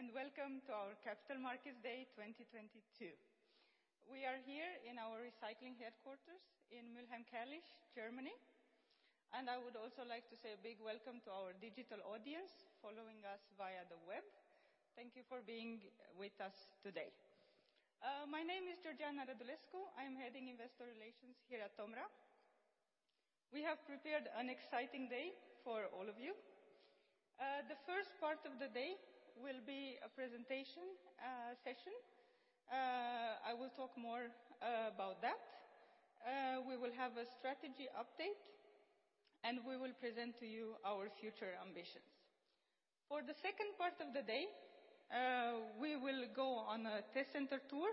Good morning, and welcome to our Capital Markets Day 2022. We are here in our recycling headquarters in Mülheim-Kärlich, Germany, and I would also like to say a big welcome to our digital audience following us via the web. Thank you for being with us today. My name is Georgiana Radulescu. I'm heading Investor Relations here at TOMRA. We have prepared an exciting day for all of you. The first part of the day will be a presentation session. I will talk more about that. We will have a strategy update, and we will present to you our future ambitions. For the second part of the day, we will go on a test center tour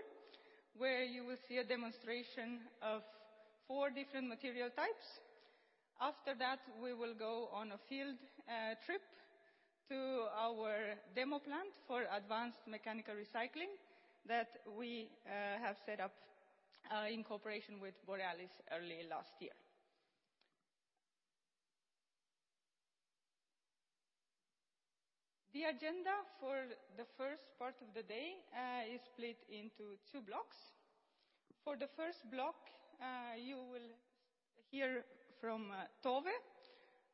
where you will see a demonstration of four different material types. After that, we will go on a field trip to our demo plant for advanced mechanical recycling that we have set up in cooperation with Borealis early last year. The agenda for the first part of the day is split into two blocks. For the first block, you will hear from Tove,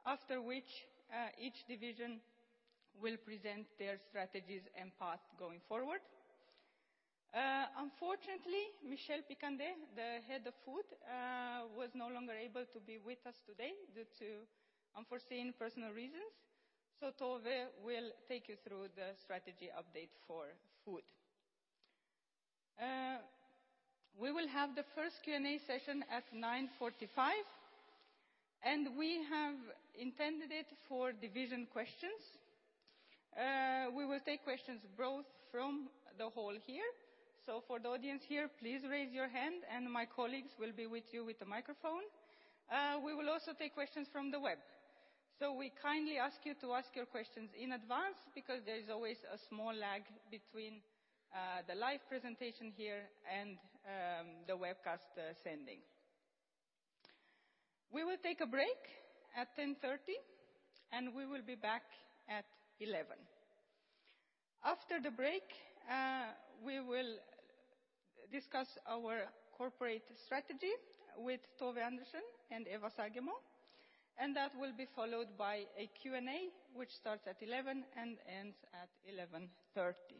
after which, each division will present their strategies and path going forward. Unfortunately, Michel Picandet, the Head of Food, was no longer able to be with us today due to unforeseen personal reasons. Tove will take you through the strategy update for food. We will have the first Q&A session at 9:45 A.M., and we have intended it for division questions. We will take questions both from the hall here. For the audience here, please raise your hand, and my colleagues will be with you with the microphone. We will also take questions from the web. We kindly ask you to ask your questions in advance because there is always a small lag between the live presentation here and the webcast sending. We will take a break at 10:30, and we will be back at 11:00. After the break, we will discuss our corporate strategy with Tove Andersen and Eva Sagemo, and that will be followed by a Q&A, which starts at 11:00 and ends at 11:30.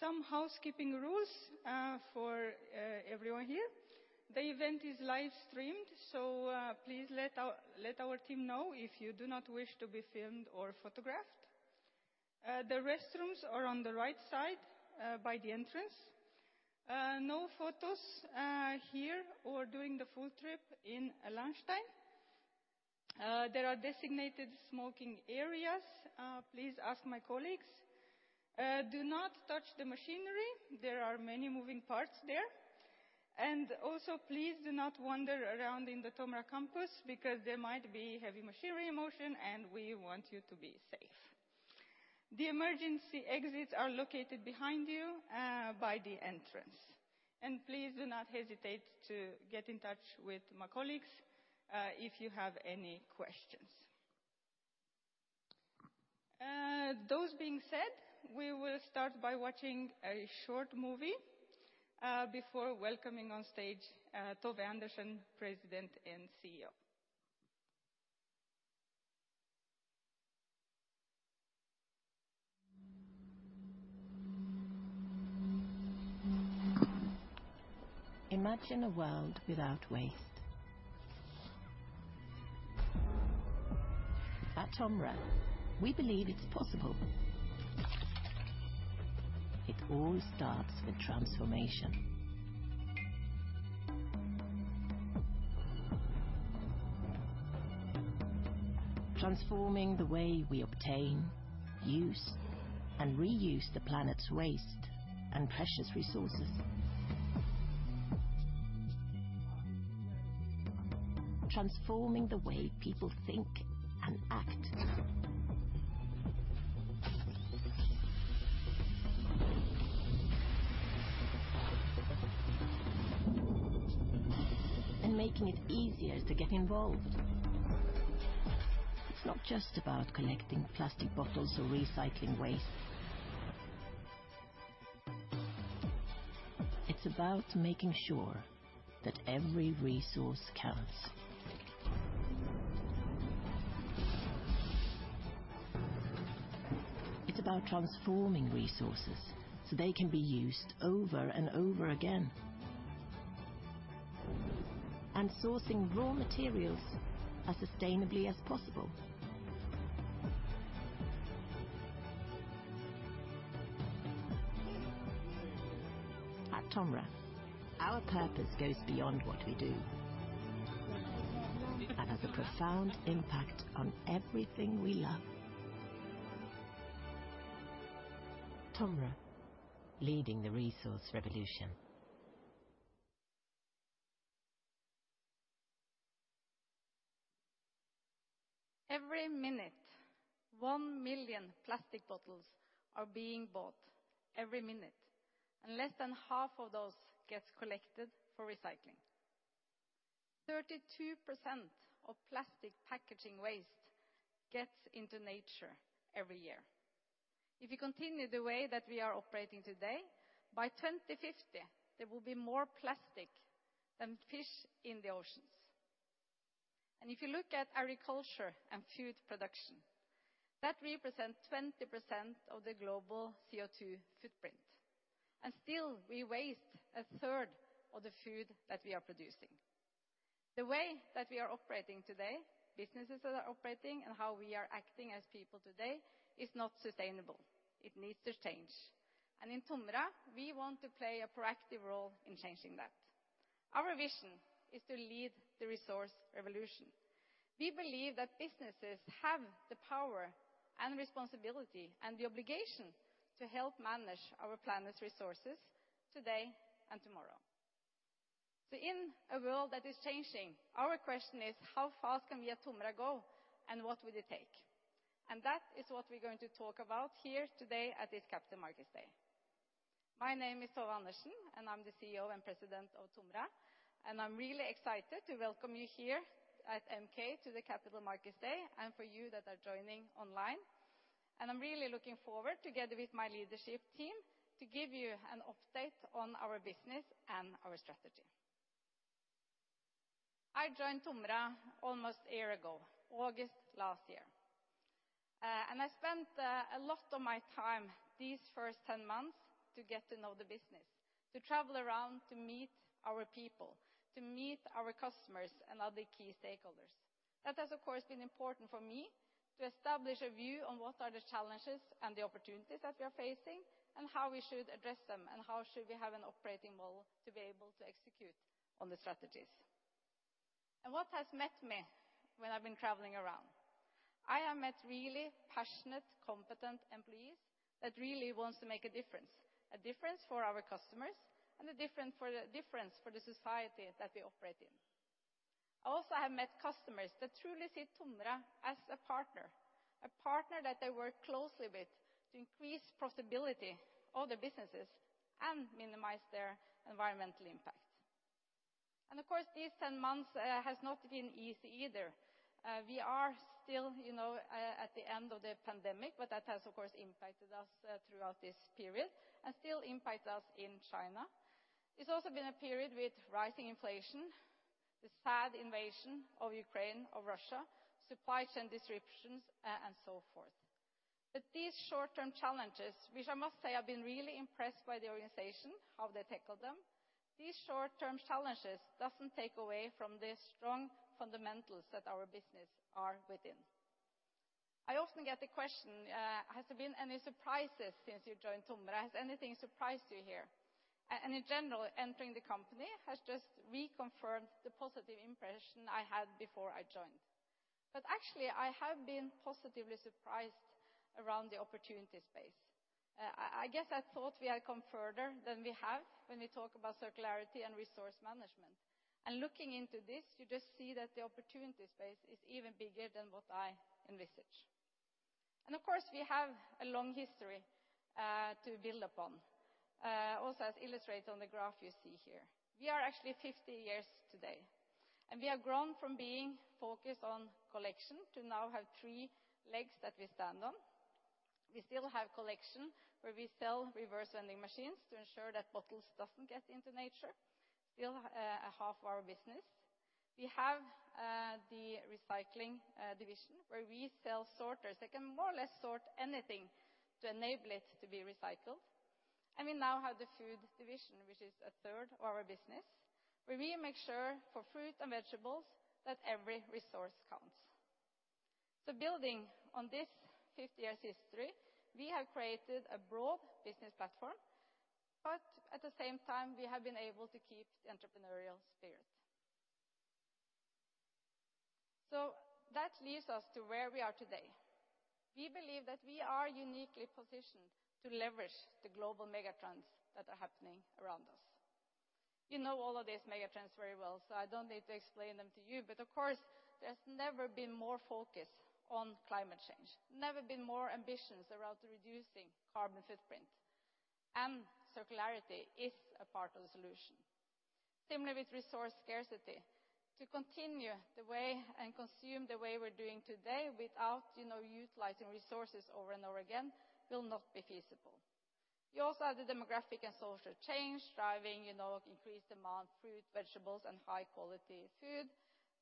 Some housekeeping rules for everyone here. The event is live-streamed, so please let our team know if you do not wish to be filmed or photographed. The restrooms are on the right side by the entrance. No photos here or during the full trip in Lahnstein. There are designated smoking areas. Please ask my colleagues. Do not touch the machinery. There are many moving parts there. Also, please do not wander around in the TOMRA campus because there might be heavy machinery in motion, and we want you to be safe. The emergency exits are located behind you by the entrance. Please do not hesitate to get in touch with my colleagues if you have any questions. That being said, we will start by watching a short movie before welcoming on stage Tove Andersen, President and CEO. Imagine a world without waste. At TOMRA, we believe it's possible. It all starts with transformation. Transforming the way we obtain, use, and reuse the planet's waste and precious resources. Transforming the way people think and act. Making it easier to get involved. It's not just about collecting plastic bottles or recycling waste. It's about making sure that every resource counts. It's about transforming resources so they can be used over and over again, and sourcing raw materials as sustainably as possible. At TOMRA, our purpose goes beyond what we do and has a profound impact on everything we love. TOMRA, leading the resource revolution. Every minute. 1 million plastic bottles are being bought every minute, and less than half of those gets collected for recycling. 32% of plastic packaging waste gets into nature every year. If we continue the way that we are operating today, by 2050, there will be more plastic than fish in the oceans. If you look at agriculture and food production, that represents 20% of the global CO2 footprint, and still we waste a third of the food that we are producing. The way that we are operating today, businesses that are operating and how we are acting as people today is not sustainable. It needs to change. In TOMRA, we want to play a proactive role in changing that. Our vision is to lead the resource revolution. We believe that businesses have the power and responsibility and the obligation to help manage our planet's resources today and tomorrow. In a world that is changing, our question is how fast can we at TOMRA go, and what will it take? That is what we're going to talk about here today at this Capital Markets Day. My name is Tove Andersen, and I'm the CEO and President of TOMRA, and I'm really excited to welcome you here at MK to the Capital Markets Day, and for you that are joining online. I'm really looking forward, together with my leadership team, to give you an update on our business and our strategy. I joined TOMRA almost a year ago, August last year. I spent a lot of my time these first 10 months to get to know the business, to travel around, to meet our people, to meet our customers and other key stakeholders. That has, of course, been important for me to establish a view on what are the challenges and the opportunities that we are facing, and how we should address them, and how should we have an operating model to be able to execute on the strategies. What has met me when I've been traveling around? I have met really passionate, competent employees that really wants to make a difference for our customers, and a difference for the society that we operate in. I also have met customers that truly see TOMRA as a partner, a partner that they work closely with to increase profitability of their businesses and minimize their environmental impact. Of course, these 10 months has not been easy either. We are still, you know, at the end of the pandemic, but that has, of course, impacted us throughout this period and still impacts us in China. It's also been a period with rising inflation, the sad invasion of Ukraine by Russia, supply chain disruptions, and so forth. These short-term challenges, which I must say I've been really impressed by the organization, how they tackled them, these short-term challenges doesn't take away from the strong fundamentals that our business are within. I often get the question, "Has there been any surprises since you joined TOMRA? Has anything surprised you here?" In general, entering the company has just reconfirmed the positive impression I had before I joined. Actually, I have been positively surprised around the opportunity space. I guess I thought we had come further than we have when we talk about circularity and resource management. Looking into this, you just see that the opportunity space is even bigger than what I envisaged. Of course, we have a long history to build upon, also as illustrated on the graph you see here. We are actually 50 years today, and we have grown from being focused on collection to now have three legs that we stand on. We still have collection, where we sell reverse vending machines to ensure that bottles doesn't get into nature. Still, a half of our business. We have the recycling division, where we sell sorters that can more or less sort anything to enable it to be recycled. We now have the food division, which is a third of our business, where we make sure for fruit and vegetables that every resource counts. Building on this 50 years history, we have created a broad business platform, but at the same time, we have been able to keep the entrepreneurial spirit. That leads us to where we are today. We believe that we are uniquely positioned to leverage the global megatrends that are happening around us. You know all of these megatrends very well, so I don't need to explain them to you. Of course, there's never been more focus on climate change, never been more ambitions around reducing carbon footprint, and circularity is a part of the solution. Similarly with resource scarcity, to continue the way and consume the way we're doing today without, you know, utilizing resources over and over again will not be feasible. You also have the demographic and social change driving, you know, increased demand for fruit, vegetables, and high-quality food.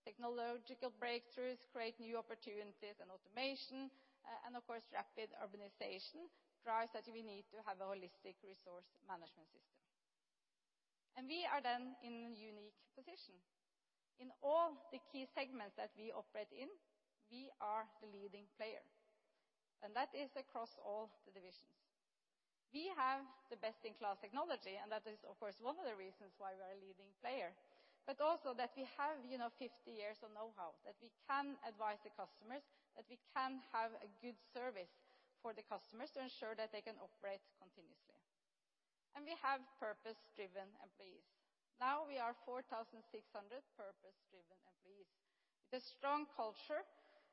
Technological breakthroughs create new opportunities and automation, and of course, rapid urbanization drives that we need to have a holistic resource management system. We are then in a unique position. In all the key segments that we operate in, we are the leading player, and that is across all the divisions. We have the best-in-class technology, and that is of course one of the reasons why we are a leading player. We also have, you know, 50 years of knowhow, that we can advise the customers, that we can have a good service for the customers to ensure that they can operate continuously. We have purpose-driven employees. Now we are 4,600 purpose-driven employees with a strong culture,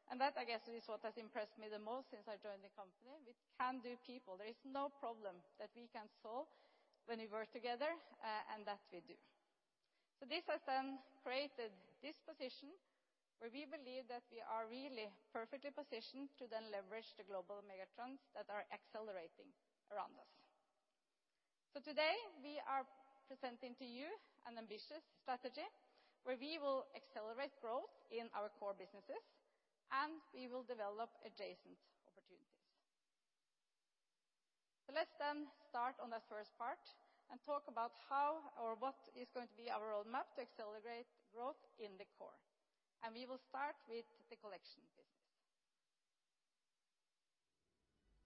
and that, I guess, is what has impressed me the most since I joined the company, with can-do people. There is no problem that we can't solve when we work together, and that we do. This has then created this position, where we believe that we are really perfectly positioned to then leverage the global megatrends that are accelerating around us. Today, we are presenting to you an ambitious strategy where we will accelerate growth in our core businesses, and we will develop adjacent opportunities. Let's then start on the first part and talk about how or what is going to be our roadmap to accelerate growth in the core. We will start with the collection business.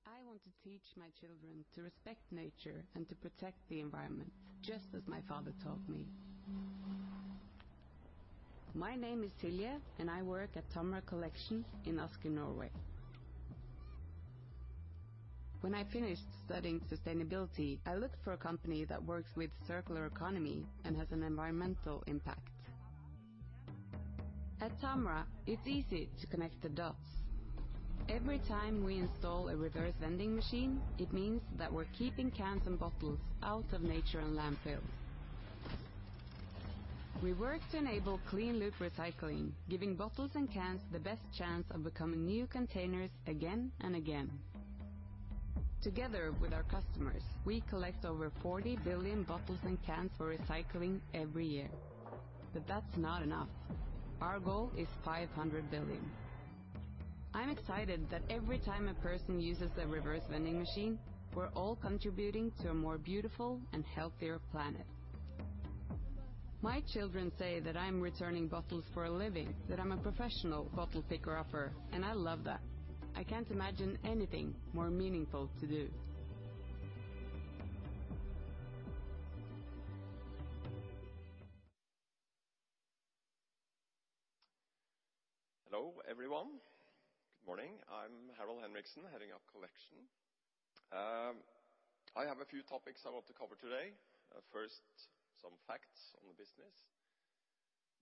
I want to teach my children to respect nature and to protect the environment, just as my father taught me. My name is Silje, and I work at TOMRA Collection in Asker, Norway. When I finished studying sustainability, I looked for a company that works with circular economy and has an environmental impact. At TOMRA, it's easy to connect the dots. Every time we install a reverse vending machine, it means that we're keeping cans and bottles out of nature and landfill. We work to enable clean loop recycling, giving bottles and cans the best chance of becoming new containers again and again. Together with our customers, we collect over 40 billion bottles and cans for recycling every year. That's not enough. Our goal is 500 billion. I'm excited that every time a person uses a reverse vending machine, we're all contributing to a more beautiful and healthier planet. My children say that I'm returning bottles for a living, that I'm a professional bottle picker-upper, and I love that. I can't imagine anything more meaningful to do. Hello, everyone. Good morning. I'm Harald Henriksen, heading up Collection. I have a few topics I want to cover today. First, some facts on the business.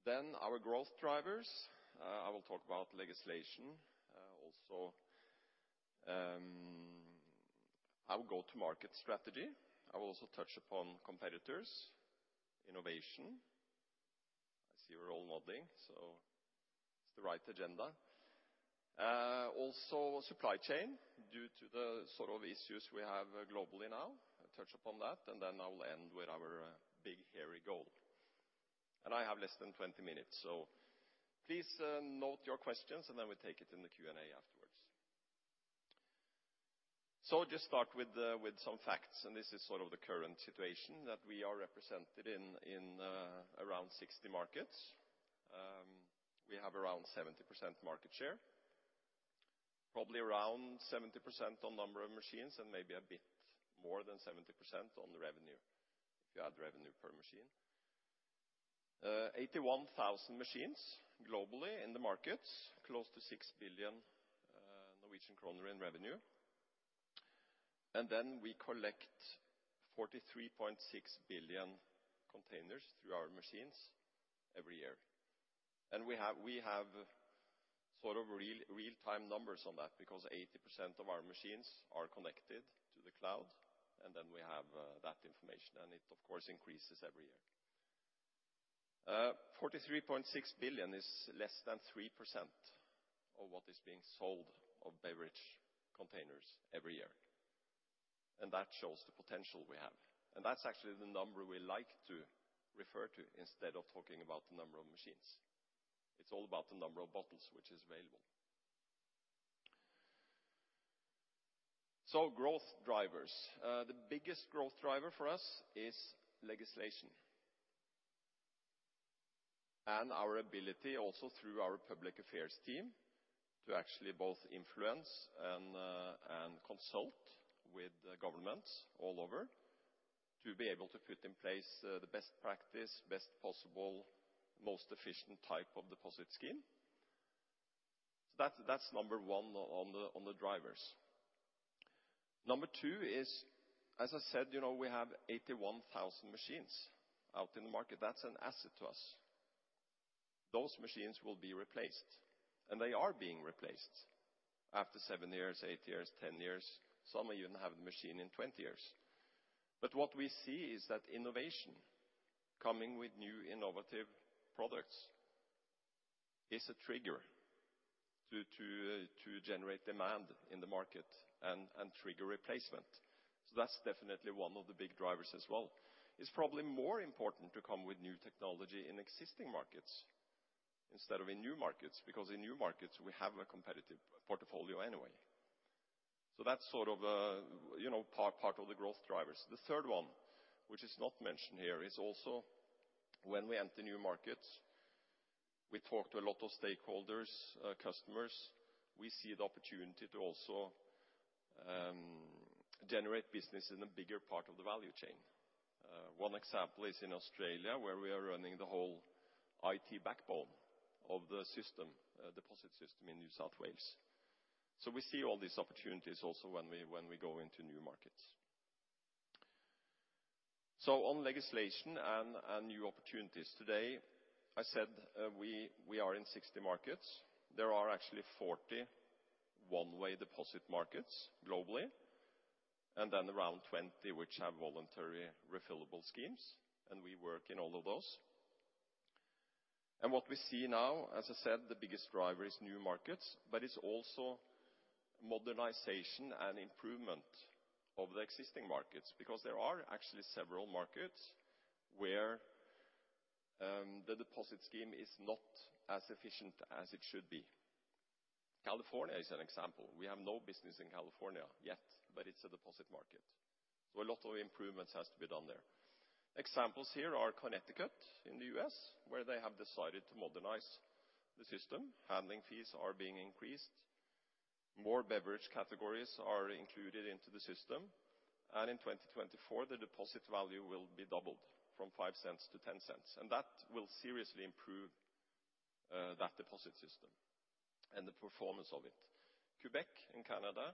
Then our growth drivers. I will talk about legislation. Also, our go-to-market strategy. I will also touch upon competitors, innovation. I see we're all nodding, so it's the right agenda. Also supply chain, due to the sort of issues we have globally now. I'll touch upon that, and then I will end with our big, hairy goal. I have less than 20 minutes, so please note your questions, and then we'll take it in the Q&A afterwards. I'll just start with some facts, and this is sort of the current situation that we are represented in around 60 markets. We have around 70% market share, probably around 70% on number of machines, and maybe a bit more than 70% on the revenue, if you add revenue per machine. 81,000 machines globally in the markets, close to 6 billion Norwegian kroner in revenue. We collect 43.6 billion containers through our machines every year. We have sort of real-time numbers on that because 80% of our machines are connected to the cloud, and then we have that information, and it, of course, increases every year. 43.6 billion is less than 3% of what is being sold of beverage containers every year. That shows the potential we have. That's actually the number we like to refer to instead of talking about the number of machines. It's all about the number of bottles which is available. Growth drivers. The biggest growth driver for us is legislation and our ability also through our public affairs team to actually both influence and consult with governments all over to be able to put in place the best practice, best possible, most efficient type of deposit scheme. That's number one on the drivers. Number two is, as I said, you know, we have 81,000 machines out in the market. That's an asset to us. Those machines will be replaced, and they are being replaced after seven years, eight years, 10 years. Some of you don't have a machine in 20 years. What we see is that innovation coming with new innovative products is a trigger to generate demand in the market and trigger replacement. That's definitely one of the big drivers as well. It's probably more important to come with new technology in existing markets instead of in new markets, because in new markets, we have a competitive portfolio anyway. That's sort of a, you know, part of the growth drivers. The third one, which is not mentioned here, is also when we enter new markets, we talk to a lot of stakeholders, customers. We see the opportunity to also generate business in a bigger part of the value chain. One example is in Australia, where we are running the whole IT backbone of the system, deposit system in New South Wales. We see all these opportunities also when we go into new markets. On legislation and new opportunities today, I said, we are in 60 markets. There are actually 40 one-way deposit markets globally, and then around 20 which have voluntary refillable schemes, and we work in all of those. What we see now, as I said, the biggest driver is new markets, but it's also modernization and improvement of the existing markets, because there are actually several markets where the deposit scheme is not as efficient as it should be. California is an example. We have no business in California yet, but it's a deposit market, so a lot of improvements has to be done there. Examples here are Connecticut in the U.S., where they have decided to modernize the system. Handling fees are being increased. More beverage categories are included into the system, and in 2024, the deposit value will be doubled from $0.05 to $0.10, and that will seriously improve that deposit system and the performance of it. Quebec and Canada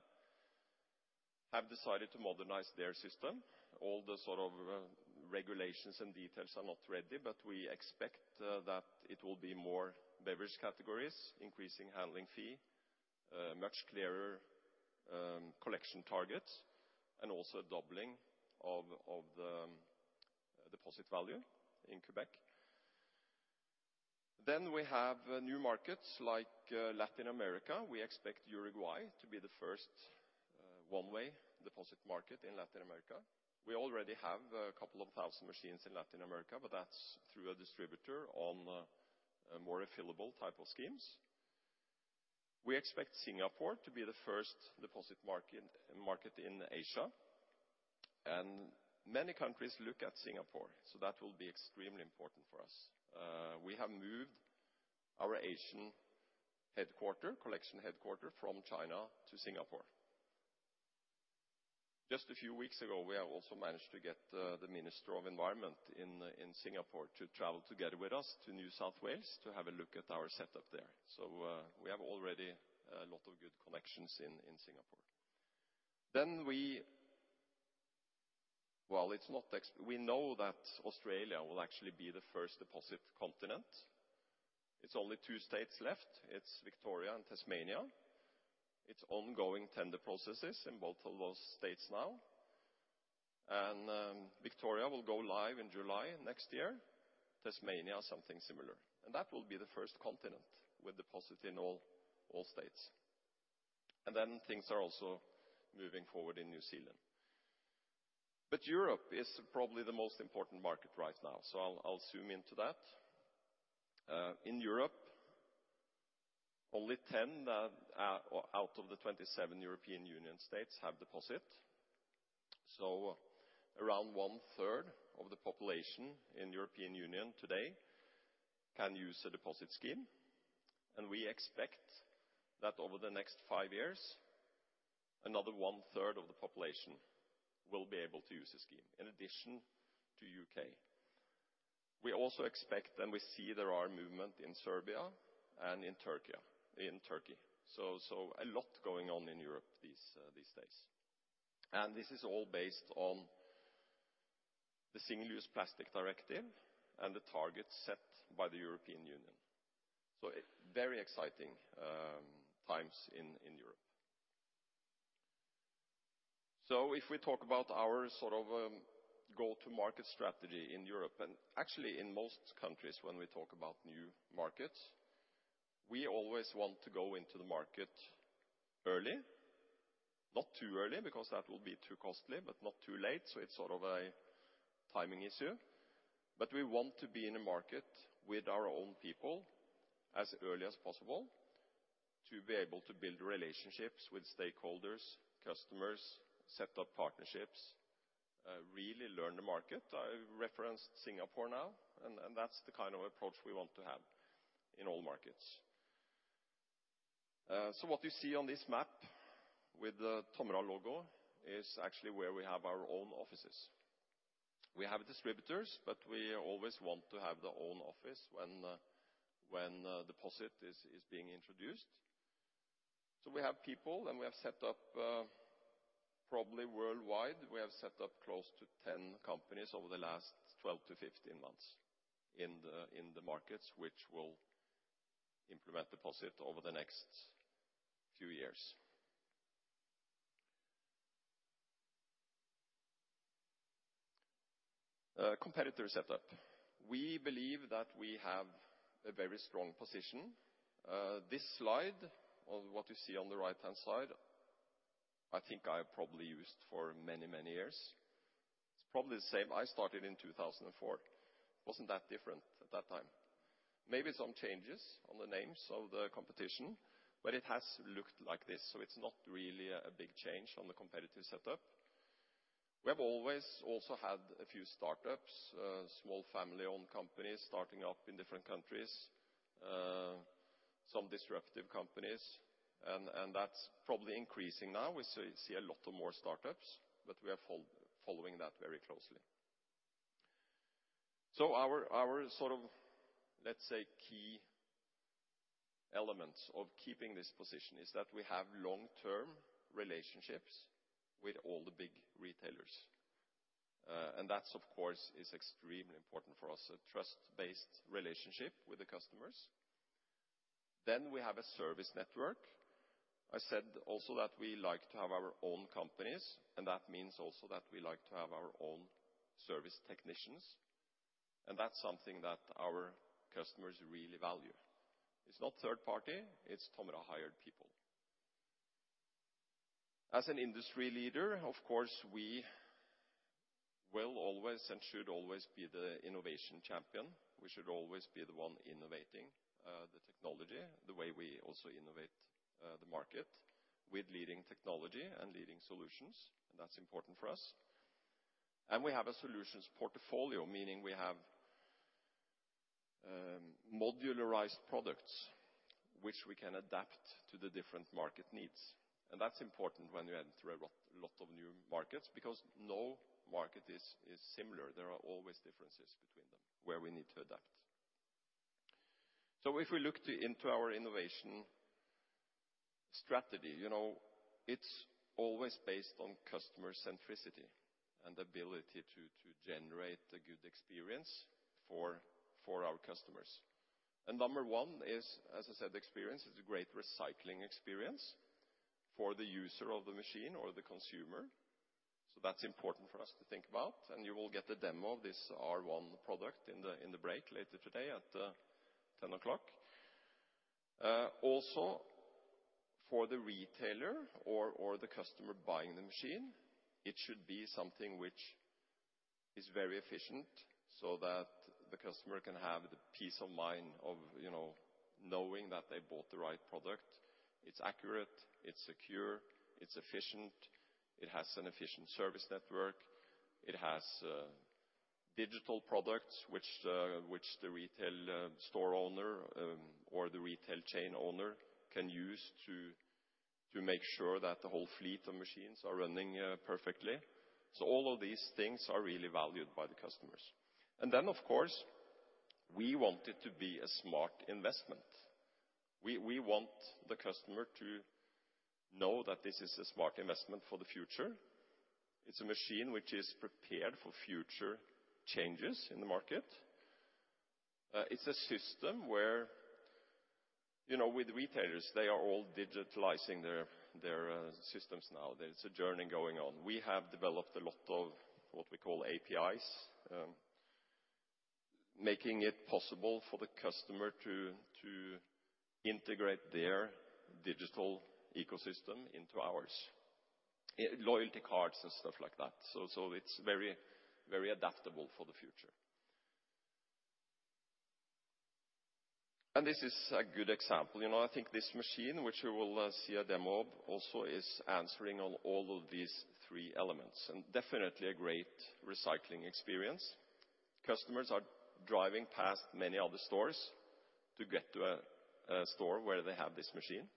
have decided to modernize their system. All the sort of regulations and details are not ready, but we expect that it will be more beverage categories, increasing handling fee, much clearer collection targets, and also doubling of the deposit value in Quebec. We have new markets like Latin America. We expect Uruguay to be the first one-way deposit market in Latin America. We already have 2,000 machines in Latin America, but that's through a distributor on a more refillable type of schemes. We expect Singapore to be the first deposit market in Asia, and many countries look at Singapore, so that will be extremely important for us. We have moved our Asian headquarters, Collection headquarters from China to Singapore. Just a few weeks ago, we have also managed to get the Minister of Environment in Singapore to travel together with us to New South Wales to have a look at our setup there. We have already a lot of good connections in Singapore. We know that Australia will actually be the first deposit continent. It's only two states left. It's Victoria and Tasmania. It's ongoing tender processes in both of those states now. Victoria will go live in July next year. Tasmania, something similar. That will be the first continent with deposit in all states. Things are also moving forward in New Zealand. Europe is probably the most important market right now, so I'll zoom into that. In Europe, only 10 out of the 27 European Union states have deposit. Around 1/3 Of the population in European Union today can use a deposit scheme, and we expect that over the next 5 years, another one-third of the population will be able to use the scheme in addition to UK. We also expect, and we see there are movement in Serbia and in Turkey. A lot going on in Europe these days. This is all based on the Single-Use Plastics Directive and the target set by the European Union. Very exciting times in Europe. If we talk about our sort of go-to-market strategy in Europe, and actually in most countries when we talk about new markets, we always want to go into the market early. Not too early, because that will be too costly, but not too late. It's sort of a timing issue. We want to be in a market with our own people as early as possible to be able to build relationships with stakeholders, customers, set up partnerships, really learn the market. I referenced Singapore now, and that's the kind of approach we want to have in all markets. What you see on this map with the TOMRA logo is actually where we have our own offices. We have distributors, but we always want to have our own office when a deposit is being introduced. We have people, and we have set up probably worldwide close to 10 companies over the last 12 months-15 months in the markets which will implement deposit over the next few years. Competitor setup. We believe that we have a very strong position. This slide of what you see on the right-hand side, I think I probably used for many, many years. It's probably the same. I started in 2004. Wasn't that different at that time. Maybe some changes on the names of the competition, but it has looked like this, so it's not really a big change on the competitive setup. We have always also had a few startups, small family-owned companies starting up in different countries, some disruptive companies, and that's probably increasing now. We see a lot more startups, but we are following that very closely. Our sort of, let's say, key elements of keeping this position is that we have long-term relationships with all the big retailers. And that's, of course, extremely important for us, a trust-based relationship with the customers. We have a service network. I said also that we like to have our own companies, and that means also that we like to have our own service technicians, and that's something that our customers really value. It's not third party. It's TOMRA hired people. As an industry leader, of course, we will always and should always be the innovation champion. We should always be the one innovating the technology, the way we also innovate the market with leading technology and leading solutions. That's important for us. We have a solutions portfolio, meaning we have modularized products which we can adapt to the different market needs. That's important when you enter a lot of new markets because no market is similar. There are always differences between them where we need to adapt. If we look into our innovation strategy, you know, it's always based on customer centricity and ability to generate a good experience for our customers. Number one is, as I said, experience. It's a great recycling experience for the user of the machine or the consumer, so that's important for us to think about, and you will get a demo of this R1 product in the break later today at 10:00. Also for the retailer or the customer buying the machine, it should be something which is very efficient, so that the customer can have the peace of mind of, you know, knowing that they bought the right product. It's accurate, it's secure, it's efficient, it has an efficient service network, it has digital products which the retail store owner or the retail chain owner can use to make sure that the whole fleet of machines are running perfectly. All of these things are really valued by the customers. Of course, we want it to be a smart investment. We want the customer to know that this is a smart investment for the future. It's a machine which is prepared for future changes in the market. You know, with retailers, they are all digitizing their systems now. There's a journey going on. We have developed a lot of what we call APIs, making it possible for the customer to integrate their digital ecosystem into ours, loyalty cards and stuff like that. So, it's very adaptable for the future. This is a good example. You know, I think this machine, which we will see a demo of, also is answering on all of these three elements and definitely a great recycling experience. Customers are driving past many other stores to get to a store where they have this machine.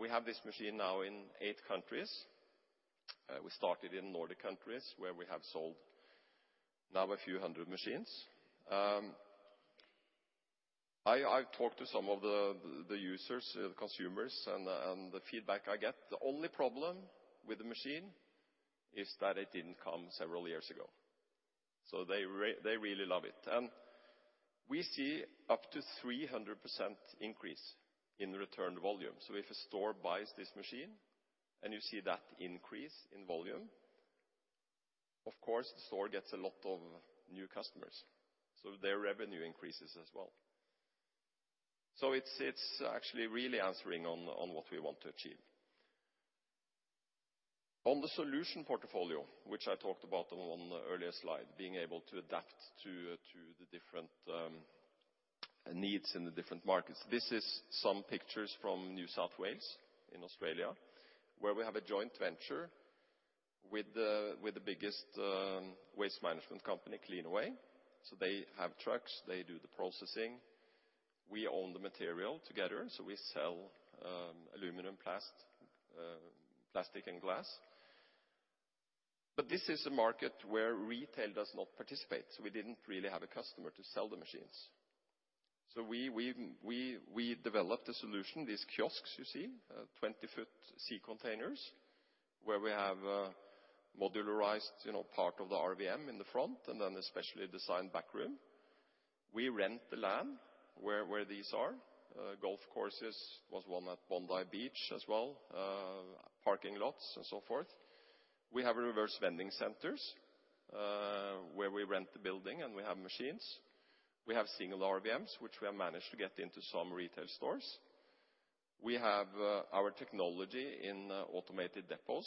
We have this machine now in eight countries. We started in Nordic countries, where we have sold now a few hundred machines. I've talked to some of the users, the consumers, and the feedback I get, the only problem with the machine is that it didn't come several years ago. They really love it. We see up to 300% increase in return volume. If a store buys this machine, and you see that increase in volume, of course, the store gets a lot of new customers, so their revenue increases as well. It's actually really answering on what we want to achieve. On the solution portfolio, which I talked about on one earlier slide, being able to adapt to the different needs in the different markets. This is some pictures from New South Wales in Australia, where we have a joint venture with the biggest waste management company, Cleanaway. They have trucks. They do the processing. We own the material together. We sell aluminum, plastic, and glass. This is a market where retail does not participate, so we didn't really have a customer to sell the machines. We developed a solution, these kiosks you see, 20-foot sea containers, where we have modularized, you know, part of the RVM in the front and an especially designed back room. We rent the land where these are, golf courses. There was one at Bondi Beach as well, parking lots and so forth. We have reverse vending centers, where we rent the building, and we have machines. We have single RVMs, which we have managed to get into some retail stores. We have our technology in automated depots,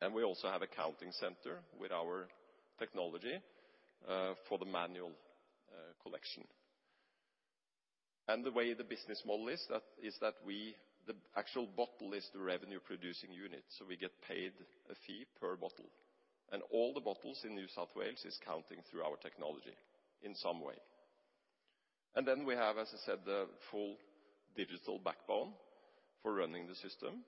and we also have a counting center with our technology for the manual collection. The way the business model is that the actual bottle is the revenue-producing unit, so we get paid a fee per bottle. All the bottles in New South Wales are counted through our technology in some way. Then we have, as I said, the full digital backbone for running the system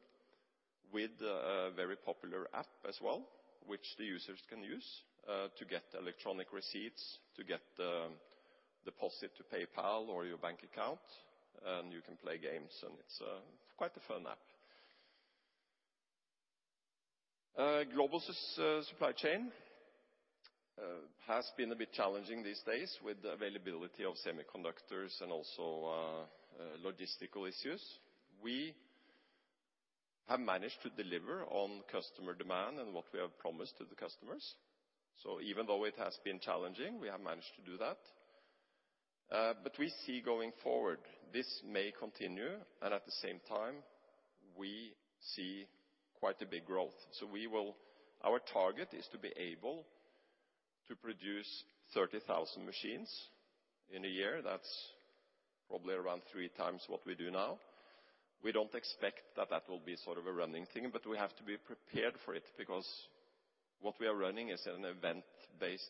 with a very popular app as well, which the users can use to get electronic receipts, to get the deposit to PayPal or your bank account, and you can play games, and it's quite a fun app. Global supply chain has been a bit challenging these days with the availability of semiconductors and also logistical issues. We have managed to deliver on customer demand and what we have promised to the customers. Even though it has been challenging, we have managed to do that. We see going forward, this may continue, and at the same time, we see quite a big growth. Our target is to be able to produce 30,000 machines in a year. That's probably around 3x what we do now. We don't expect that will be sort of a running thing, but we have to be prepared for it because what we are running is an event-based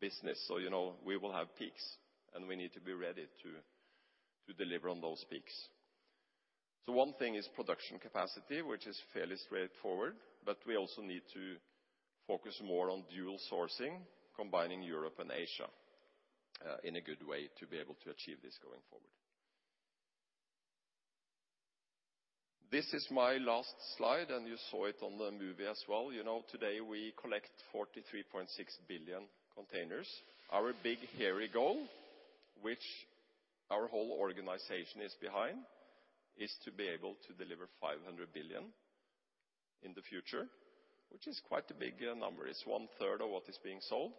business. You know, we will have peaks, and we need to be ready to deliver on those peaks. One thing is production capacity, which is fairly straightforward, but we also need to focus more on dual sourcing, combining Europe and Asia in a good way to be able to achieve this going forward. This is my last slide, and you saw it on the movie as well. You know, today we collect 43.6 billion containers. Our big, hairy goal, which our whole organization is behind, is to be able to deliver 500 billion in the future, which is quite a big number. It's one-third of what is being sold.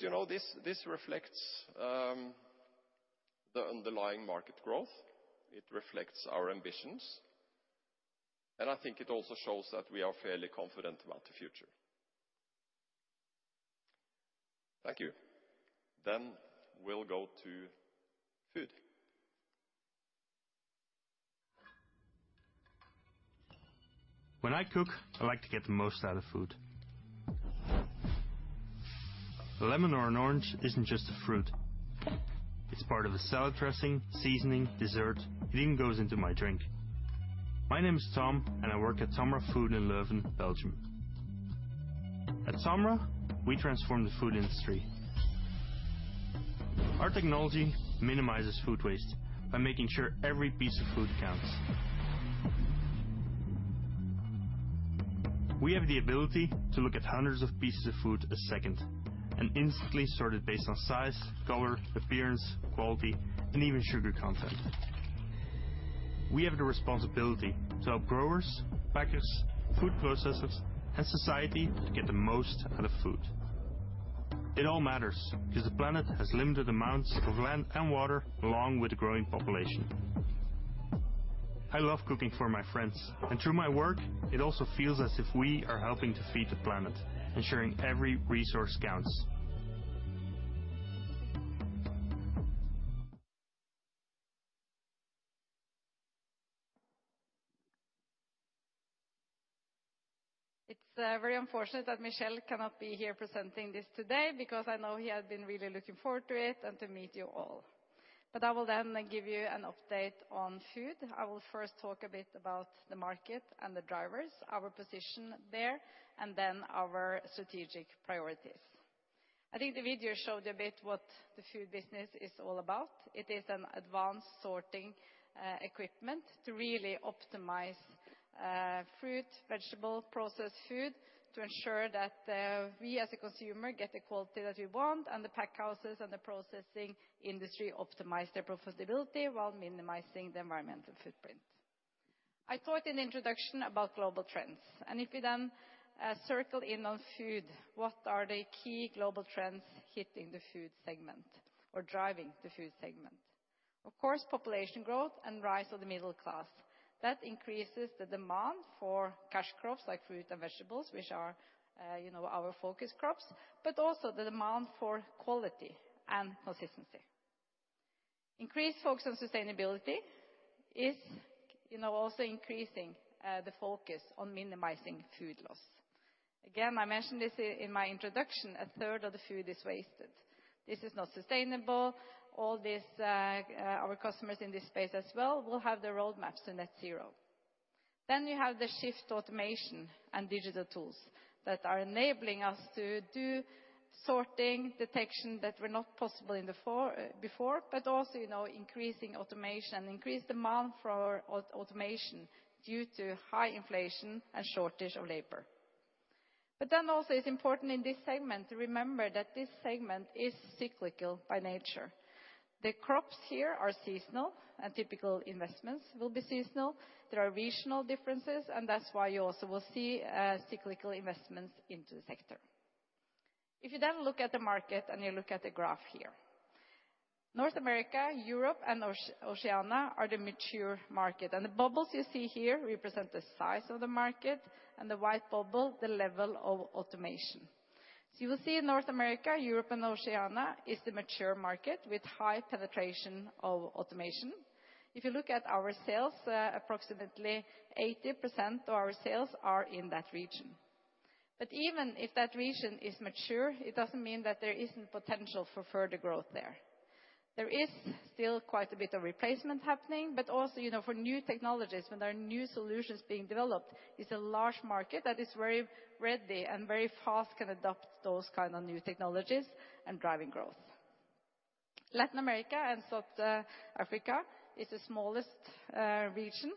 You know, this reflects the underlying market growth, it reflects our ambitions, and I think it also shows that we are fairly confident about the future. Thank you. We'll go to food. When I cook, I like to get the most out of food. A lemon or an orange isn't just a fruit, it's part of a salad dressing, seasoning, dessert. It even goes into my drink. My name is Tom, and I work at TOMRA Food in Leuven, Belgium. At TOMRA, we transform the food industry. Our technology minimizes food waste by making sure every piece of food counts. We have the ability to look at hundreds of pieces of food a second and instantly sort it based on size, color, appearance, quality, and even sugar content. We have the responsibility to help growers, packers, food processors, and society to get the most out of food. It all matters because the planet has limited amounts of land and water, along with a growing population. I love cooking for my friends and through my work, it also feels as if we are helping to feed the planet, ensuring every resource counts. It's very unfortunate that Michel cannot be here presenting this today because I know he had been really looking forward to it and to meet you all. I will then give you an update on food. I will first talk a bit about the market and the drivers, our position there, and then our strategic priorities. I think the video showed you a bit what the food business is all about. It is an advanced sorting equipment to really optimize fruit, vegetable, processed food to ensure that we as a consumer get the quality that we want and the pack houses and the processing industry optimize their profitability while minimizing the environmental footprint. I talked in the introduction about global trends, and if we then circle in on food, what are the key global trends hitting the food segment or driving the food segment? Of course, population growth and rise of the middle class. That increases the demand for cash crops like fruit and vegetables, which are, our focus crops, but also the demand for quality and consistency. Increased focus on sustainability is, also increasing, the focus on minimizing food loss. Again, I mentioned this in my introduction, a third of the food is wasted. This is not sustainable. All this, our customers in this space as well will have the roadmaps to net zero. We have the shift to automation and digital tools that are enabling us to do sorting, detection that were not possible in the before, but also, increasing automation, increased demand for automation due to high inflation and shortage of labor. It's important in this segment to remember that this segment is cyclical by nature. The crops here are seasonal, and typical investments will be seasonal. There are regional differences, and that's why you also will see cyclical investments into the sector. If you look at the market and you look at the graph here. North America, Europe and Oceania are the mature market. The bubbles you see here represent the size of the market and the white bubble, the level of automation. You will see in North America, Europe and Oceania is the mature market with high penetration of automation. If you look at our sales, approximately 80% of our sales are in that region. Even if that region is mature, it doesn't mean that there isn't potential for further growth there. There is still quite a bit of replacement happening, but also, you know, for new technologies, when there are new solutions being developed, it's a large market that is very ready and very fast can adopt those kind of new technologies and driving growth. Latin America and South Africa is the smallest region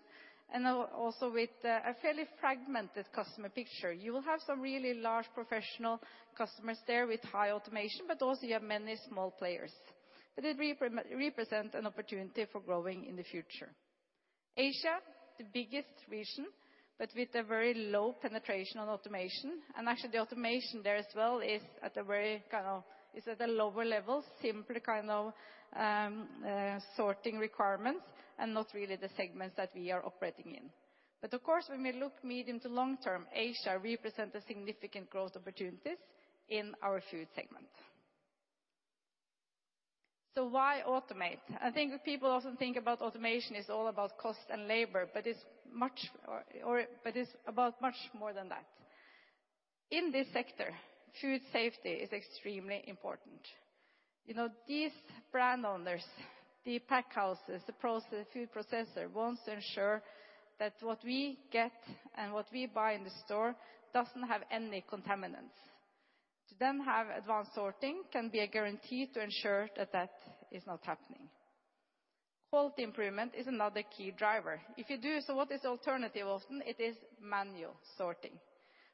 and also with a fairly fragmented customer picture. You will have some really large professional customers there with high automation, but also you have many small players. But it represent an opportunity for growing in the future. Asia, the biggest region, but with a very low penetration on automation and actually the automation there as well is at a very kind of lower level, simpler kind of sorting requirements and not really the segments that we are operating in. Of course, when we look medium to long term, Asia represent a significant growth opportunities in our food segment. Why automate? I think that people often think about automation is all about cost and labor, but it's about much more than that. In this sector, food safety is extremely important. You know, these brand owners, the pack houses, the food processor, wants to ensure that what we get and what we buy in the store doesn't have any contaminants. To then have advanced sorting can be a guarantee to ensure that that is not happening. Quality improvement is another key driver. What is the alternative often? It is manual sorting.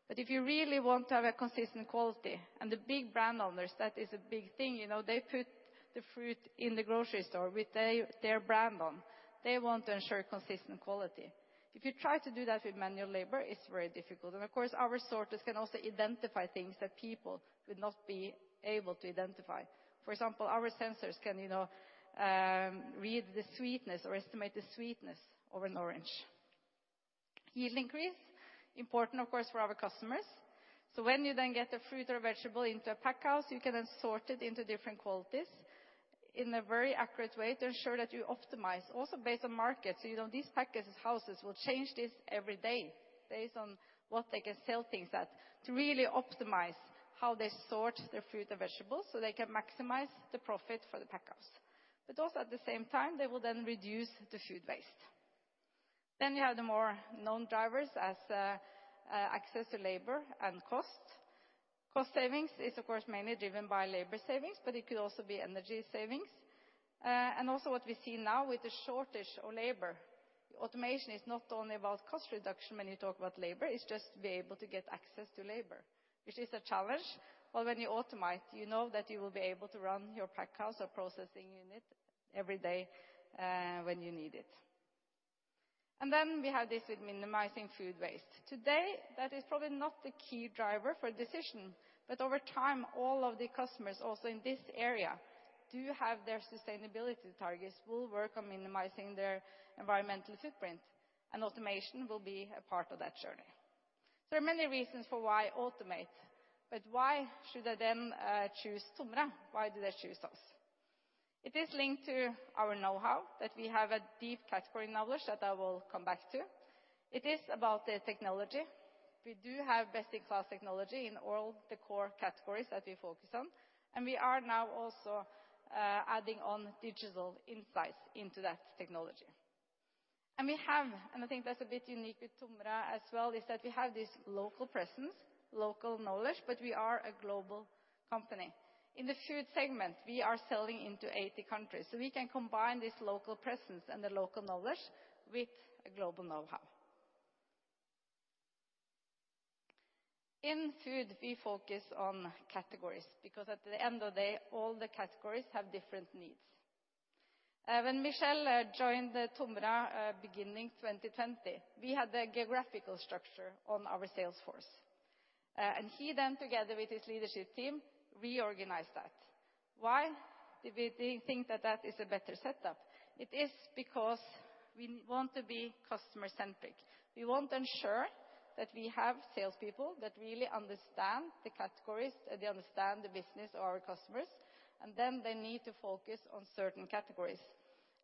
If you really want to have a consistent quality and the big brand owners, that is a big thing. You know, they put the fruit in the grocery store with their brand on, they want to ensure consistent quality. If you try to do that with manual labor, it's very difficult. Of course, our sorters can also identify things that people would not be able to identify. For example, our sensors can, you know, read the sweetness or estimate the sweetness of an orange. Yield increase, important of course, for our customers. When you then get a fruit or vegetable into a packing house, you can then sort it into different qualities in a very accurate way to ensure that you optimize also based on market. You know, these packing houses will change this every day based on what they can sell things at to really optimize how they sort their fruit and vegetables so they can maximize the profit for the packing house. Also at the same time, they will then reduce the food waste. You have the more known drivers as access to labor and cost. Cost savings is of course mainly driven by labor savings, but it could also be energy savings. Also, what we see now with the shortage of labor, automation is not only about cost reduction when you talk about labor, it's just to be able to get access to labor, which is a challenge. When you automate, you know that you will be able to run your pack house or processing unit every day, when you need it. We have this with minimizing food waste. Today, that is probably not the key driver for decision, but over time, all of the customers also in this area do have their sustainability targets, will work on minimizing their environmental footprint, and automation will be a part of that journey. There are many reasons for why automate, but why should they then choose TOMRA? Why do they choose us? It is linked to our knowhow that we have a deep category knowledge that I will come back to. It is about the technology. We do have best-in-class technology in all the core categories that we focus on, and we are now also adding on digital insights into that technology. We have, and I think that's a bit unique with TOMRA as well, is that we have this local presence, local knowledge, but we are a global company. In the food segment, we are selling into 80 countries, so we can combine this local presence and the local knowledge with a global knowhow. In food, we focus on categories because at the end of the day, all the categories have different needs. When Michel joined TOMRA beginning 2020, we had the geographical structure on our sales force. He then together with his leadership team reorganized that. Why did we think that is a better setup? It is because we want to be customer-centric. We want to ensure that we have salespeople that really understand the categories, they understand the business of our customers, and then they need to focus on certain categories.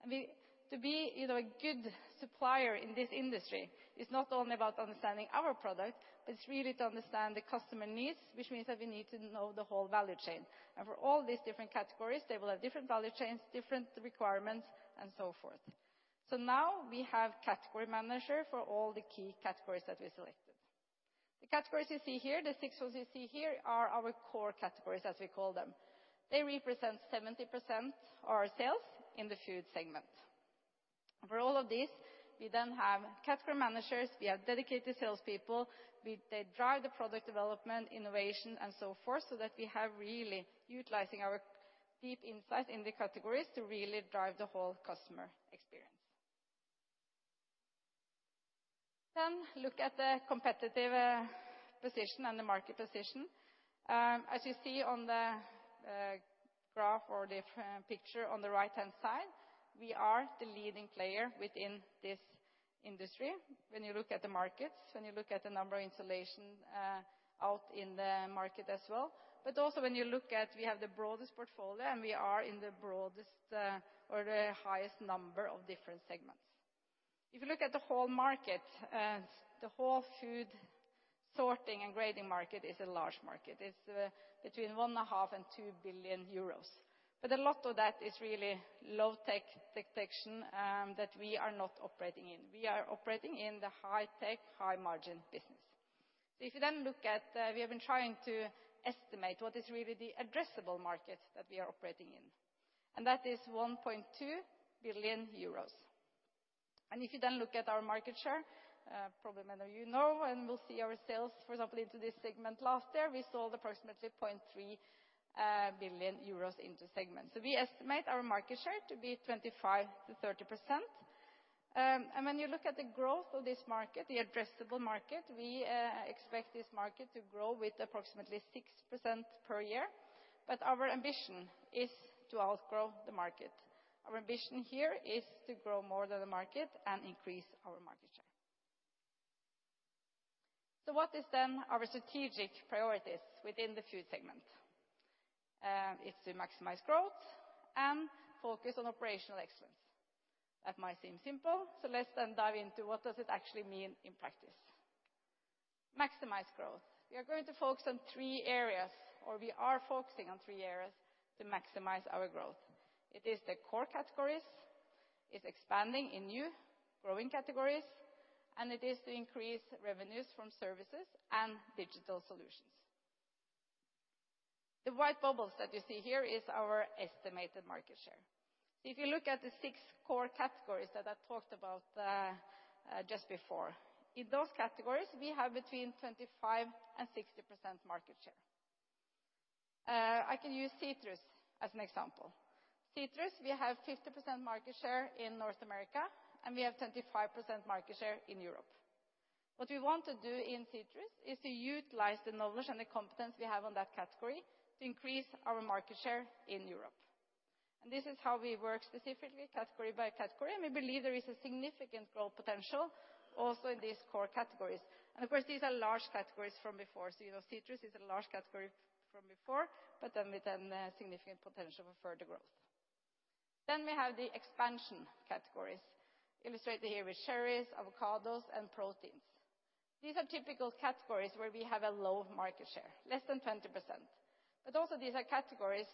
To be, you know, a good supplier in this industry is not only about understanding our product, but it's really to understand the customer needs, which means that we need to know the whole value chain. For all these different categories, they will have different value chains, different requirements and so forth. Now we have category manager for all the key categories that we selected. The categories you see here, the six ones you see here are our core categories as we call them. They represent 70% our sales in the food segment. For all of these, we then have category managers, we have dedicated salespeople. They drive the product development, innovation and so forth, so that we have really utilizing our deep insight in the categories to really drive the whole customer experience. Look at the competitive position and the market position. As you see on the graph or the picture on the right-hand side, we are the leading player within this industry when you look at the markets, when you look at the number of installations out in the market as well. Also when you look at we have the broadest portfolio and we are in the broadest or the highest number of different segments. If you look at the whole food sorting and grading market, it is a large market. It's between 1.5 billion and 2 billion euros. A lot of that is really low-tech detection that we are not operating in. We are operating in the high-tech, high-margin business. If you then look at, we have been trying to estimate what is really the addressable market that we are operating in, and that is 1.2 billion euros. If you then look at our market share, probably many of you know, and will see our sales, for example, into this segment last year, we sold approximately 0.3 billion euros into segment. We estimate our market share to be 25%-30%. When you look at the growth of this market, the addressable market, we expect this market to grow with approximately 6% per year. Our ambition is to outgrow the market. Our ambition here is to grow more than the market and increase our market share. What is then our strategic priorities within the food segment? It's to maximize growth and focus on operational excellence. That might seem simple, let's then dive into what does it actually mean in practice. Maximize growth. We are going to focus on three areas, or we are focusing on three areas to maximize our growth. It is the core categories, it's expanding in new growing categories, and it is to increase revenues from services and digital solutions. The white bubbles that you see here is our estimated market share. If you look at the six core categories that I talked about, just before, in those categories, we have between 25% and 60% market share. I can use citrus as an example. Citrus, we have 50% market share in North America, and we have 25% market share in Europe. What we want to do in citrus is to utilize the knowledge and the competence we have on that category to increase our market share in Europe. This is how we work specifically category by category, and we believe there is a significant growth potential also in these core categories. Of course, these are large categories from before. You know, citrus is a large category from before, but with a significant potential for further growth. We have the expansion categories, illustrated here with cherries, avocados, and proteins. These are typical categories where we have a low market share, less than 20%. Also these are categories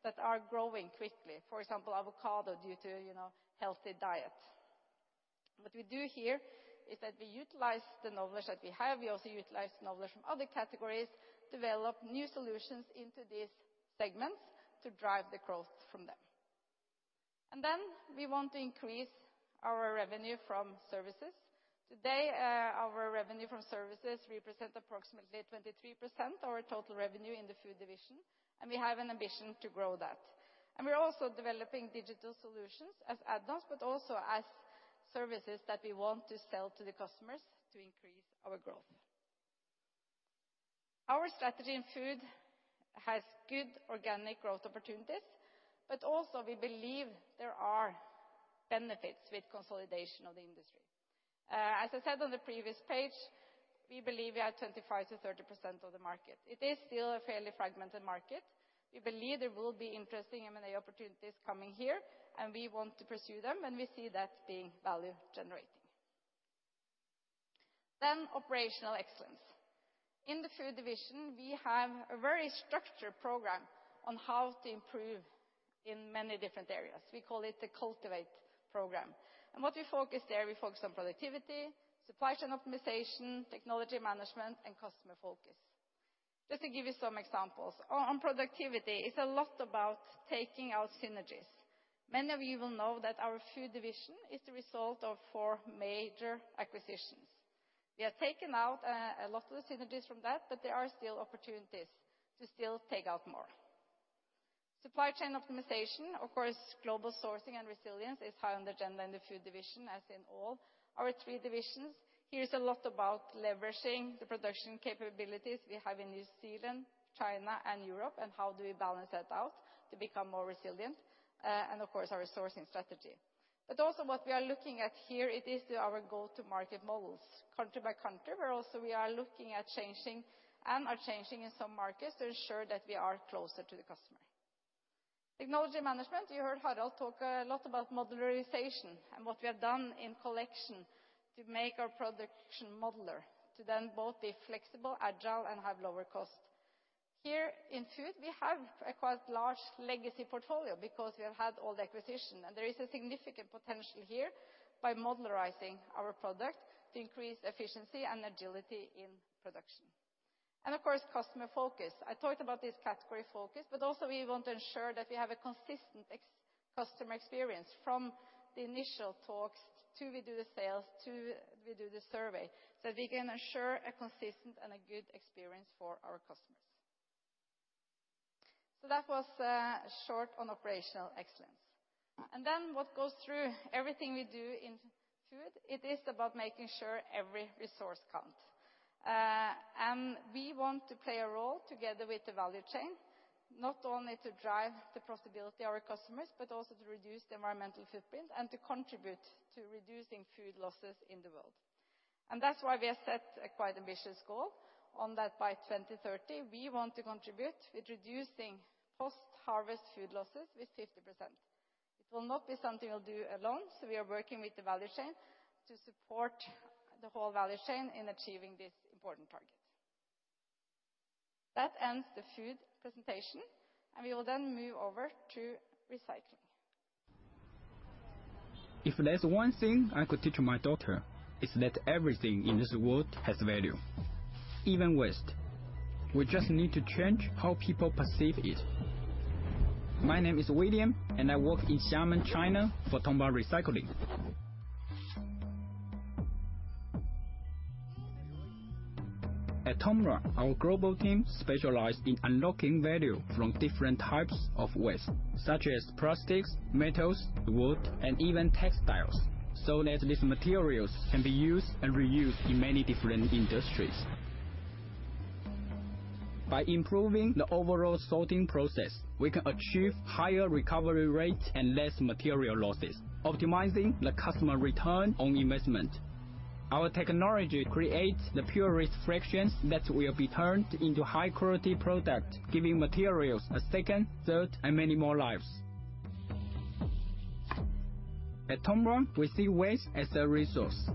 that are growing quickly. For example, avocado, due to, you know, healthy diet. What we do here is that we utilize the knowledge that we have. We also utilize the knowledge from other categories, develop new solutions into these segments to drive the growth from them. We want to increase our revenue from services. Today, our revenue from services represent approximately 23% of our total revenue in the food division, and we have an ambition to grow that. We're also developing digital solutions as add-ons, but also as services that we want to sell to the customers to increase our growth. Our strategy in food has good organic growth opportunities, but also we believe there are benefits with consolidation of the industry. As I said on the previous page, we believe we are at 25%-30% of the market. It is still a fairly fragmented market. We believe there will be interesting M&A opportunities coming here, and we want to pursue them, and we see that being value-generating. Operational excellence. In the food division, we have a very structured program on how to improve in many different areas. We call it the Cultivate program. What we focus there, we focus on productivity, supply chain optimization, technology management, and customer focus. Just to give you some examples. On productivity, it's a lot about taking out synergies. Many of you will know that our food division is the result of four major acquisitions. We have taken out a lot of the synergies from that, but there are still opportunities to still take out more. Supply chain optimization. Of course, global sourcing and resilience is high on the agenda in the food division, as in all our three divisions. Here is a lot about leveraging the production capabilities we have in New Zealand, China, and Europe, and how do we balance that out to become more resilient, and of course, our sourcing strategy. Also what we are looking at here, it is our go-to market models country by country. We're also looking at changing and are changing in some markets to ensure that we are closer to the customer. Technology management, you heard Harald talk a lot about modularization and what we have done in collection to make our production modular to then both be flexible, agile, and have lower cost. Here in food, we have a quite large legacy portfolio because we have had all the acquisition, and there is a significant potential here by modularizing our product to increase efficiency and agility in production. Of course, customer focus. I talked about this category focus, but also we want to ensure that we have a consistent customer experience from the initial talks, to we do the sales, to we do the survey, so we can ensure a consistent and a good experience for our customers. That was short on operational excellence. What goes through everything we do in food, it is about making sure every resource counts. We want to play a role together with the value chain, not only to drive the profitability of our customers, but also to reduce the environmental footprint and to contribute to reducing food losses in the world. That's why we have set a quite ambitious goal on that by 2030, we want to contribute with reducing post-harvest food losses with 50%. It will not be something we'll do alone, so we are working with the value chain to support the whole value chain in achieving this important target. That ends the food presentation, and we will then move over to recycling. If there's one thing I could teach my daughter, it's that everything in this world has value, even waste. We just need to change how people perceive it. My name is William, and I work in Xiamen, China, for TOMRA Recycling. At TOMRA, our global team specialize in unlocking value from different types of waste, such as plastics, metals, wood, and even textiles, so that these materials can be used and reused in many different industries. By improving the overall sorting process, we can achieve higher recovery rate and less material losses, optimizing the customer return on investment. Our technology creates the purest fractions that will be turned into high-quality product, giving materials a second, third, and many more lives. At TOMRA, we see waste as a resource,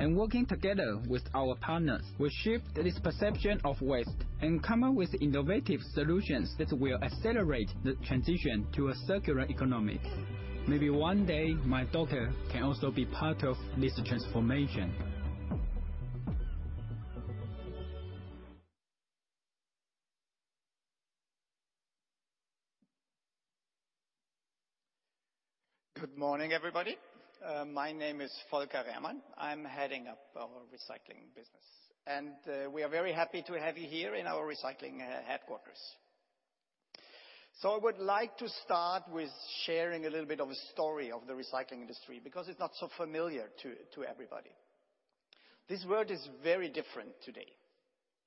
and working together with our partners, we shift this perception of waste and come up with innovative solutions that will accelerate the transition to a circular economy. Maybe one day, my daughter can also be part of this transformation. Good morning, everybody. My name is Volker Rehrmann. I'm heading up our Recycling business, and we are very happy to have you here in our Recycling headquarters. I would like to start with sharing a little bit of a story of the recycling industry because it's not so familiar to everybody. This world is very different today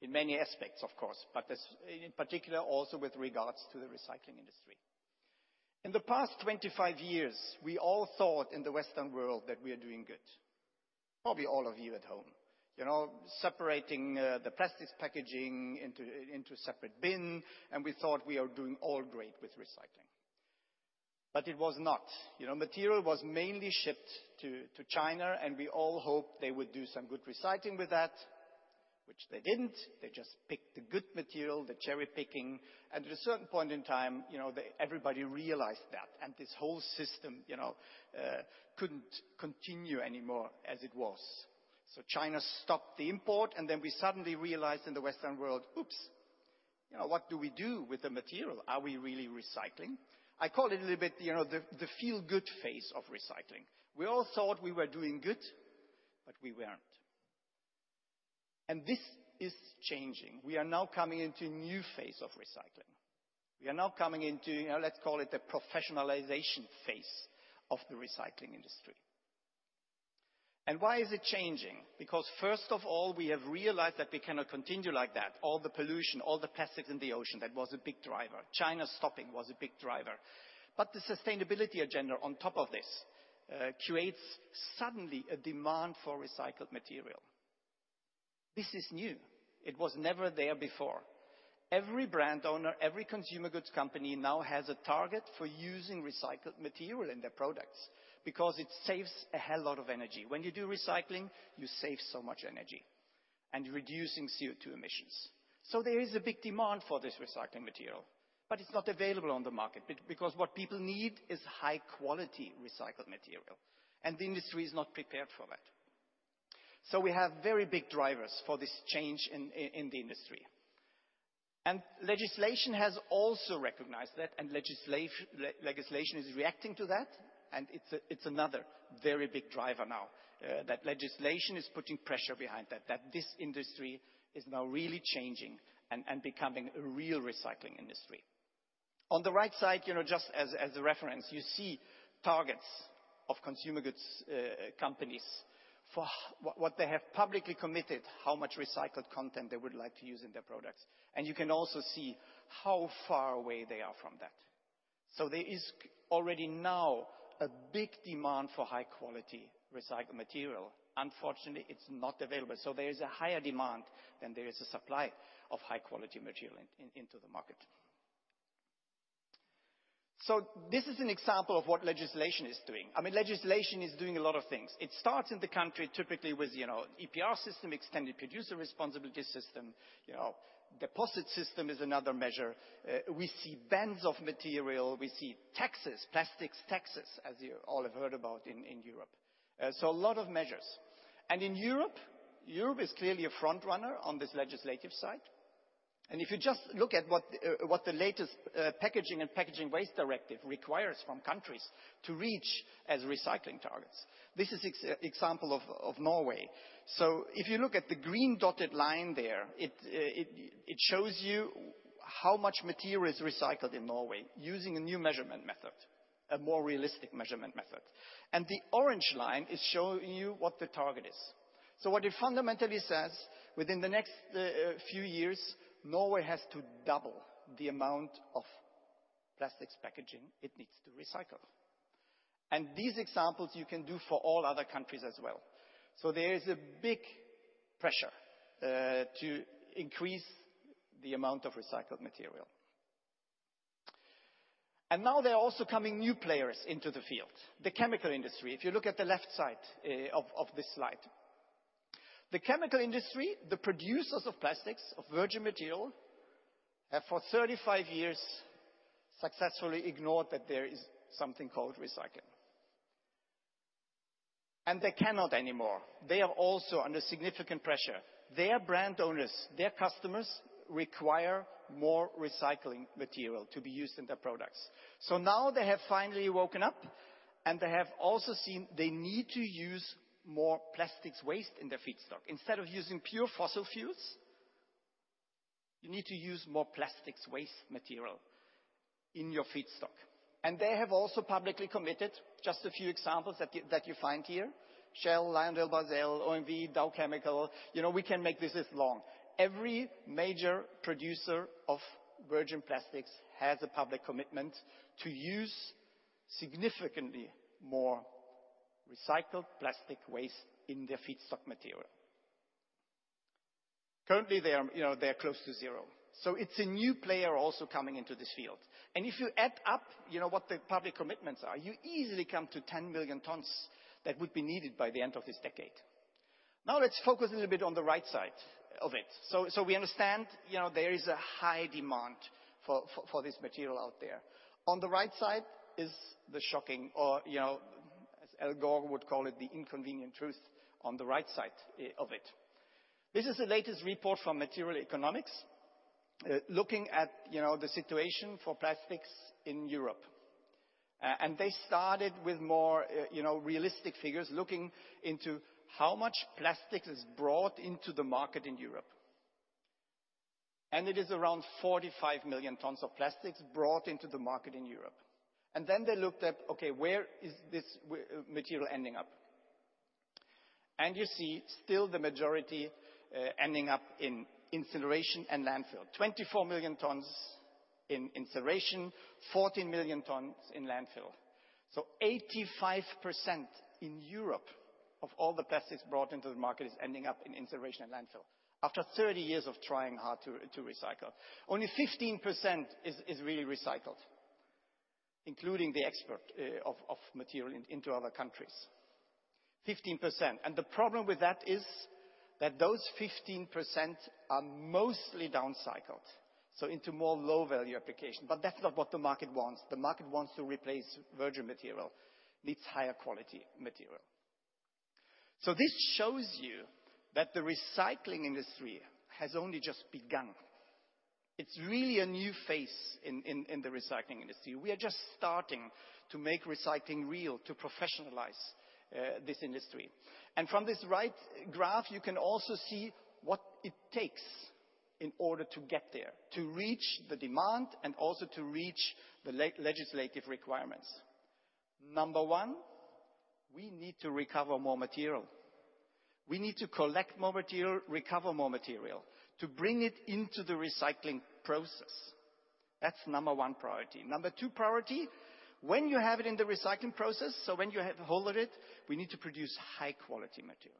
in many aspects, of course, but this in particular also with regards to the recycling industry. In the past 25 years, we all thought in the Western world that we are doing good. Probably all of you at home. You know, separating the plastics packaging into a separate bin, and we thought we are doing all great with recycling. It was not. You know, material was mainly shipped to China, and we all hoped they would do some good recycling with that, which they didn't. They just picked the good material, the cherry-picking. At a certain point in time, you know, everybody realized that, and this whole system, you know, couldn't continue anymore as it was. China stopped the import, and then we suddenly realized in the Western world, oops, you know, what do we do with the material? Are we really recycling? I call it a little bit, you know, the feel-good phase of recycling. We all thought we were doing good, but we weren't. This is changing. We are now coming into a new phase of recycling. We are now coming into, you know, let's call it the professionalization phase of the recycling industry. Why is it changing? First of all, we have realized that we cannot continue like that. All the pollution, all the plastics in the ocean, that was a big driver. China stopping was a big driver. The sustainability agenda on top of this creates suddenly a demand for recycled material. This is new. It was never there before. Every brand owner, every consumer goods company now has a target for using recycled material in their products because it saves a hell lot of energy. When you do recycling, you save so much energy and reducing CO2 emissions. There is a big demand for this recycling material, but it's not available on the market because what people need is high-quality recycled material, and the industry is not prepared for that. We have very big drivers for this change in the industry. Legislation has also recognized that, and legislation is reacting to that, and it's another very big driver now, that legislation is putting pressure behind that this industry is now really changing and becoming a real recycling industry. On the right side, you know, just as a reference, you see targets of consumer goods companies for what they have publicly committed, how much recycled content they would like to use in their products. You can also see how far away they are from that. There is already now a big demand for high-quality recycled material. Unfortunately, it's not available. There is a higher demand than there is a supply of high-quality material into the market. This is an example of what legislation is doing. I mean, legislation is doing a lot of things. It starts in the country typically with, you know, EPR system, Extended Producer Responsibility system. You know, deposit system is another measure. We see bans of material. We see taxes, plastics taxes, as you all have heard about in Europe. A lot of measures. In Europe is clearly a frontrunner on this legislative side. If you just look at what the latest Packaging and Packaging Waste Directive requires from countries to reach recycling targets. This is example of Norway. If you look at the green dotted line there, it shows you how much material is recycled in Norway using a new measurement method, a more realistic measurement method. The orange line is showing you what the target is. What it fundamentally says, within the next few years, Norway has to double the amount of plastics packaging it needs to recycle. These examples you can do for all other countries as well. There is a big pressure to increase the amount of recycled material. Now there are also coming new players into the field, the chemical industry. If you look at the left side of this slide. The chemical industry, the producers of plastics, of virgin material, have for 35 years successfully ignored that there is something called recycling. They cannot anymore. They are also under significant pressure. Their brand owners, their customers, require more recycling material to be used in their products. Now they have finally woken up, and they have also seen they need to use more plastics waste in their feedstock. Instead of using pure fossil fuels, you need to use more plastic waste material in your feedstock. They have also publicly committed, just a few examples that you find here, Shell, LyondellBasell, OMV, Dow Chemical. You know, we can make this long. Every major producer of virgin plastics has a public commitment to use significantly more recycled plastic waste in their feedstock material. Currently, they are, you know, they are close to zero, so it's a new player also coming into this field. If you add up, you know, what the public commitments are, you easily come to 10 million tons that would be needed by the end of this decade. Now, let's focus a little bit on the right side of it. We understand, you know, there is a high demand for this material out there. On the right side is the shocking or, you know, as Al Gore would call it, the inconvenient truth on the right side of it. This is the latest report from Material Economics, looking at, you know, the situation for plastics in Europe. They started with more, you know, realistic figures looking into how much plastic is brought into the market in Europe. It is around 45 million tons of plastics brought into the market in Europe. Then they looked at, okay, where is this material ending up? You see still the majority ending up in incineration and landfill. 24 million tons in incineration, 14 million tons in landfill. 85% in Europe of all the plastics brought into the market is ending up in incineration and landfill after 30 years of trying hard to recycle. Only 15% is really recycled, including the export of material into other countries. 15%. The problem with that is that those 15% are mostly down-cycled, so into more low-value application, but that's not what the market wants. The market wants to replace virgin material, needs higher quality material. This shows you that the recycling industry has only just begun. It's really a new phase in the recycling industry. We are just starting to make recycling real to professionalize this industry. From this right graph, you can also see what it takes in order to get there, to reach the demand and also to reach the legislative requirements. Number one, we need to recover more material. We need to collect more material, recover more material to bring it into the recycling process. That's number one priority. Number two priority, when you have it in the recycling process, so when you have hold of it, we need to produce high quality material.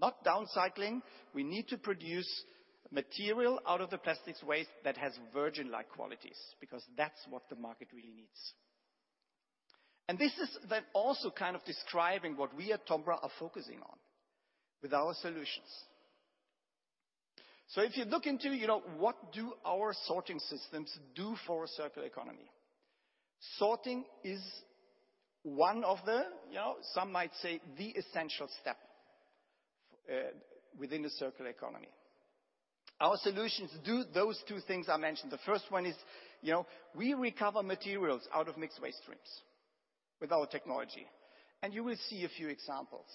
Not downcycling, we need to produce material out of the plastic waste that has virgin-like qualities because that's what the market really needs. This is then also kind of describing what we at TOMRA are focusing on with our solutions. If you look into, you know, what do our sorting systems do for a circular economy? Sorting is one of the, you know, some might say the essential step within a circular economy. Our solutions do those two things I mentioned. The first one is, you know, we recover materials out of mixed waste streams with our technology, and you will see a few examples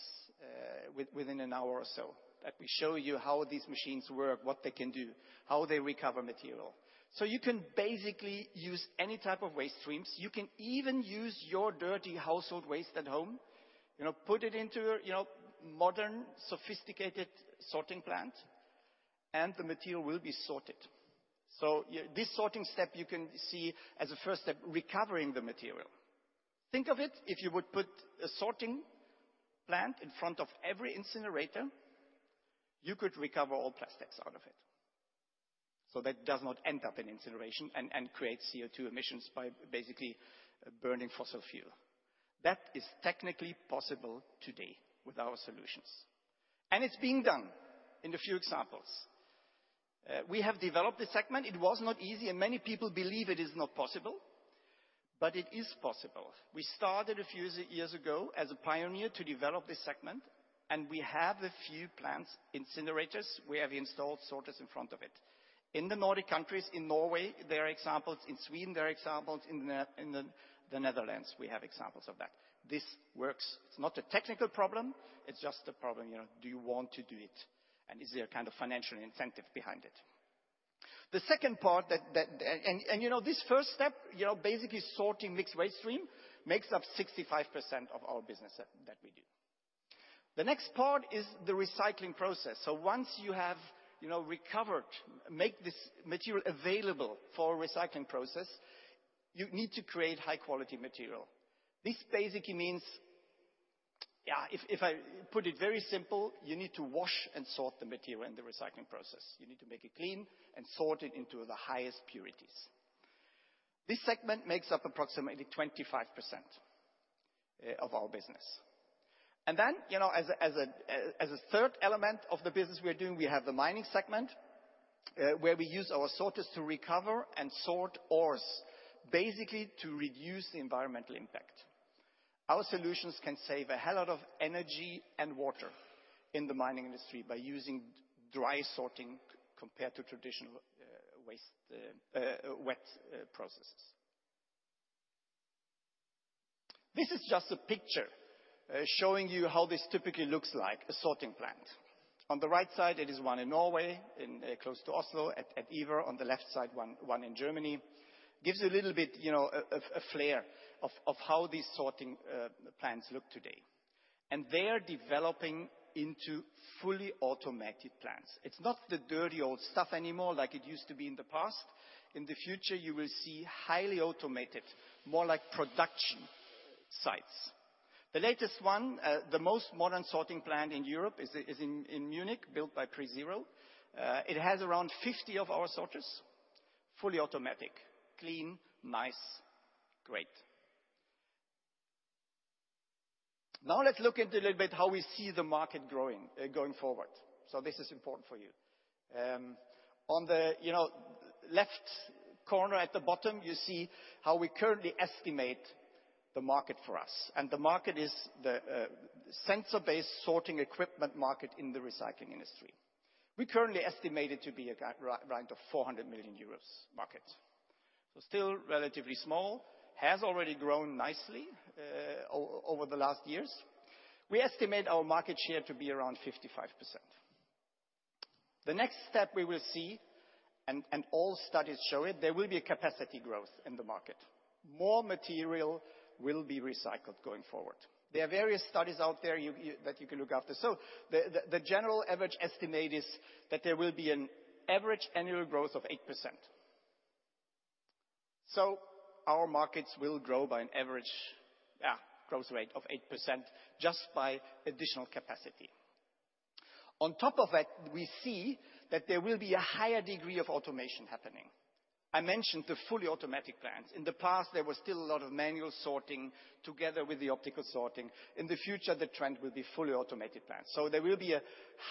within an hour or so that we show you how these machines work, what they can do, how they recover material. You can basically use any type of waste streams. You can even use your dirty household waste at home. You know, put it into your, you know, modern, sophisticated sorting plant, and the material will be sorted. This sorting step you can see as a first step, recovering the material. Think of it, if you would put a sorting plant in front of every incinerator, you could recover all plastics out of it so that it does not end up in incineration and create CO2 emissions by basically burning fossil fuel. That is technically possible today with our solutions, and it's being done in a few examples. We have developed a segment. It was not easy, and many people believe it is not possible, but it is possible. We started a few years ago as a pioneer to develop this segment, and we have a few plants, incinerators, we have installed sorters in front of it. In the Nordic countries, in Norway, there are examples. In Sweden, there are examples. In the Netherlands, we have examples of that. This works. It's not a technical problem, it's just a problem, you know, do you want to do it, and is there kind of financial incentive behind it? The second part that You know this first step, you know, basically sorting mixed waste stream makes up 65% of our business that we do. The next part is the recycling process. Once you have recovered, make this material available for a recycling process, you need to create high-quality material. This basically means, yeah, if I put it very simple, you need to wash and sort the material in the recycling process. You need to make it clean and sort it into the highest purities. This segment makes up approximately 25% of our business. As a third element of the business we are doing, we have the mining segment, where we use our sorters to recover and sort ores, basically to reduce the environmental impact. Our solutions can save a hell of energy and water in the mining industry by using dry sorting compared to traditional waste, wet processes. This is just a picture showing you how this typically looks like, a sorting plant. On the right side, it is one in Norway, close to Oslo at IVAR. On the left side, one in Germany. Gives a little bit a flavor of how these sorting plants look today. They are developing into fully automated plants. It's not the dirty old stuff anymore like it used to be in the past. In the future, you will see highly automated, more like production sites. The latest one, the most modern sorting plant in Europe is in Munich, built by PreZero. It has around 50 of our sorters, fully automatic, clean, nice, great. Now let's look at a little bit how we see the market growing, going forward. This is important for you. On the left corner at the bottom, you see how we currently estimate the market for us, and the market is the sensor-based sorting equipment market in the recycling industry. We currently estimate it to be around the 400 million euros market. Still relatively small, has already grown nicely over the last years. We estimate our market share to be around 55%. The next step we will see, and all studies show it, there will be a capacity growth in the market. More material will be recycled going forward. There are various studies out there that you can look after. The general average estimate is that there will be an average annual growth of 8%. Our markets will grow by an average growth rate of 8% just by additional capacity. On top of that, we see that there will be a higher degree of automation happening. I mentioned the fully automatic plants. In the past, there was still a lot of manual sorting together with the optical sorting. In the future, the trend will be fully automated plants. There will be a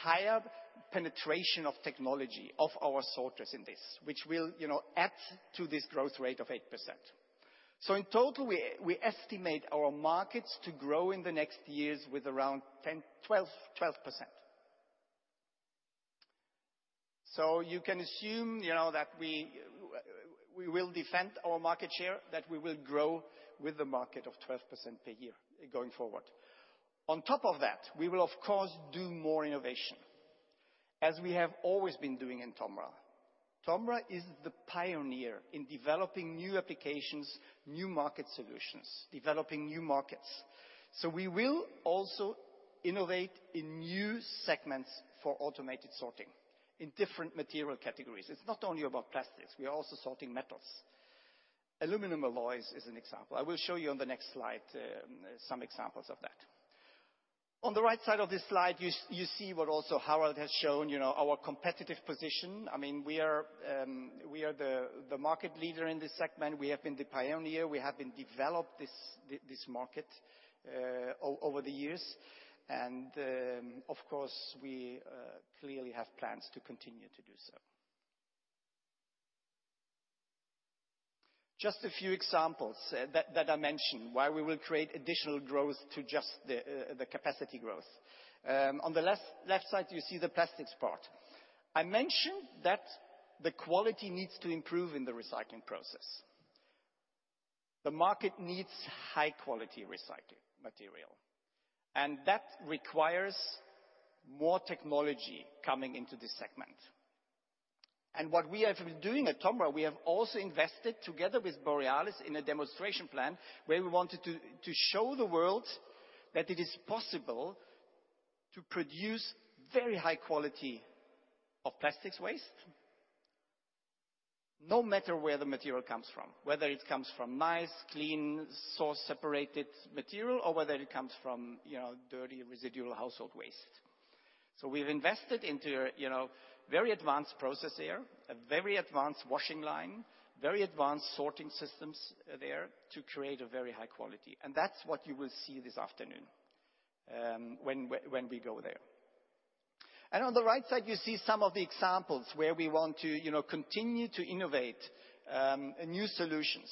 higher penetration of technology of our sorters in this, which will add to this growth rate of 8%. In total, we estimate our markets to grow in the next years with around 10%-12%. You can assume that we will defend our market share, that we will grow with the market of 12% per year going forward. On top of that, we will, of course, do more innovation, as we have always been doing in TOMRA. TOMRA is the pioneer in developing new applications, new market solutions, developing new markets. We will also innovate in new segments for automated sorting in different material categories. It's not only about plastics, we are also sorting metals. Aluminum alloys is an example. I will show you on the next slide some examples of that. On the right side of this slide, you see what also Harald has shown, our competitive position. I mean, we are the market leader in this segment. We have been the pioneer. We have developed this market over the years. Of course, we clearly have plans to continue to do so. Just a few examples that I mentioned, why we will create additional growth to just the capacity growth. On the left side, you see the plastics part. I mentioned that the quality needs to improve in the recycling process. The market needs high-quality recycled material, and that requires more technology coming into this segment. What we have been doing at TOMRA, we have also invested together with Borealis in a demonstration plant where we wanted to show the world that it is possible to produce very high quality of plastic waste no matter where the material comes from, whether it comes from nice, clean, source separated material, or whether it comes from dirty residual household waste. We've invested into very advanced process there, a very advanced washing line, very advanced sorting systems there to create a very high quality. That's what you will see this afternoon when we go there. On the right side, you see some of the examples where we want to continue to innovate new solutions.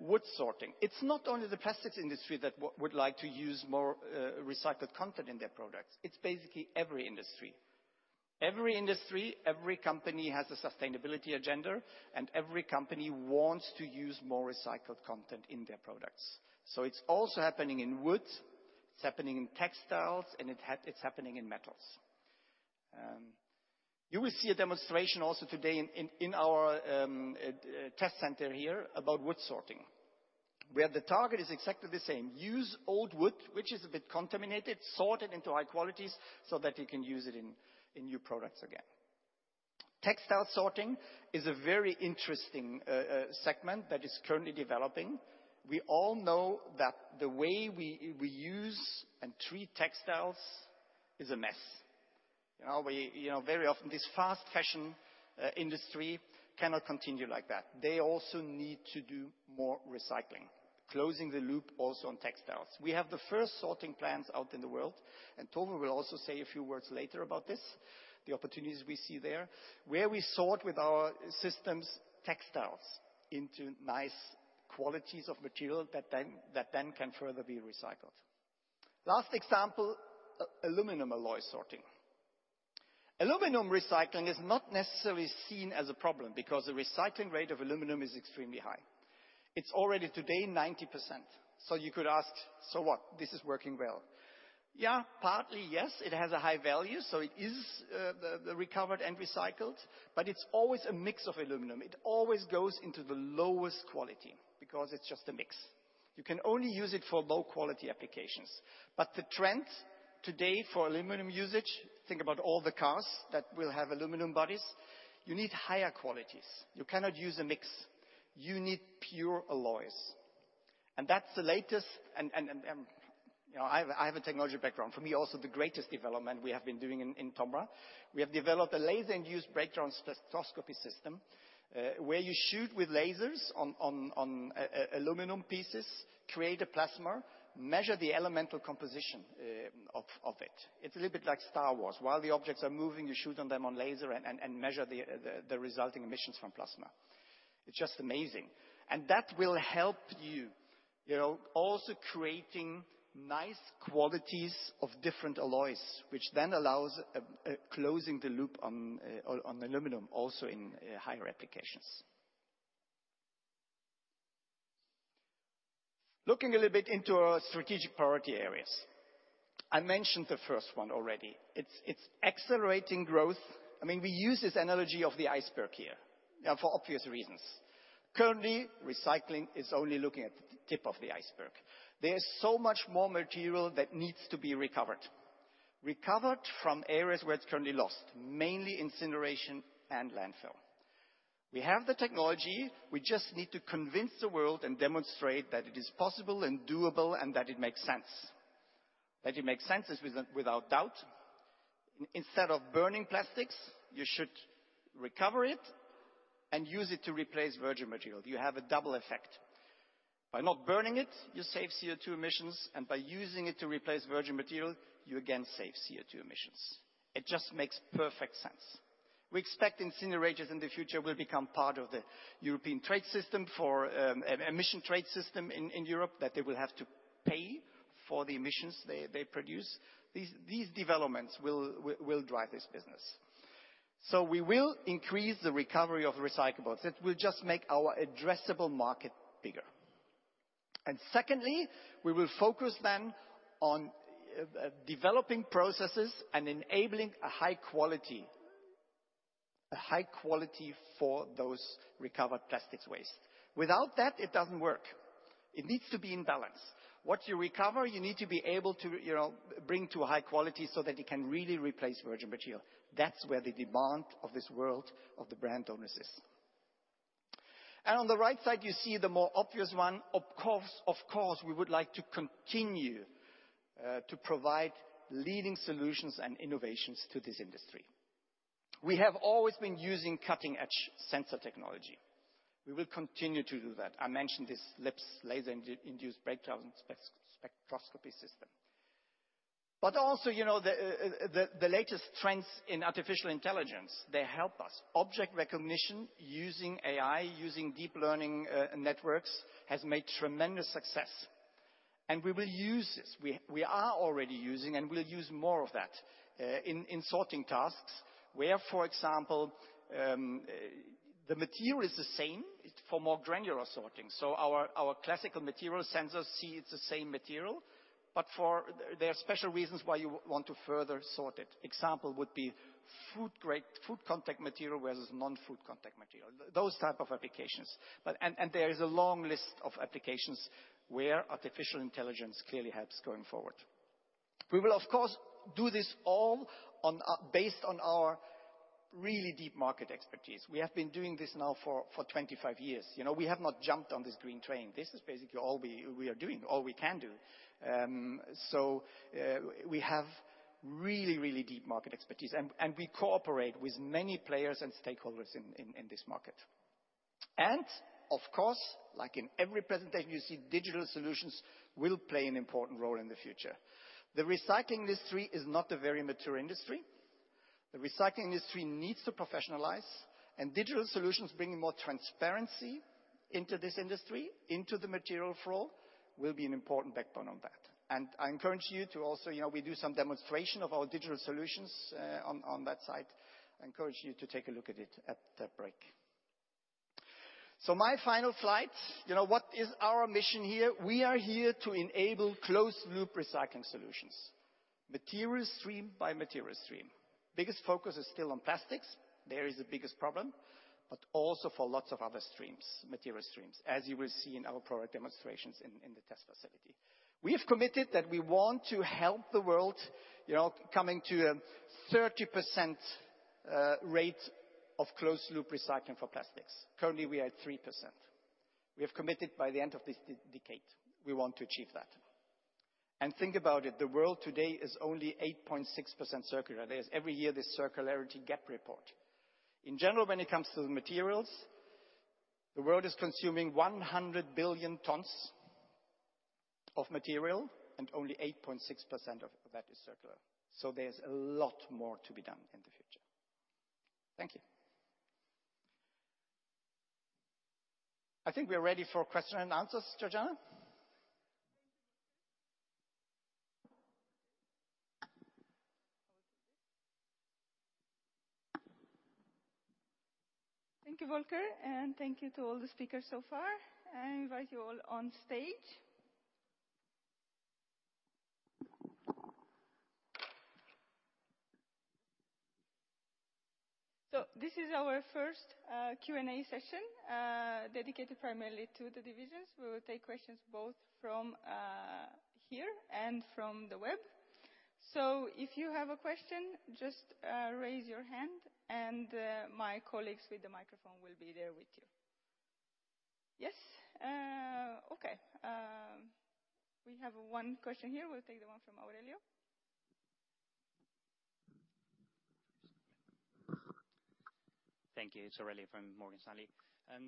Wood sorting. It's not only the plastics industry that would like to use more recycled content in their products, it's basically every industry. Every company has a sustainability agenda, and every company wants to use more recycled content in their products. It's also happening in wood, it's happening in textiles, and it's happening in metals. You will see a demonstration also today in our test center here about wood sorting, where the target is exactly the same. Use old wood, which is a bit contaminated, sort it into high qualities so that you can use it in new products again. Textile sorting is a very interesting segment that is currently developing. We all know that the way we use and treat textiles is a mess. You know, very often this fast fashion industry cannot continue like that. They also need to do more recycling, closing the loop also on textiles. We have the first sorting plants out in the world, and TOMRA will also say a few words later about this, the opportunities we see there, where we sort with our systems textiles into nice qualities of material that then can further be recycled. Last example, aluminum alloy sorting. Aluminum recycling is not necessarily seen as a problem because the recycling rate of aluminum is extremely high. It's already today 90%. So you could ask, "So what? This is working well." Yeah, partly yes. It has a high value, so it is the recovered and recycled, but it's always a mix of aluminum. It always goes into the lowest quality because it's just a mix. You can only use it for low-quality applications. The trend today for aluminum usage, think about all the cars that will have aluminum bodies, you need higher qualities. You cannot use a mix. You need pure alloys. That's the latest and you know, I have a technology background. For me, also the greatest development we have been doing in TOMRA. We have developed a laser-induced breakdown spectroscopy system, where you shoot with lasers on aluminum pieces, create a plasma, measure the elemental composition of it. It's a little bit like Star Wars. While the objects are moving, you shoot a laser on them and measure the resulting emissions from plasma. It's just amazing. That will help you know, also creating nice qualities of different alloys, which then allows closing the loop on aluminum also in higher applications. Looking a little bit into our strategic priority areas. I mentioned the first one already. It's accelerating growth. I mean, we use this analogy of the iceberg here for obvious reasons. Currently, recycling is only looking at the tip of the iceberg. There's so much more material that needs to be recovered from areas where it's currently lost, mainly incineration and landfill. We have the technology. We just need to convince the world and demonstrate that it is possible and doable and that it makes sense. That it makes sense is without doubt. Instead of burning plastics, you should recover it and use it to replace virgin material. You have a double effect. By not burning it, you save CO2 emissions, and by using it to replace virgin material, you again save CO2 emissions. It just makes perfect sense. We expect incinerators in the future will become part of the European emissions trading system in Europe, that they will have to pay for the emissions they produce. These developments will drive this business. We will increase the recovery of recyclables. It will just make our addressable market bigger. Secondly, we will focus then on developing processes and enabling a high quality for those recovered plastics waste. Without that, it doesn't work. It needs to be in balance. What you recover, you need to be able to, you know, bring to a high quality so that it can really replace virgin material. That's where the demand of this world of the brand owners is. On the right side, you see the more obvious one. Of course, we would like to continue to provide leading solutions and innovations to this industry. We have always been using cutting-edge sensor technology. We will continue to do that. I mentioned this LIBS, laser-induced breakdown spectroscopy system. But also, you know, the latest trends in artificial intelligence, they help us. Object recognition using AI, using deep learning networks has made tremendous success. We will use this. We are already using and we'll use more of that in sorting tasks where, for example, the material is the same for more granular sorting. Our classical material sensors see it's the same material, but there are special reasons why you want to further sort it. Example would be food-grade, food contact material versus non-food contact material. Those type of applications. And there is a long list of applications where artificial intelligence clearly helps going forward. We will, of course, do this all based on our really deep market expertise. We have been doing this now for 25 years. You know, we have not jumped on this green train. This is basically all we are doing, all we can do. We have really deep market expertise and we cooperate with many players and stakeholders in this market. Of course, like in every presentation, you see digital solutions will play an important role in the future. The recycling industry is not a very mature industry. The recycling industry needs to professionalize, and digital solutions bringing more transparency into this industry, into the material flow, will be an important backbone on that. I encourage you to also, you know, we do some demonstration of our digital solutions on that side. I encourage you to take a look at it at the break. My final slide, you know, what is our mission here? We are here to enable closed loop recycling solutions, material stream by material stream. Biggest focus is still on plastics. There is the biggest problem, but also for lots of other streams, material streams, as you will see in our product demonstrations in the test facility. We have committed that we want to help the world, you know, coming to 30% rate of closed loop recycling for plastics. Currently we are at 3%. We have committed by the end of this decade, we want to achieve that. Think about it, the world today is only 8.6% circular. There's every year this circularity gap report. In general, when it comes to the materials, the world is consuming 100 billion tons of material, and only 8.6% of that is circular. So there's a lot more to be done in the future. Thank you. I think we are ready for question and answers, Georgiana. Thank you, Volker, and thank you to all the speakers so far, and invite you all on stage. This is our first Q&A session, dedicated primarily to the divisions. We will take questions both from here and from the web. If you have a question, just raise your hand and my colleagues with the microphone will be there with you. Yes. Okay. We have one question here. We'll take the one from Aurelio. Thank you. It's Aurelio from Morgan Stanley.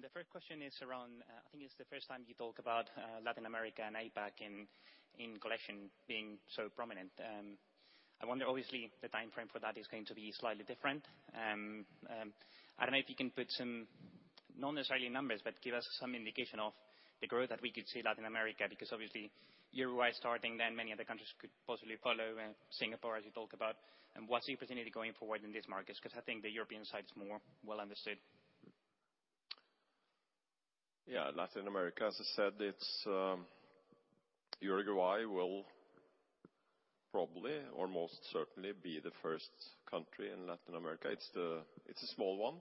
The first question is around, I think it's the first time you talk about, Latin America and APAC in collection being so prominent. I wonder, obviously the timeframe for that is going to be slightly different. I don't know if you can put some, not necessarily numbers, but give us some indication of the growth that we could see Latin America, because obviously Uruguay starting, then many other countries could possibly follow, Singapore as you talk about. What's the opportunity going forward in these markets? Because I think the European side is more well understood. Yeah. Latin America, as I said, it's Uruguay will probably or most certainly be the first country in Latin America. It's a small one.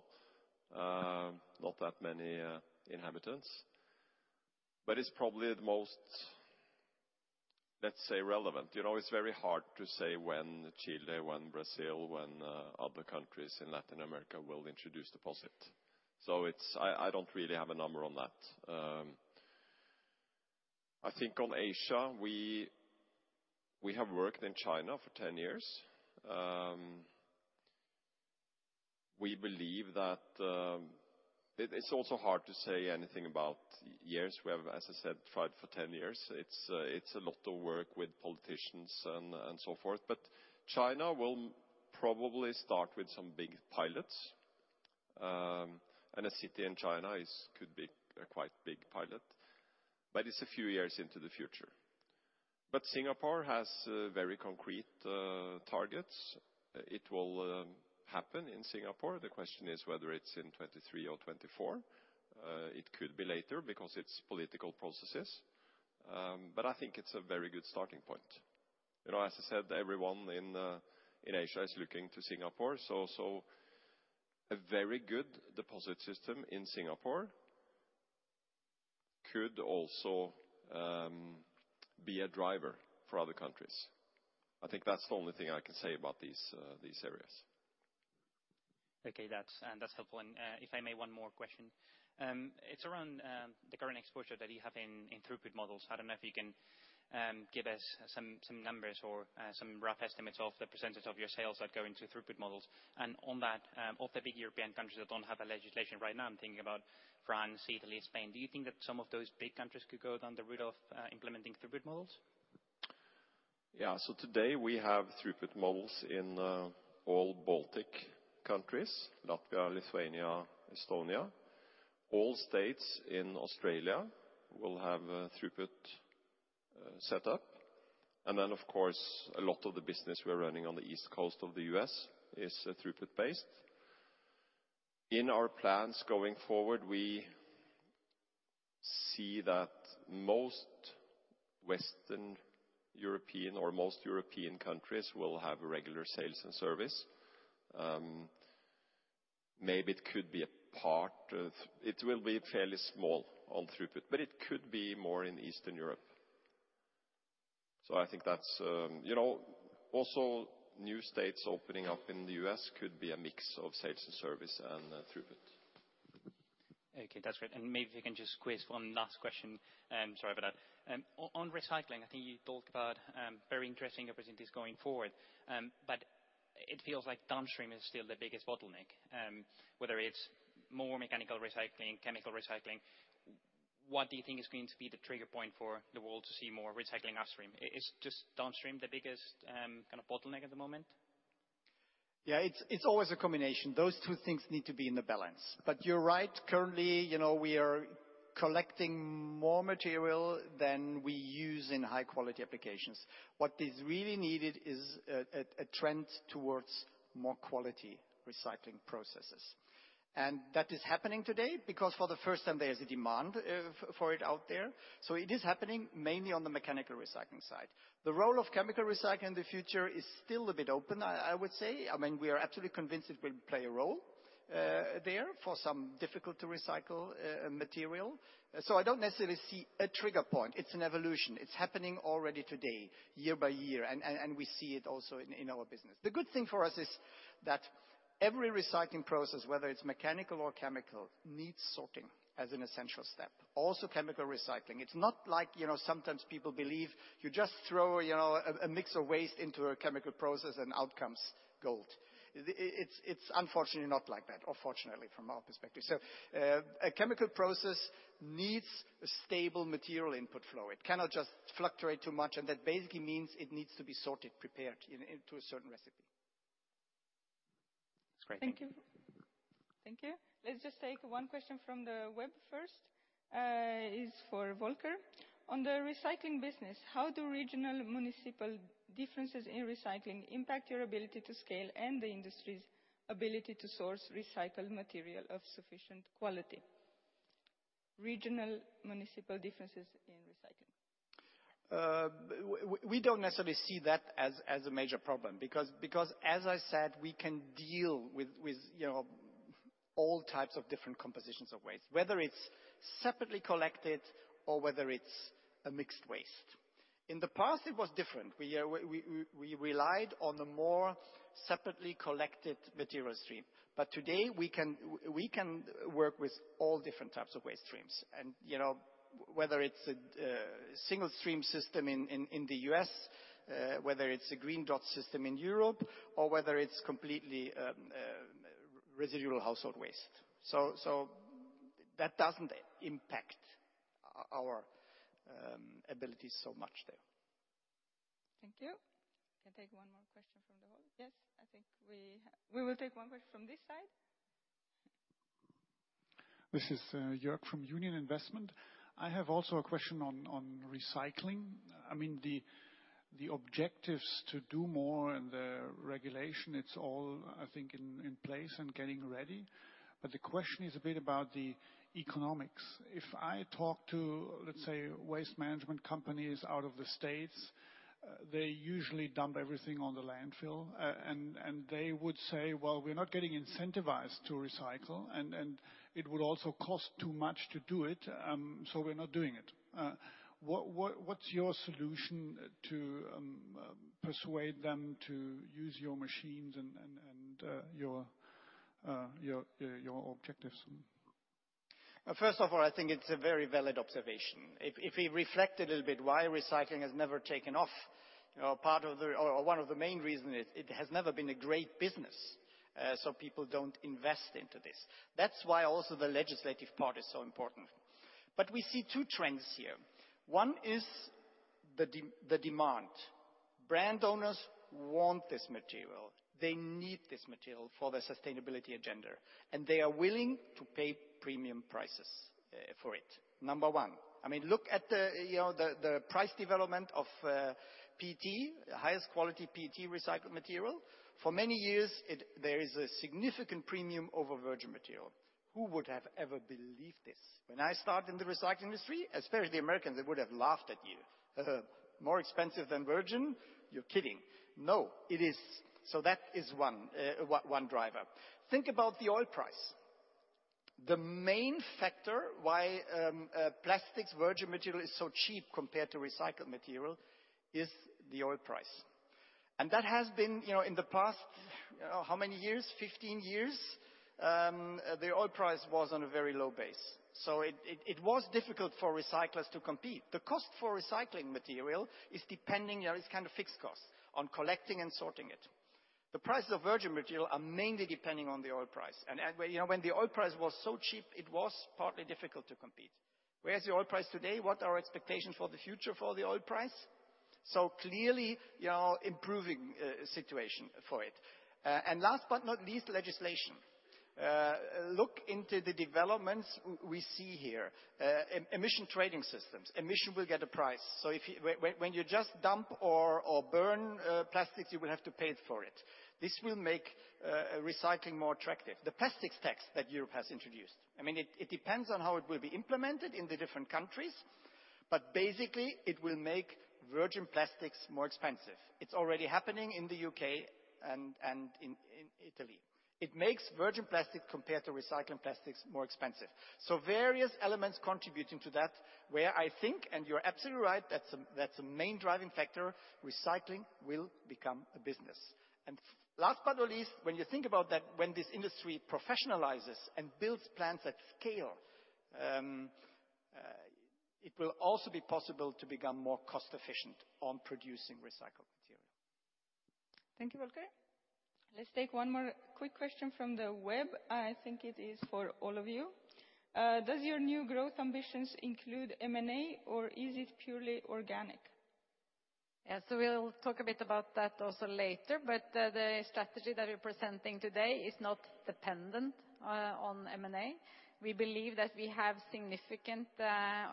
Not that many inhabitants, but it's probably the most, let's say, relevant. You know, it's very hard to say when Chile, when Brazil, when other countries in Latin America will introduce deposit. I don't really have a number on that. I think in Asia, we have worked in China for 10 years. We believe that it's also hard to say anything about years. We have, as I said, tried for 10 years. It's a lot of work with politicians and so forth, but China will probably start with some big pilots. A city in China could be a quite big pilot, but it's a few years into the future. Singapore has very concrete targets. It will happen in Singapore. The question is whether it's in 2023 or 2024. It could be later because it's political processes. I think it's a very good starting point. You know, as I said, everyone in Asia is looking to Singapore, so a very good deposit system in Singapore could also be a driver for other countries. I think that's the only thing I can say about these areas. Okay. That's helpful. If I may, one more question. It's around the current exposure that you have in throughput models. I don't know if you can give us some numbers or some rough estimates of the percentage of your sales that go into throughput models. On that, of the big European countries that don't have a legislation right now, I'm thinking about France, Italy, Spain. Do you think that some of those big countries could go down the route of implementing throughput models? Yeah. Today we have throughput models in all Baltic countries, Latvia, Lithuania, Estonia. All states in Australia will have a throughput set up. Of course, a lot of the business we're running on the East Coast of the U.S. is throughput based. In our plans going forward, we see that most Western European or most European countries will have regular sales and service. It will be fairly small on throughput, but it could be more in Eastern Europe. I think that's, you know. Also new states opening up in the U.S. could be a mix of sales and service and throughput. Okay. That's great. Maybe if you can just squeeze one last question, sorry about that. On recycling, I think you talked about very interesting opportunities going forward. It feels like downstream is still the biggest bottleneck. Whether it's more mechanical recycling, chemical recycling, what do you think is going to be the trigger point for the world to see more recycling upstream? Is just downstream the biggest kind of bottleneck at the moment? Yeah, it's always a combination. Those two things need to be in the balance. You're right, currently, you know, we are collecting more material than we use in high quality applications. What is really needed is a trend towards more quality recycling processes. That is happening today because for the first time there is a demand for it out there. It is happening mainly on the mechanical recycling side. The role of chemical recycling in the future is still a bit open, I would say. I mean, we are absolutely convinced it will play a role there for some difficult to recycle material. I don't necessarily see a trigger point. It's an evolution. It's happening already today year by year, and we see it also in our business. The good thing for us is that every recycling process, whether it's mechanical or chemical, needs sorting as an essential step. Also chemical recycling. It's not like, you know, sometimes people believe you just throw, you know, a mix of waste into a chemical process and out comes gold. It's unfortunately not like that, or fortunately from our perspective. A chemical process needs a stable material input flow. It cannot just fluctuate too much, and that basically means it needs to be sorted, prepared into a certain recipe. That's great. Thank you. Thank you. Let's just take one question from the web first. This is for Volker. On the recycling business, how do regional municipal differences in recycling impact your ability to scale and the industry's ability to source recycled material of sufficient quality? Regional municipal differences in recycling. We don't necessarily see that as a major problem because as I said, we can deal with you know all types of different compositions of waste, whether it's separately collected or whether it's a mixed waste. In the past, it was different. We relied on the more separately collected material stream. Today, we can work with all different types of waste streams and you know whether it's a single stream system in the U.S., whether it's a Green Dot system in Europe or whether it's completely residual household waste. That doesn't impact our ability so much there. Thank you. Can take one more question from the hall. Yes, I think we will take one more from this side. This is Jörg from Union Investment. I have also a question on recycling. I mean, the objectives to do more and the regulation, it's all, I think, in place and getting ready, but the question is a bit about the economics. If I talk to, let's say, waste management companies out of the States, they usually dump everything on the landfill. And they would say, "Well, we're not getting incentivized to recycle, and it would also cost too much to do it, so we're not doing it." What's your solution to persuade them to use your machines and your objectives? First of all, I think it's a very valid observation. If we reflect a little bit why recycling has never taken off, you know, one of the main reason is it has never been a great business, so people don't invest into this. That's why also the legislative part is so important. We see two trends here. One is the demand. Brand owners want this material. They need this material for their sustainability agenda, and they are willing to pay premium prices for it. Number one. I mean, look at the, you know, the price development of PET, highest quality PET recycled material. For many years, there is a significant premium over virgin material. Who would have ever believed this? When I start in the recycling industry, especially the Americans, they would have laughed at you. More expensive than virgin? You're kidding. No, it is. That is one driver. Think about the oil price. The main factor why plastics virgin material is so cheap compared to recycled material is the oil price. That has been, you know, in the past, how many years? 15 years, the oil price was on a very low base, so it was difficult for recyclers to compete. The cost for recycling material is depending, there is kind of fixed cost on collecting and sorting it. The prices of virgin material are mainly depending on the oil price. When, you know, when the oil price was so cheap, it was partly difficult to compete. Where is the oil price today? What are expectations for the future for the oil price? Clearly you are improving situation for it. Last but not least, legislation. Look into the developments we see here. Emissions trading systems. Emissions will get a price. If, when you just dump or burn plastics, you will have to pay for it. This will make recycling more attractive. The plastics tax that Europe has introduced, I mean, it depends on how it will be implemented in the different countries, but basically it will make virgin plastics more expensive. It's already happening in the UK and in Italy. It makes virgin plastic compared to recycling plastics more expensive. Various elements contributing to that where I think, and you're absolutely right, that's a main driving factor, recycling will become a business. Last but not least, when you think about that, when this industry professionalizes and builds plants at scale, it will also be possible to become more cost efficient on producing recycled material. Thank you, Volker. Let's take one more quick question from the web. I think it is for all of you. Does your new growth ambitions include M&A or is it purely organic? We'll talk a bit about that also later, but the strategy that we're presenting today is not dependent on M&A. We believe that we have significant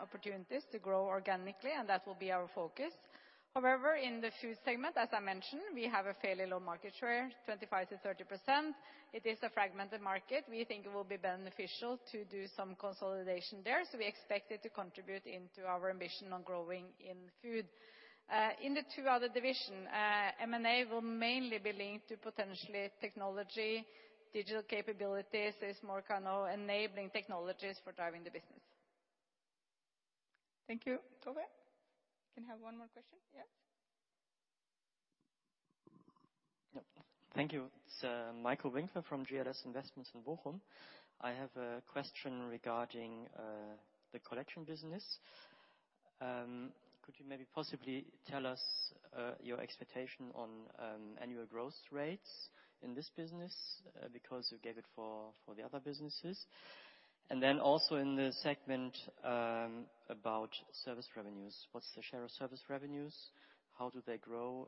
opportunities to grow organically, and that will be our focus. However, in the food segment, as I mentioned, we have a fairly low market share, 25%-30%. It is a fragmented market. We think it will be beneficial to do some consolidation there, so we expect it to contribute into our ambition on growing in food. In the two other division, M&A will mainly be linked to potentially technology, digital capabilities, as Morten know, enabling technologies for driving the business. Thank you. Over. Can I have one more question? Yes. Thank you. It's Michael Winkler from GLS Investments in Bochum. I have a question regarding the collection business. Could you maybe possibly tell us your expectation on annual growth rates in this business, because you gave it for the other businesses? Then also in the segment about service revenues, what's the share of service revenues? How do they grow,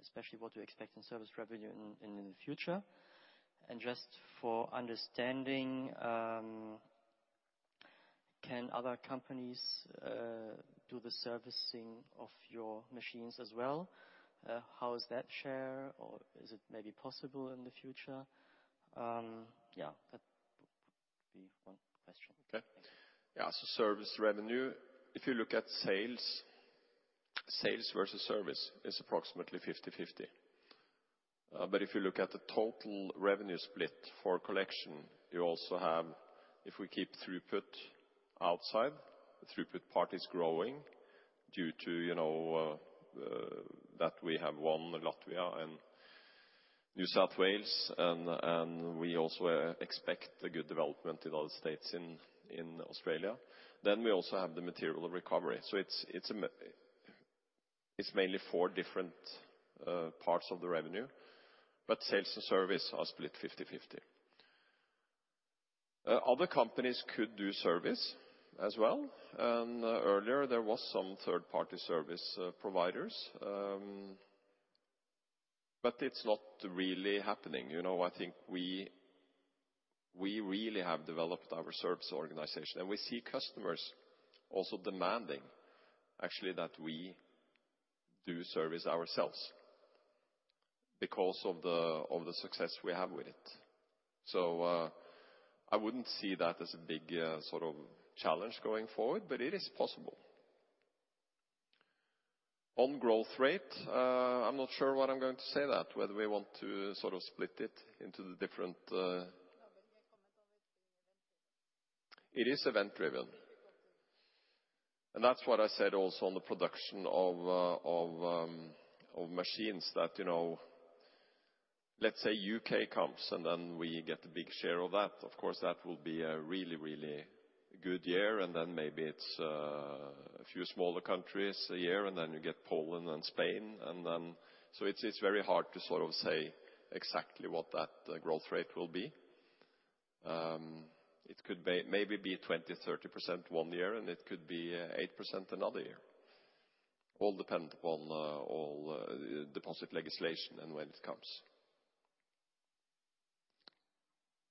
especially what you expect in service revenue in the future? Just for understanding, can other companies do the servicing of your machines as well? How is that share, or is it maybe possible in the future? Yeah, that would be one question. Okay. Yeah. Service revenue, if you look at sales versus service is approximately 50/50. But if you look at the total revenue split for collection, you also have, if we keep throughput outside, the throughput part is growing due to, you know, that we have won Latvia and New South Wales, and we also expect a good development in other states in Australia. We also have the material recovery. It's mainly four different parts of the revenue, but sales and service are split 50/50. Other companies could do service as well, and earlier there was some third-party service providers. But it's not really happening. You know, I think we really have developed our service organization, and we see customers also demanding actually that we do service ourselves because of the success we have with it. I wouldn't see that as a big sort of challenge going forward, but it is possible. On growth rate, I'm not sure what I'm going to say that, whether we want to sort of split it into the different. No, you comment on it being event-driven. It is event-driven. Event-driven. That's what I said also on the production of machines that, you know, let's say UK comes, and then we get a big share of that. Of course, that will be a really good year, and then maybe it's a few smaller countries a year, and then you get Poland and Spain, and then. It's very hard to sort of say exactly what that growth rate will be. It could maybe be 20%-30% one year, and it could be 8% another year. All depends on deposit legislation and when it comes.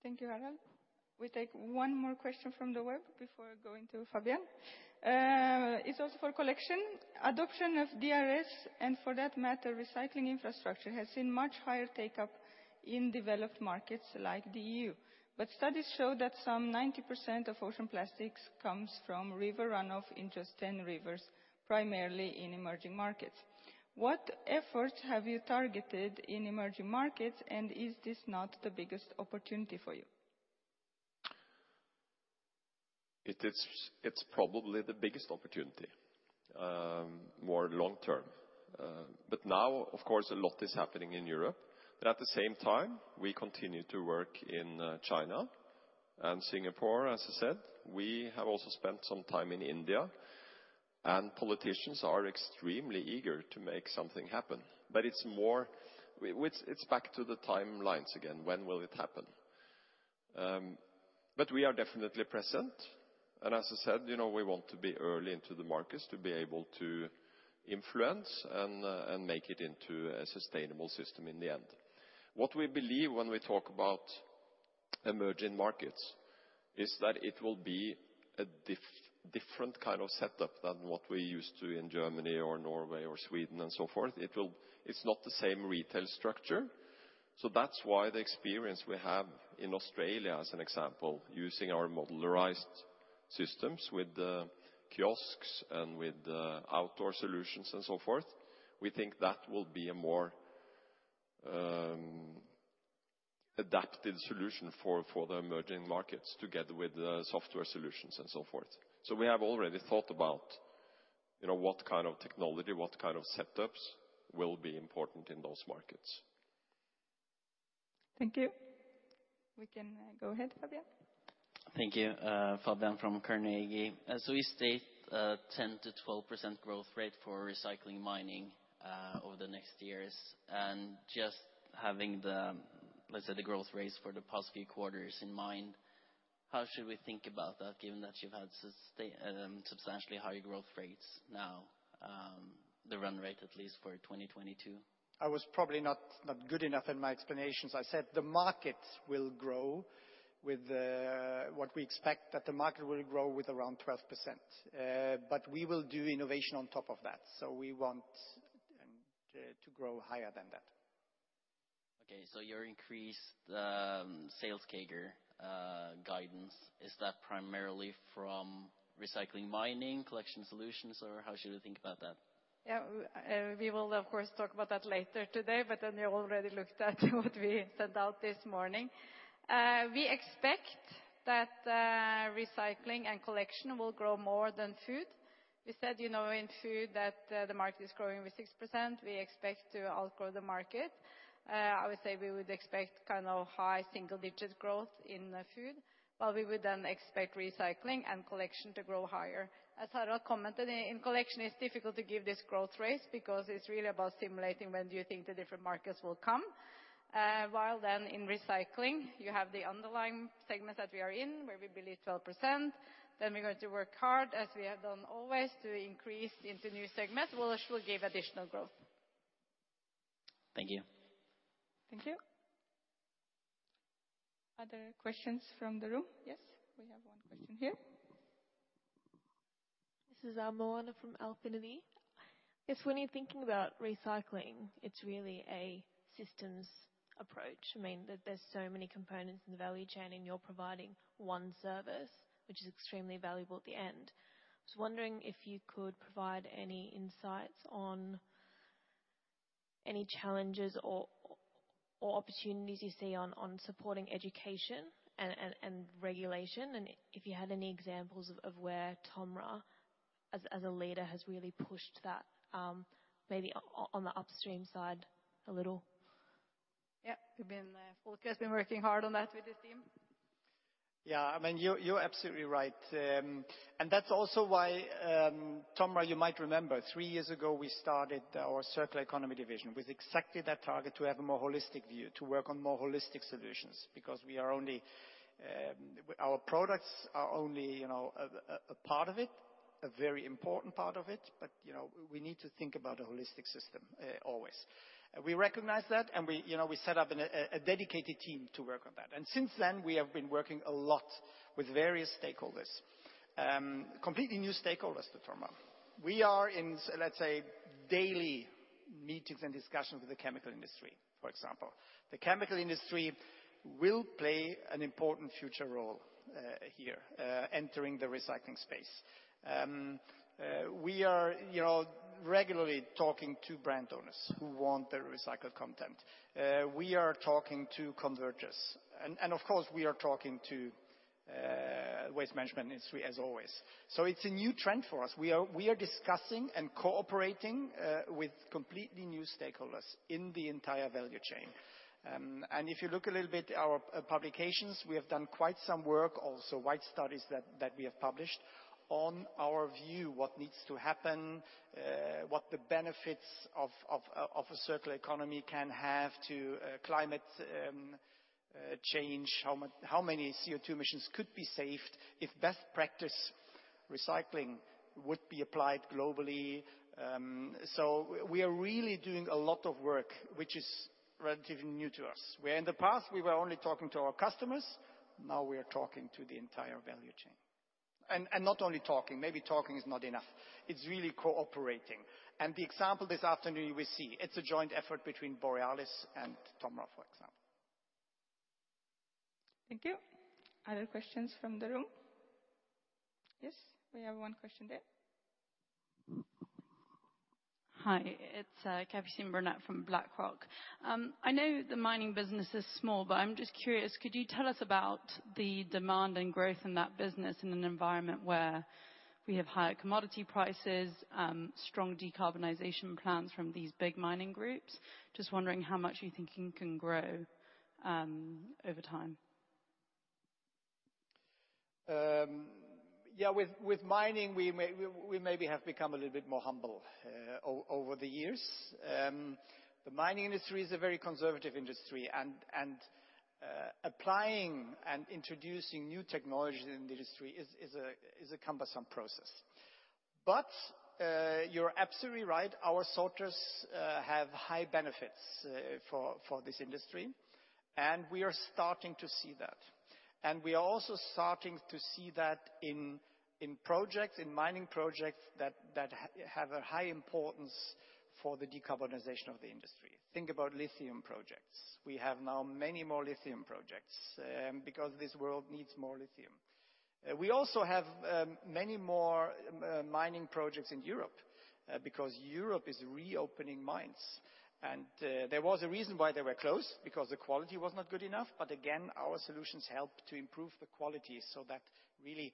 Thank you, Harald. We take one more question from the web before going to Fabian. It's also for collection. Adoption of DRS, and for that matter, recycling infrastructure, has seen much higher take-up in developed markets like the EU. Studies show that some 90% of ocean plastics comes from river runoff in just 10 rivers, primarily in emerging markets. What efforts have you targeted in emerging markets, and is this not the biggest opportunity for you? It is, it's probably the biggest opportunity, more long term. Now, of course, a lot is happening in Europe. At the same time, we continue to work in China and Singapore, as I said. We have also spent some time in India, and politicians are extremely eager to make something happen. It's back to the timelines again. When will it happen? We are definitely present. As I said, you know, we want to be early into the markets to be able to influence and make it into a sustainable system in the end. What we believe when we talk about emerging markets is that it will be a different kind of setup than what we're used to in Germany or Norway or Sweden and so forth. It's not the same retail structure. That's why the experience we have in Australia, as an example, using our modularized systems with the kiosks and with the outdoor solutions and so forth, we think that will be a more adapted solution for the emerging markets together with the software solutions and so forth. We have already thought about, you know, what kind of technology, what kind of setups will be important in those markets. Thank you. We can go ahead, Fabian. Thank you. Fabian from Carnegie. You state 10%-12% growth rate for recycling mining. Over the next years, and just having the, let's say, the growth rates for the past few quarters in mind, how should we think about that, given that you've had substantially higher growth rates now, the run rate, at least for 2022? I was probably not good enough in my explanations. I said the market will grow with what we expect that the market will grow with around 12%. But we will do innovation on top of that. We want to grow higher than that. Okay. Your increased sales CAGR guidance, is that primarily from recycling, mining, collection solutions, or how should we think about that? Yeah. We will of course talk about that later today, you already looked at what we sent out this morning. We expect that recycling and collection will grow more than food. We said, you know, in food that the market is growing with 6%. We expect to outgrow the market. I would say we would expect kind of high single-digit growth in food, while we would then expect recycling and collection to grow higher. As Harald commented, in collection, it's difficult to give this growth rates because it's really about simulating when do you think the different markets will come. While then in recycling, you have the underlying segment that we are in, where we believe 12%, then we're going to work hard, as we have done always, to increase into new segment, which should give additional growth. Thank you. Thank you. Other questions from the room? Yes, we have one question here. This is Moana from Alphinity. Yes, when you're thinking about recycling, it's really a systems approach. I mean, there's so many components in the value chain, and you're providing one service, which is extremely valuable at the end. I was wondering if you could provide any insights on any challenges or opportunities you see on supporting education and regulation. If you had any examples of where TOMRA, as a leader, has really pushed that, maybe on the upstream side a little. Yeah. We've been, Volker has been working hard on that with his team. Yeah. I mean, you're absolutely right. That's also why, TOMRA, you might remember three years ago we started our Circular Economy Division with exactly that target, to have a more holistic view, to work on more holistic solutions, because we are only. Our products are only, you know, a part of it, a very important part of it, but, you know, we need to think about a holistic system, always. We recognize that, and we, you know, we set up a dedicated team to work on that. Since then we have been working a lot with various stakeholders. Completely new stakeholders to TOMRA. We are in, let's say, daily meetings and discussions with the chemical industry, for example. The chemical industry will play an important future role, here, entering the recycling space. We are, you know, regularly talking to brand owners who want their recycled content. We are talking to converters and of course we are talking to waste management industry as always. It's a new trend for us. We are discussing and cooperating with completely new stakeholders in the entire value chain. If you look a little bit at our publications, we have done quite some work, also white studies that we have published, on our view, what needs to happen, what the benefits of a circular economy can have to climate change, how many CO2 emissions could be saved if best practice recycling would be applied globally. We are really doing a lot of work which is relatively new to us, where in the past we were only talking to our customers, now we are talking to the entire value chain. Not only talking, maybe talking is not enough. It's really cooperating. The example this afternoon you will see. It's a joint effort between Borealis and TOMRA, for example. Thank you. Other questions from the room? Yes, we have one question there. Hi, it's Kathy Sheng from BlackRock. I know the mining business is small, but I'm just curious, could you tell us about the demand and growth in that business in an environment where we have higher commodity prices, strong decarbonization plans from these big mining groups? Just wondering how much you think you can grow, over time. Yeah, with mining, we maybe have become a little bit more humble over the years. The mining industry is a very conservative industry and applying and introducing new technologies in the industry is a cumbersome process. You're absolutely right, our sorters have high benefits for this industry and we are starting to see that. We are also starting to see that in projects, in mining projects that have a high importance for the decarbonization of the industry. Think about lithium projects. We have now many more lithium projects because this world needs more lithium. We also have many more mining projects in Europe because Europe is reopening mines. There was a reason why they were closed, because the quality was not good enough. Again, our solutions help to improve the quality so that really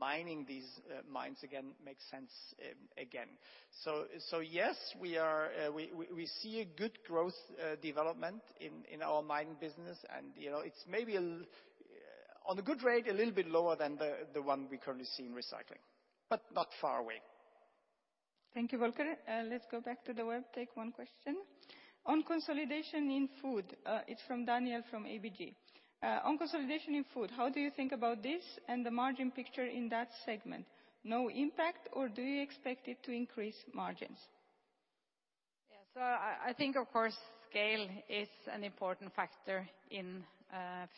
mining these mines again makes sense again. Yes, we see a good growth development in our mining business and, you know, it's maybe a l- On a good rate, a little bit lower than the one we currently see in recycling, but not far away. Thank you, Volker. Let's go back to the web, take one question. On consolidation in food, it's from Daniel from ABG. On consolidation in food, how do you think about this and the margin picture in that segment? No impact, or do you expect it to increase margins? I think, of course, scale is an important factor in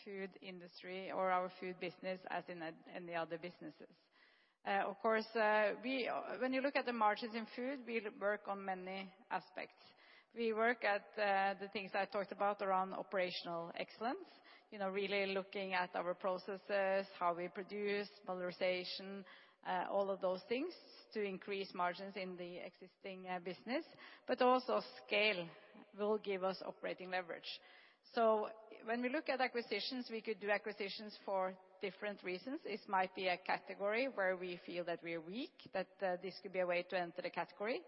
food industry or our food business as in the other businesses. When you look at the margins in food, we work on many aspects. We work at the things I talked about around operational excellence, you know, really looking at our processes, how we produce, modernization, all of those things to increase margins in the existing business. Scale will give us operating leverage. When we look at acquisitions, we could do acquisitions for different reasons. It might be a category where we feel that we are weak, that this could be a way to enter a category.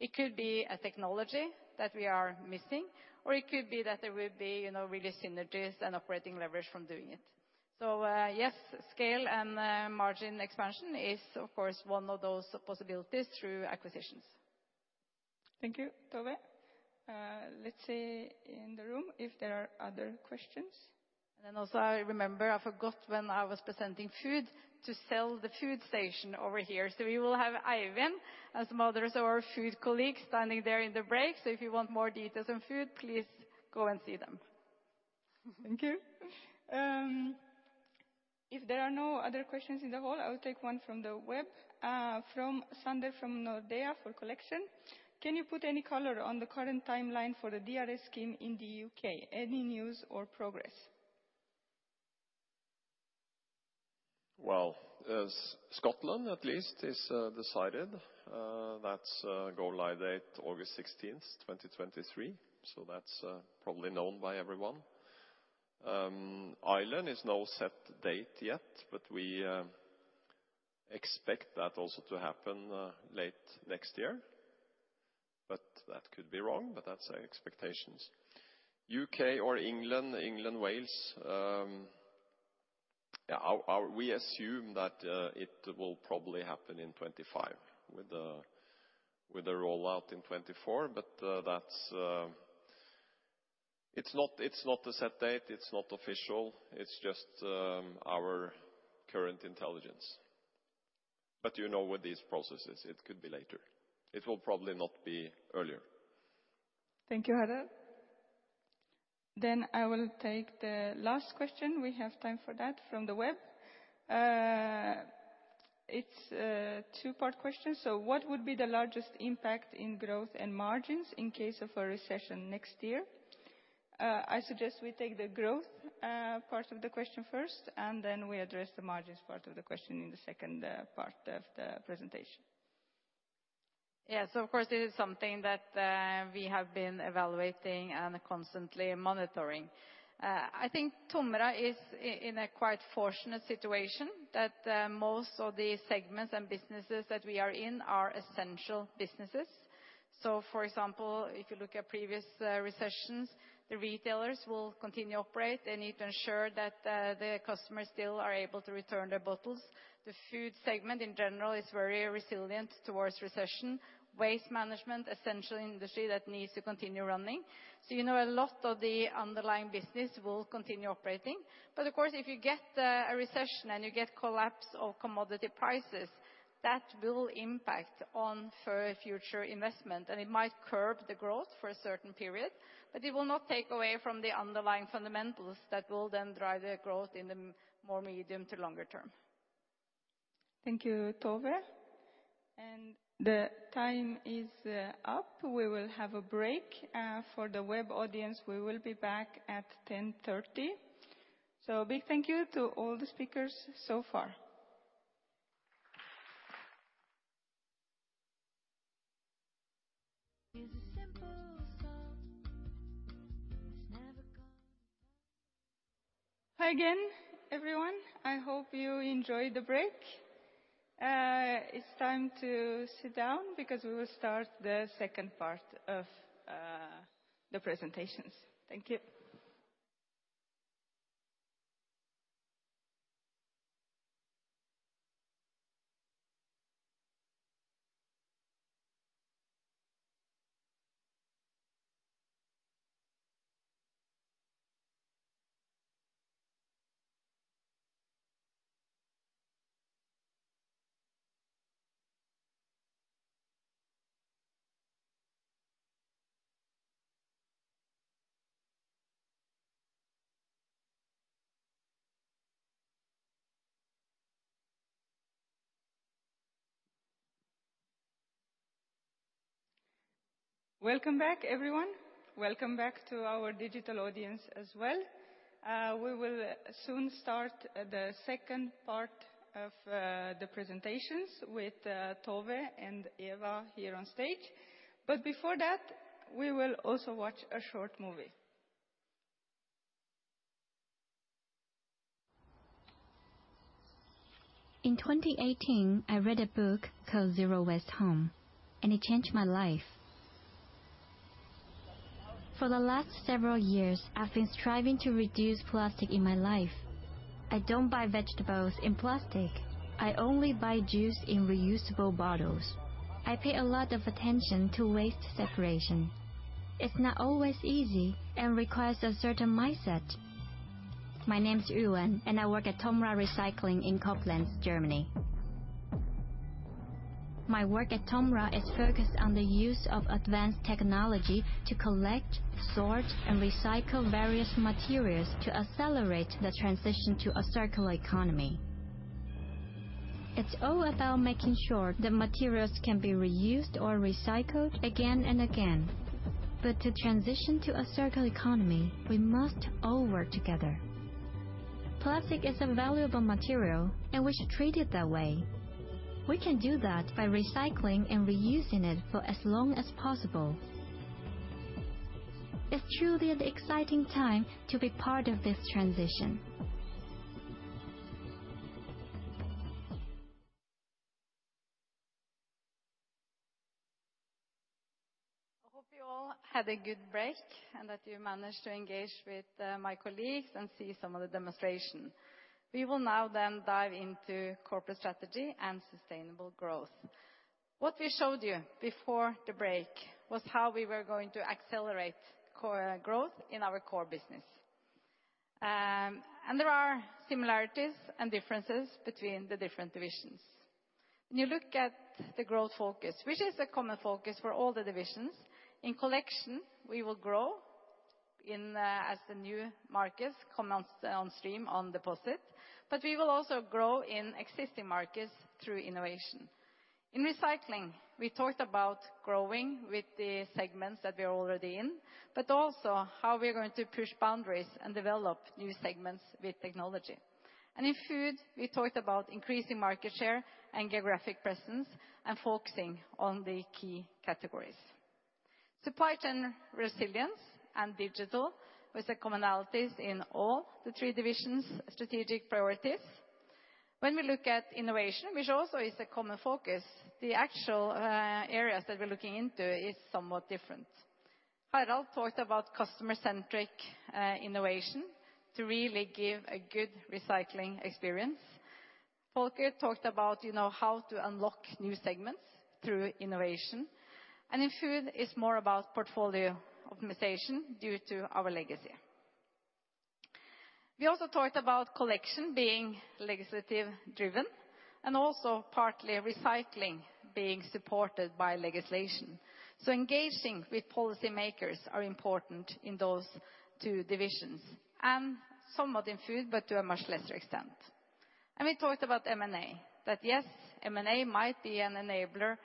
It could be a technology that we are missing, or it could be that there will be, you know, really synergies and operating leverage from doing it. Yes, scale and margin expansion is, of course, one of those possibilities through acquisitions. Thank you, Tove. Let's see in the room if there are other questions. Also I remember I forgot when I was presenting food to sell the food station over here. We will have Ivan and some others of our food colleagues standing there in the break. If you want more details on food, please go and see them. Thank you. If there are no other questions in the hall, I will take one from the web, from Sander, from Nordea for collection. Can you put any color on the current timeline for the DRS scheme in the UK? Any news or progress? Well, as Scotland at least has decided, that's the go-live date August 16th, 2023. That's probably known by everyone. Ireland has no set date yet, but we expect that also to happen late next year. That could be wrong, but that's our expectations. UK or England, Wales, yeah. We assume that it will probably happen in 2025 with the rollout in 2024. That's not a set date. It's not official. It's just our current intelligence. You know with these processes, it could be later. It will probably not be earlier. Thank you, Harald. I will take the last question, we have time for that, from the web. It's a two-part question. What would be the largest impact in growth and margins in case of a recession next year? I suggest we take the growth part of the question first, and then we address the margins part of the question in the second part of the presentation. Yeah. Of course, it is something that we have been evaluating and constantly monitoring. I think TOMRA is in a quite fortunate situation that most of the segments and businesses that we are in are essential businesses. For example, if you look at previous recessions, the retailers will continue to operate. They need to ensure that their customers still are able to return their bottles. The food segment in general is very resilient toward recession. Waste management, essential industry that needs to continue running. You know, a lot of the underlying business will continue operating. But of course, if you get a recession and you get collapse of commodity prices, that will impact on future investment, and it might curb the growth for a certain period. It will not take away from the underlying fundamentals that will then drive the growth in the more medium to longer term. Thank you, Tove. The time is up. We will have a break. For the web audience, we will be back at 10:30. Big thank you to all the speakers so far. Hi again, everyone. I hope you enjoyed the break. It's time to sit down because we will start the second part of the presentations. Thank you. Welcome back, everyone. Welcome back to our digital audience as well. We will soon start the second part of the presentations with Tove and Eva here on stage. Before that, we will also watch a short movie. In 2018, I read a book called Zero Waste Home, and it changed my life. For the last several years, I've been striving to reduce plastic in my life. I don't buy vegetables in plastic. I only buy juice in reusable bottles. I pay a lot of attention to waste separation. It's not always easy and requires a certain mindset. My name is Yuwen, and I work at TOMRA Recycling in Koblenz, Germany. My work at TOMRA is focused on the use of advanced technology to collect, sort, and recycle various materials to accelerate the transition to a circular economy. It's all about making sure the materials can be reused or recycled again and again. To transition to a circular economy, we must all work together. Plastic is a valuable material, and we should treat it that way. We can do that by recycling and reusing it for as long as possible. It's truly an exciting time to be part of this transition. I hope you all had a good break, and that you managed to engage with my colleagues and see some of the demonstration. We will now then dive into corporate strategy and sustainable growth. What we showed you before the break was how we were going to accelerate core growth in our core business. There are similarities and differences between the different divisions. When you look at the growth focus, which is a common focus for all the divisions, in Collection we will grow in as the new markets come on stream on deposit, but we will also grow in existing markets through innovation. In Recycling, we talked about growing with the segments that we're already in, but also how we're going to push boundaries and develop new segments with technology. In Food, we talked about increasing market share and geographic presence, and focusing on the key categories. Supply chain resilience and digital with the commonalities in all the three divisions' strategic priorities. When we look at innovation, which also is a common focus, the actual areas that we're looking into is somewhat different. Harald talked about customer-centric innovation to really give a good recycling experience. Volker talked about, you know, how to unlock new segments through innovation. In Food, it's more about portfolio optimization due to our legacy. We also talked about Collection being legislative-driven, and also partly Recycling being supported by legislation. Engaging with policymakers are important in those two divisions, and somewhat in Food, but to a much lesser extent. We talked about M&A, that yes, M&A might be an enabler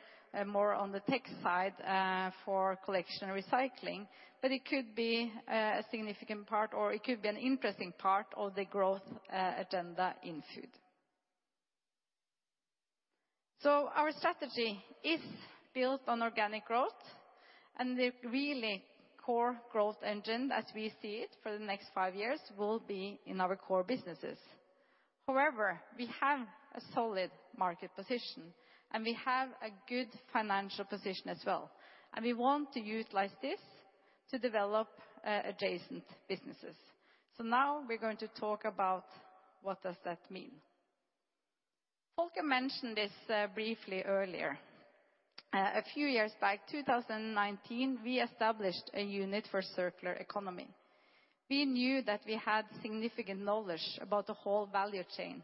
more on the tech side for Collection and Recycling, but it could be a significant part, or it could be an interesting part of the growth agenda in Food. Our strategy is built on organic growth, and the really core growth engine as we see it for the next five years will be in our core businesses. However, we have a solid market position, and we have a good financial position as well, and we want to utilize this to develop adjacent businesses. Now we're going to talk about what does that mean. Volker mentioned this briefly earlier. A few years back, 2019, we established a unit for circular economy. We knew that we had significant knowledge about the whole value chain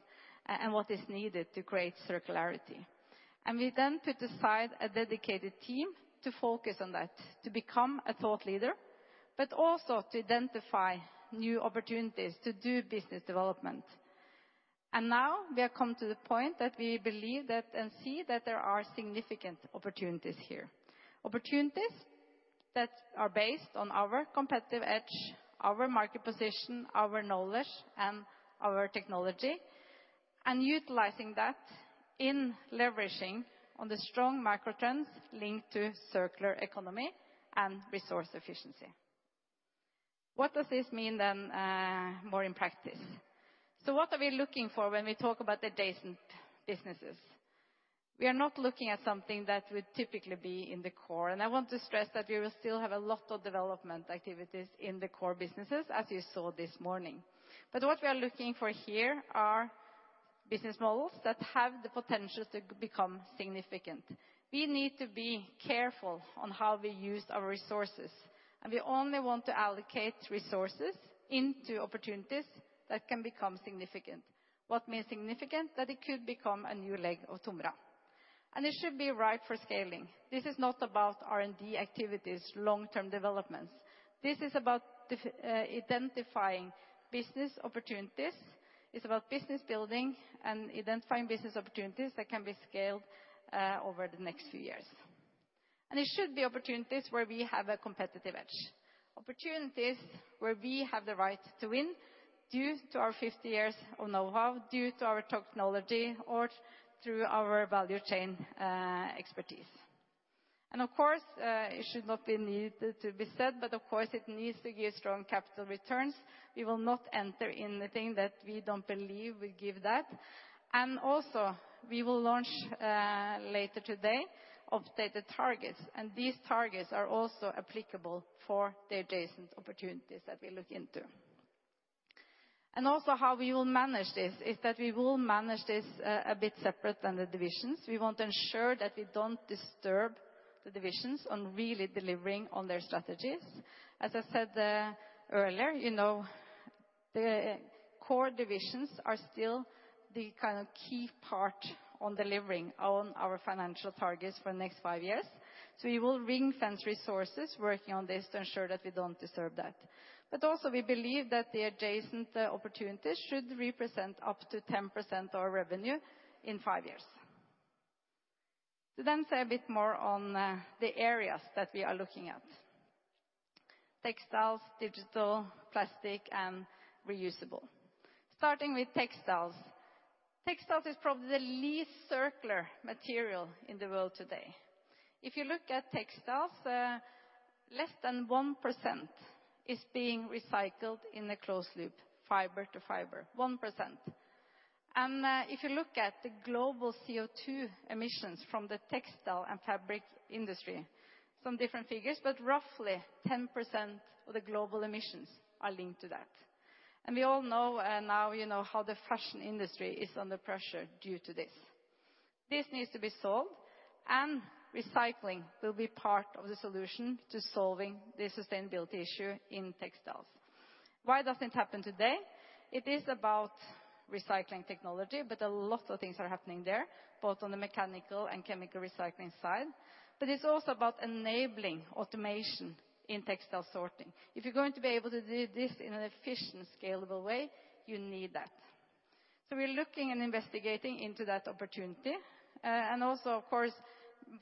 and what is needed to create circularity. We then put aside a dedicated team to focus on that, to become a thought leader, but also to identify new opportunities to do business development. Now we have come to the point that we believe that, and see that there are significant opportunities here, opportunities that are based on our competitive edge, our market position, our knowledge, and our technology, and utilizing that in leveraging on the strong microtrends linked to circular economy and resource efficiency. What does this mean, then, more in practice? What are we looking for when we talk about adjacent businesses? We are not looking at something that would typically be in the core, and I want to stress that we will still have a lot of development activities in the core businesses, as you saw this morning. What we are looking for here are business models that have the potential to become significant. We need to be careful on how we use our resources, and we only want to allocate resources into opportunities that can become significant. What means significant? That it could become a new leg of TOMRA. It should be right for scaling. This is not about R&D activities, long-term developments. This is about identifying business opportunities. It's about business building and identifying business opportunities that can be scaled over the next few years. It should be opportunities where we have a competitive edge, opportunities where we have the right to win due to our 50 years of know-how, due to our technology or through our value chain expertise. Of course, it should not be needed to be said, but of course it needs to give strong capital returns. We will not enter in anything that we don't believe will give that. We will launch later today updated targets, and these targets are also applicable for the adjacent opportunities that we look into. How we will manage this is that we will manage this a bit separate than the divisions. We want to ensure that we don't disturb the divisions on really delivering on their strategies. As I said earlier, you know, the core divisions are still the kind of key part on delivering on our financial targets for next five years. We will ring-fence resources working on this to ensure that we don't disturb that. Also we believe that the adjacent opportunities should represent up to 10% of revenue in five years. To then say a bit more on, the areas that we are looking at, textiles, digital, plastic and reusable. Starting with textiles. Textiles is probably the least circular material in the world today. If you look at textiles, less than 1% is being recycled in a closed loop, fiber to fiber, 1%. If you look at the global CO2 emissions from the textile and fabric industry, some different figures, but roughly 10% of the global emissions are linked to that. We all know, now you know how the fashion industry is under pressure due to this. This needs to be solved, and recycling will be part of the solution to solving the sustainability issue in textiles. Why doesn't it happen today? It is about recycling technology, but a lot of things are happening there, both on the mechanical and chemical recycling side. It's also about enabling automation in textile sorting. If you're going to be able to do this in an efficient, scalable way, you need that. We're looking and investigating into that opportunity. Also of course,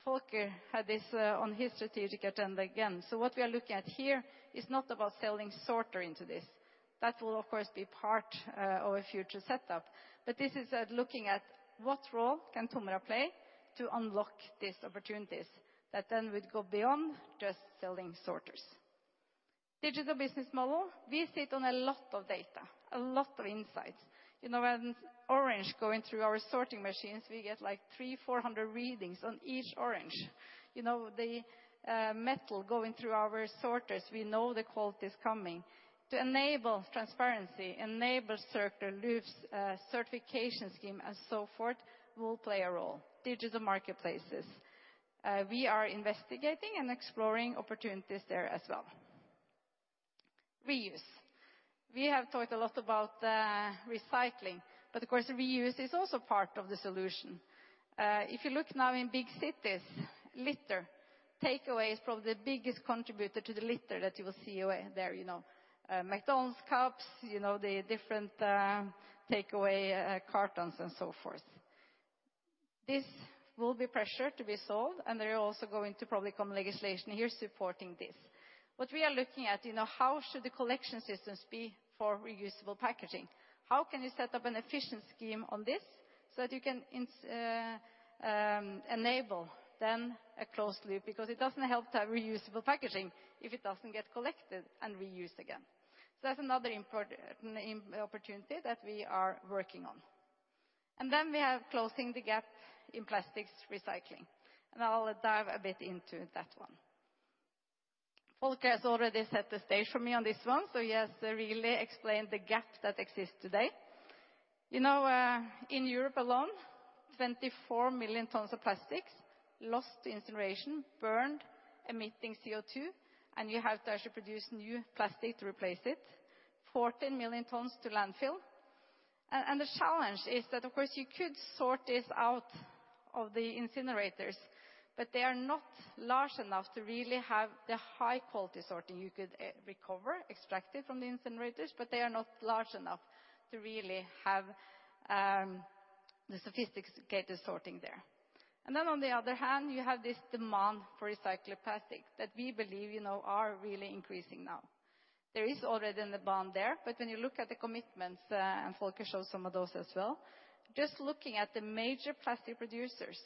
Volker had this on his strategic agenda again. What we are looking at here is not about selling sorters into this. That will of course be part of a future setup, but this is looking at what role can TOMRA play to unlock these opportunities that then would go beyond just selling sorters. Digital business model, we sit on a lot of data, a lot of insights. You know, when oranges going through our sorting machines, we get like 300-400 readings on each orange. You know, the metal going through our sorters, we know the quality is coming. To enable transparency, enable circular loops, certification scheme and so forth will play a role. Digital marketplaces. We are investigating and exploring opportunities there as well. Reuse. We have talked a lot about recycling, but of course, reuse is also part of the solution. If you look now in big cities, litter takeaway is probably the biggest contributor to the litter that you will see away there, you know. McDonald's cups, you know, the different takeaway cartons and so forth. There will be pressure to be solved, and there will probably also be legislation here supporting this. What we are looking at, you know, how should the collection systems be for reusable packaging? How can you set up an efficient scheme on this so that you can enable then a closed loop? Because it doesn't help to have reusable packaging if it doesn't get collected and reused again. That's another opportunity that we are working on. We have closing the gap in plastics recycling, and I'll dive a bit into that one. Volker has already set the stage for me on this one, so he has really explained the gap that exists today. You know, in Europe alone, 24 million tons of plastics lost to incineration, burned, emitting CO2, and you have to actually produce new plastic to replace it. 14 million tons to landfill. The challenge is that, of course, you could sort this out of the incinerators, but they are not large enough to really have the high quality sorting you could recover extracted from the incinerators, but they are not large enough to really have the sophisticated sorting there. Then on the other hand, you have this demand for recycled plastic that we believe, you know, are really increasing now. There is already a demand there, but when you look at the commitments and Volker showed some of those as well, just looking at the major plastic producers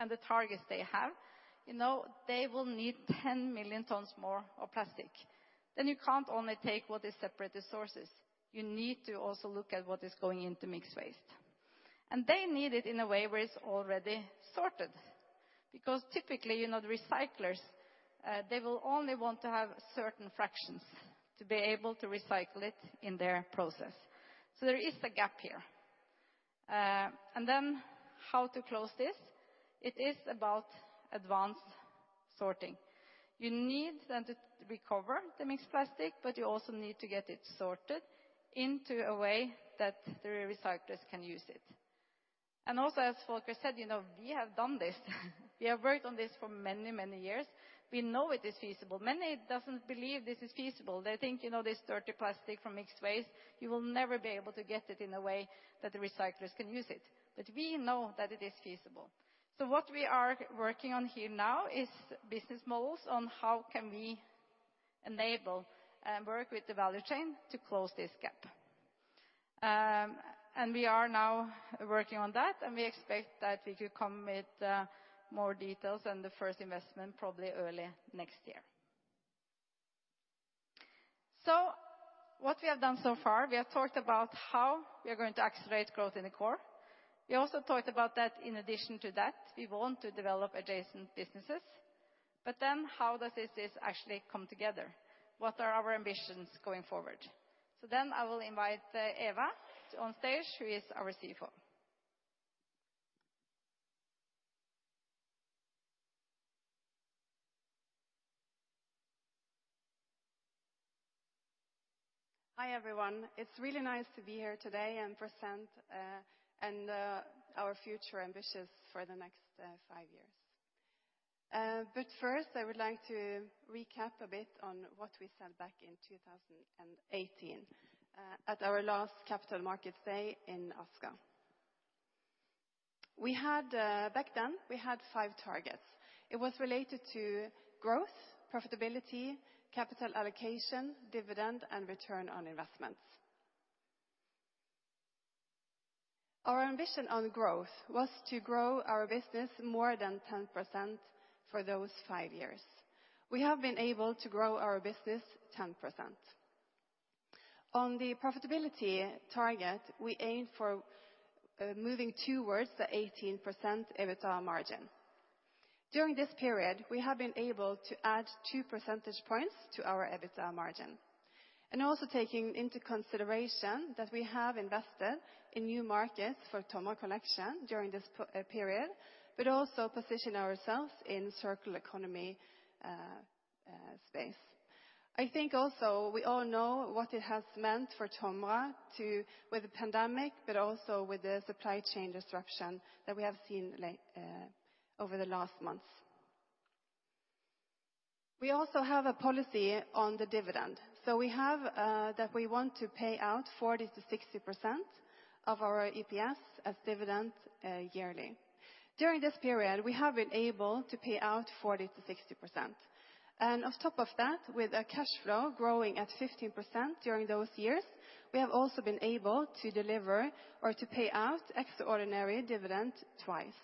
and the targets they have, you know, they will need 10 million tons more of plastic. Then you can't only take what is separate resources, you need to also look at what is going into mixed waste. They need it in a way where it's already sorted. Because typically, you know, the recyclers, they will only want to have certain fractions to be able to recycle it in their process. There is a gap here. How to close this, it is about advanced sorting. You need then to recover the mixed plastic, but you also need to get it sorted into a way that the recyclers can use it. Also as Volker said, you know, we have done this. We have worked on this for many, many years. We know it is feasible. Many doesn't believe this is feasible. They think, you know, this dirty plastic from mixed waste, you will never be able to get it in a way that the recyclers can use it. We know that it is feasible. What we are working on here now is business models on how can we enable and work with the value chain to close this gap. We are now working on that, and we expect that we could commit more details and the first investment probably early next year. What we have done so far, we have talked about how we are going to accelerate growth in the core. We also talked about that in addition to that, we want to develop adjacent businesses. How does this actually come together? What are our ambitions going forward? I will invite Eva Sagemo on stage, who is our CFO. Hi, everyone. It's really nice to be here today and present our future ambitions for the next five years. First, I would like to recap a bit on what we said back in 2018 at our last capital markets day in Oslo. Back then, we had five targets. It was related to growth, profitability, capital allocation, dividend, and return on investments. Our ambition on growth was to grow our business more than 10% for those five years. We have been able to grow our business 10%. On the profitability target, we aim for moving towards the 18% EBITDA margin. During this period, we have been able to add two percentage points to our EBITDA margin, and also taking into consideration that we have invested in new markets for TOMRA Collection during this period, but also position ourselves in circular economy space. I think also we all know what it has meant for TOMRA with the pandemic, but also with the supply chain disruption that we have seen over the last months. We also have a policy on the dividend. We have that we want to pay out 40%-60% of our EPS as dividend yearly. During this period, we have been able to pay out 40%-60%. On top of that, with a cash flow growing at 15% during those years, we have also been able to deliver or to pay out extraordinary dividend twice.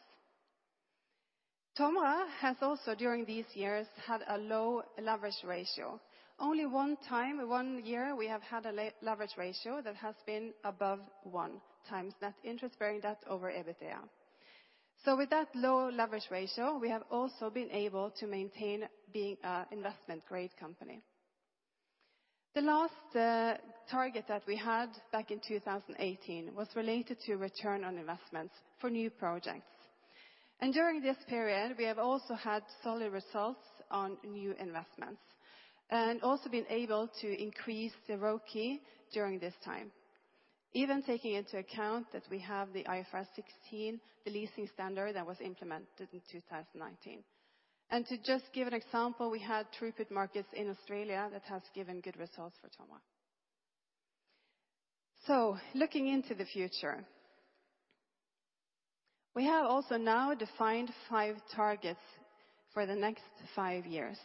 TOMRA has also, during these years, had a low leverage ratio. Only one time, one year we have had a leverage ratio that has been above one times net interest bearing debt over EBITDA. With that low leverage ratio, we have also been able to maintain being a investment-grade company. The last target that we had back in 2018 was related to return on investments for new projects. During this period, we have also had solid results on new investments, and also been able to increase the ROCE during this time. Even taking into account that we have the IFRS 16, the leasing standard that was implemented in 2019. To just give an example, we had throughput markets in Australia that has given good results for TOMRA. Looking into the future, we have also now defined five targets for the next five years.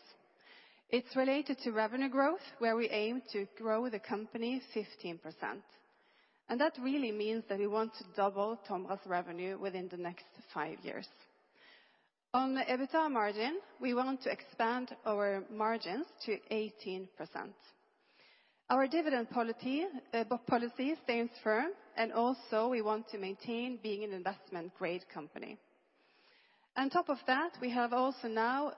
It's related to revenue growth, where we aim to grow the company 15%. That really means that we want to double TOMRA's revenue within the next five years. On the EBITDA margin, we want to expand our margins to 18%. Our dividend policy stands firm, and also we want to maintain being an investment-grade company. On top of that, we have also now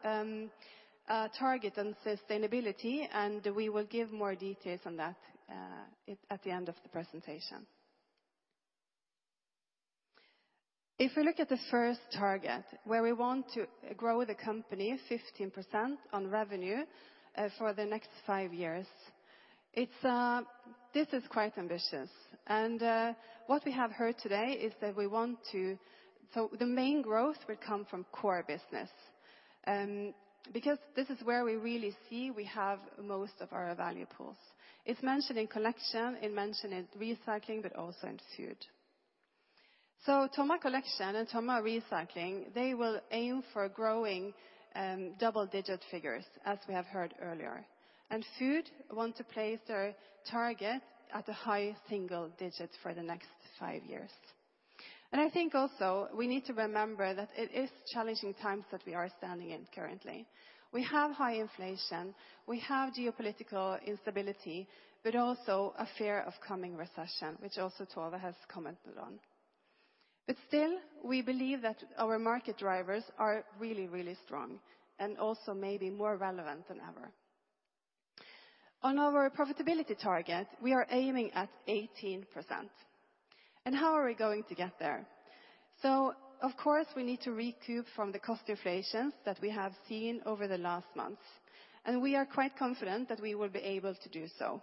a target on sustainability, and we will give more details on that at the end of the presentation. If we look at the first target, where we want to grow the company 15% on revenue for the next five years, this is quite ambitious. What we have heard today is that the main growth will come from core business, because this is where we really see we have most of our value pools. It's mentioned in collection, it mentioned in recycling, but also in food. TOMRA Collection and TOMRA Recycling, they will aim for growing double-digit figures, as we have heard earlier. Food want to place their target at a high single digit for the next five years. I think also we need to remember that it is challenging times that we are standing in currently. We have high inflation, we have geopolitical instability, but also a fear of coming recession, which also Tove has commented on. We believe that our market drivers are really, really strong and also maybe more relevant than ever. On our profitability target, we are aiming at 18%. How are we going to get there? Of course, we need to recoup from the cost inflations that we have seen over the last months, and we are quite confident that we will be able to do so.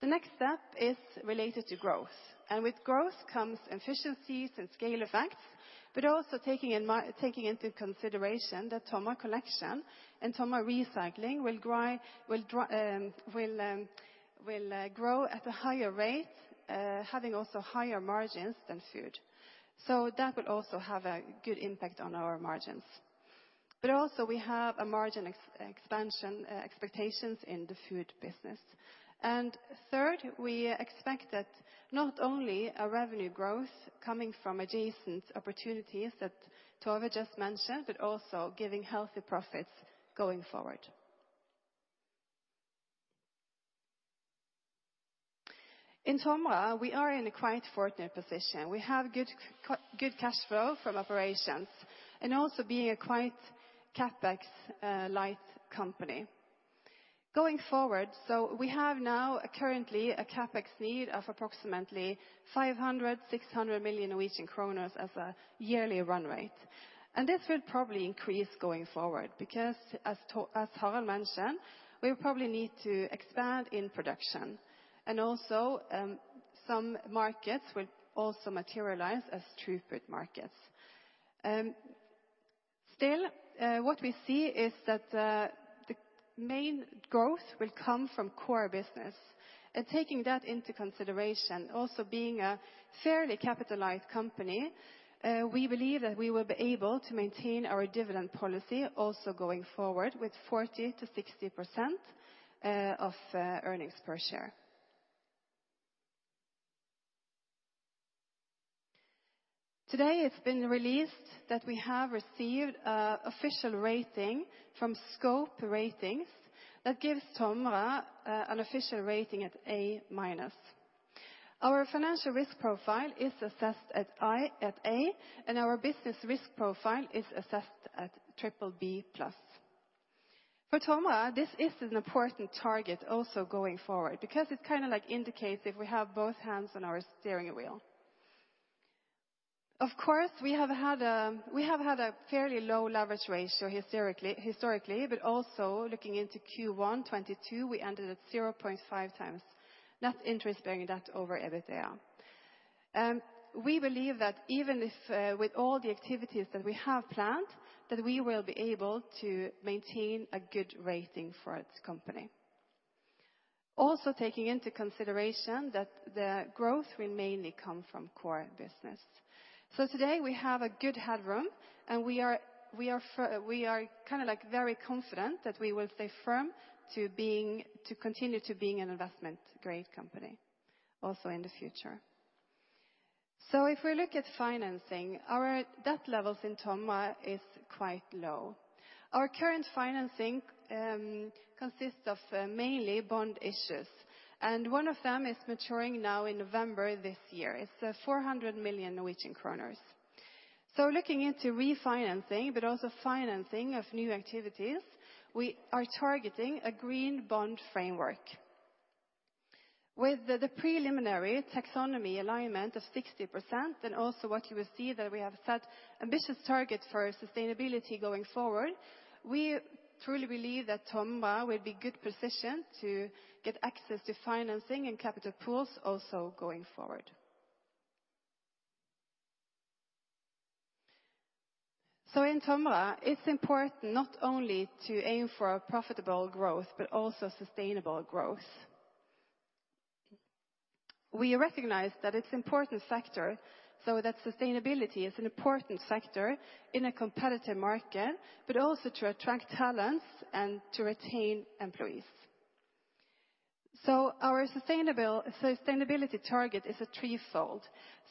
The next step is related to growth. With growth comes efficiencies and scale effects, but also taking into consideration that TOMRA Collection and TOMRA Recycling will grow at a higher rate, having also higher margins than food. That will also have a good impact on our margins. We have a margin expansion expectations in the food business. Third, we expect that not only a revenue growth coming from adjacent opportunities that Tove just mentioned, but also giving healthy profits going forward. In TOMRA, we are in a quite fortunate position. We have good cash flow from operations, and also being a quite CapEx light company. Going forward, we have now currently a CapEx need of approximately 500 million-600 million Norwegian kroner as a yearly run rate. This will probably increase going forward, because as Harald mentioned, we probably need to expand in production. Also, some markets will also materialize as throughput markets. Still, what we see is that the main growth will come from core business. Taking that into consideration, also being a fairly capitalized company, we believe that we will be able to maintain our dividend policy also going forward with 40%-60% of earnings per share. Today it's been released that we have received an official rating from Scope Ratings that gives TOMRA an official rating at A-. Our financial risk profile is assessed at A, and our business risk profile is assessed at BBB+. For TOMRA, this is an important target also going forward, because it kind of like indicates if we have both hands on our steering wheel. Of course, we have had a fairly low leverage ratio historically, but also looking into Q1 2022, we ended at 0.5 times net interest-bearing debt over EBITDA. We believe that even if with all the activities that we have planned, that we will be able to maintain a good rating for its company. Taking into consideration that the growth will mainly come from core business. Today we have a good headroom, and we are kind of like very confident that we will stay firm to being, to continue to being an investment grade company also in the future. If we look at financing, our debt levels in TOMRA is quite low. Our current financing consists of mainly bond issues, and one of them is maturing now in November this year. It's four hundred million Norwegian kroners. Looking into refinancing but also financing of new activities, we are targeting a green bond framework. With the preliminary taxonomy alignment of 60%, and also what you will see that we have set ambitious targets for our sustainability going forward, we truly believe that TOMRA will be good position to get access to financing and capital pools also going forward. In TOMRA, it's important not only to aim for a profitable growth, but also sustainable growth. We recognize that it's important factor, so that sustainability is an important factor in a competitive market, but also to attract talents and to retain employees. Our sustainability target is a threefold.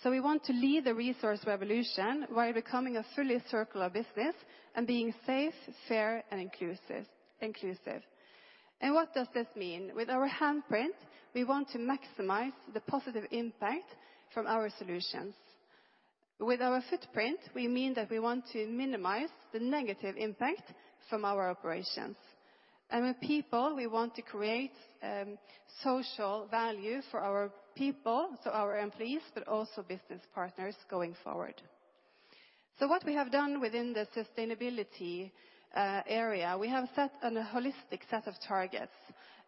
We want to lead the resource revolution by becoming a fully circular business and being safe, fair, and inclusive. What does this mean? With our handprint, we want to maximize the positive impact from our solutions. With our footprint, we mean that we want to minimize the negative impact from our operations. With people, we want to create social value for our people, so our employees, but also business partners going forward. What we have done within the sustainability area, we have set a holistic set of targets,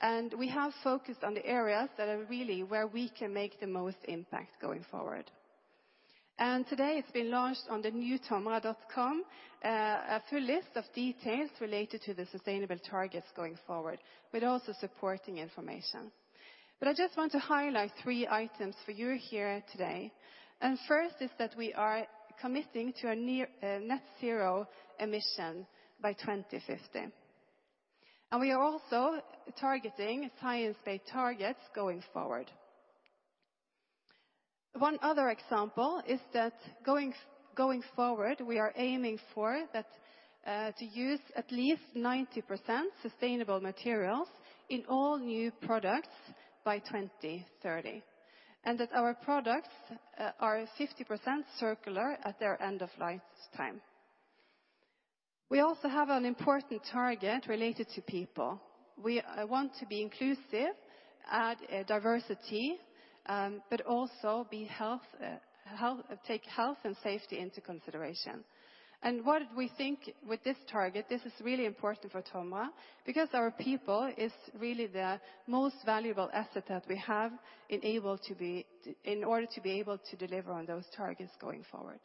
and we have focused on the areas that are really where we can make the most impact going forward. Today it's been launched on the new TOMRA.com, a full list of details related to the sustainable targets going forward, with also supporting information. I just want to highlight three items for you here today. First is that we are committing to a net-zero emission by 2050. We are also targeting Science-Based Targets going forward. One other example is that going forward, we are aiming for that to use at least 90% sustainable materials in all new products by 2030, and that our products are 50% circular at their end of life time. We also have an important target related to people. We want to be inclusive, add diversity, but also take health and safety into consideration. What we think with this target, this is really important for TOMRA, because our people is really the most valuable asset that we have enable to be in order to be able to deliver on those targets going forward.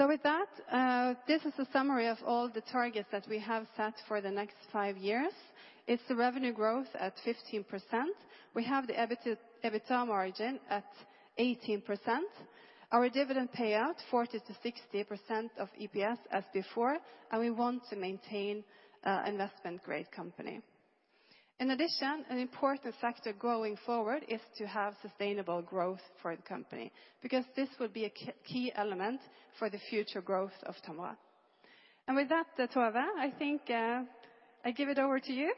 With that, this is a summary of all the targets that we have set for the next five years. It's the revenue growth at 15%. We have the EBITDA margin at 18%. Our dividend payout, 40%-60% of EPS as before, and we want to maintain an investment grade company. In addition, an important factor going forward is to have sustainable growth for the company, because this will be a key element for the future growth of TOMRA. With that, Tove, I think, I give it over to you.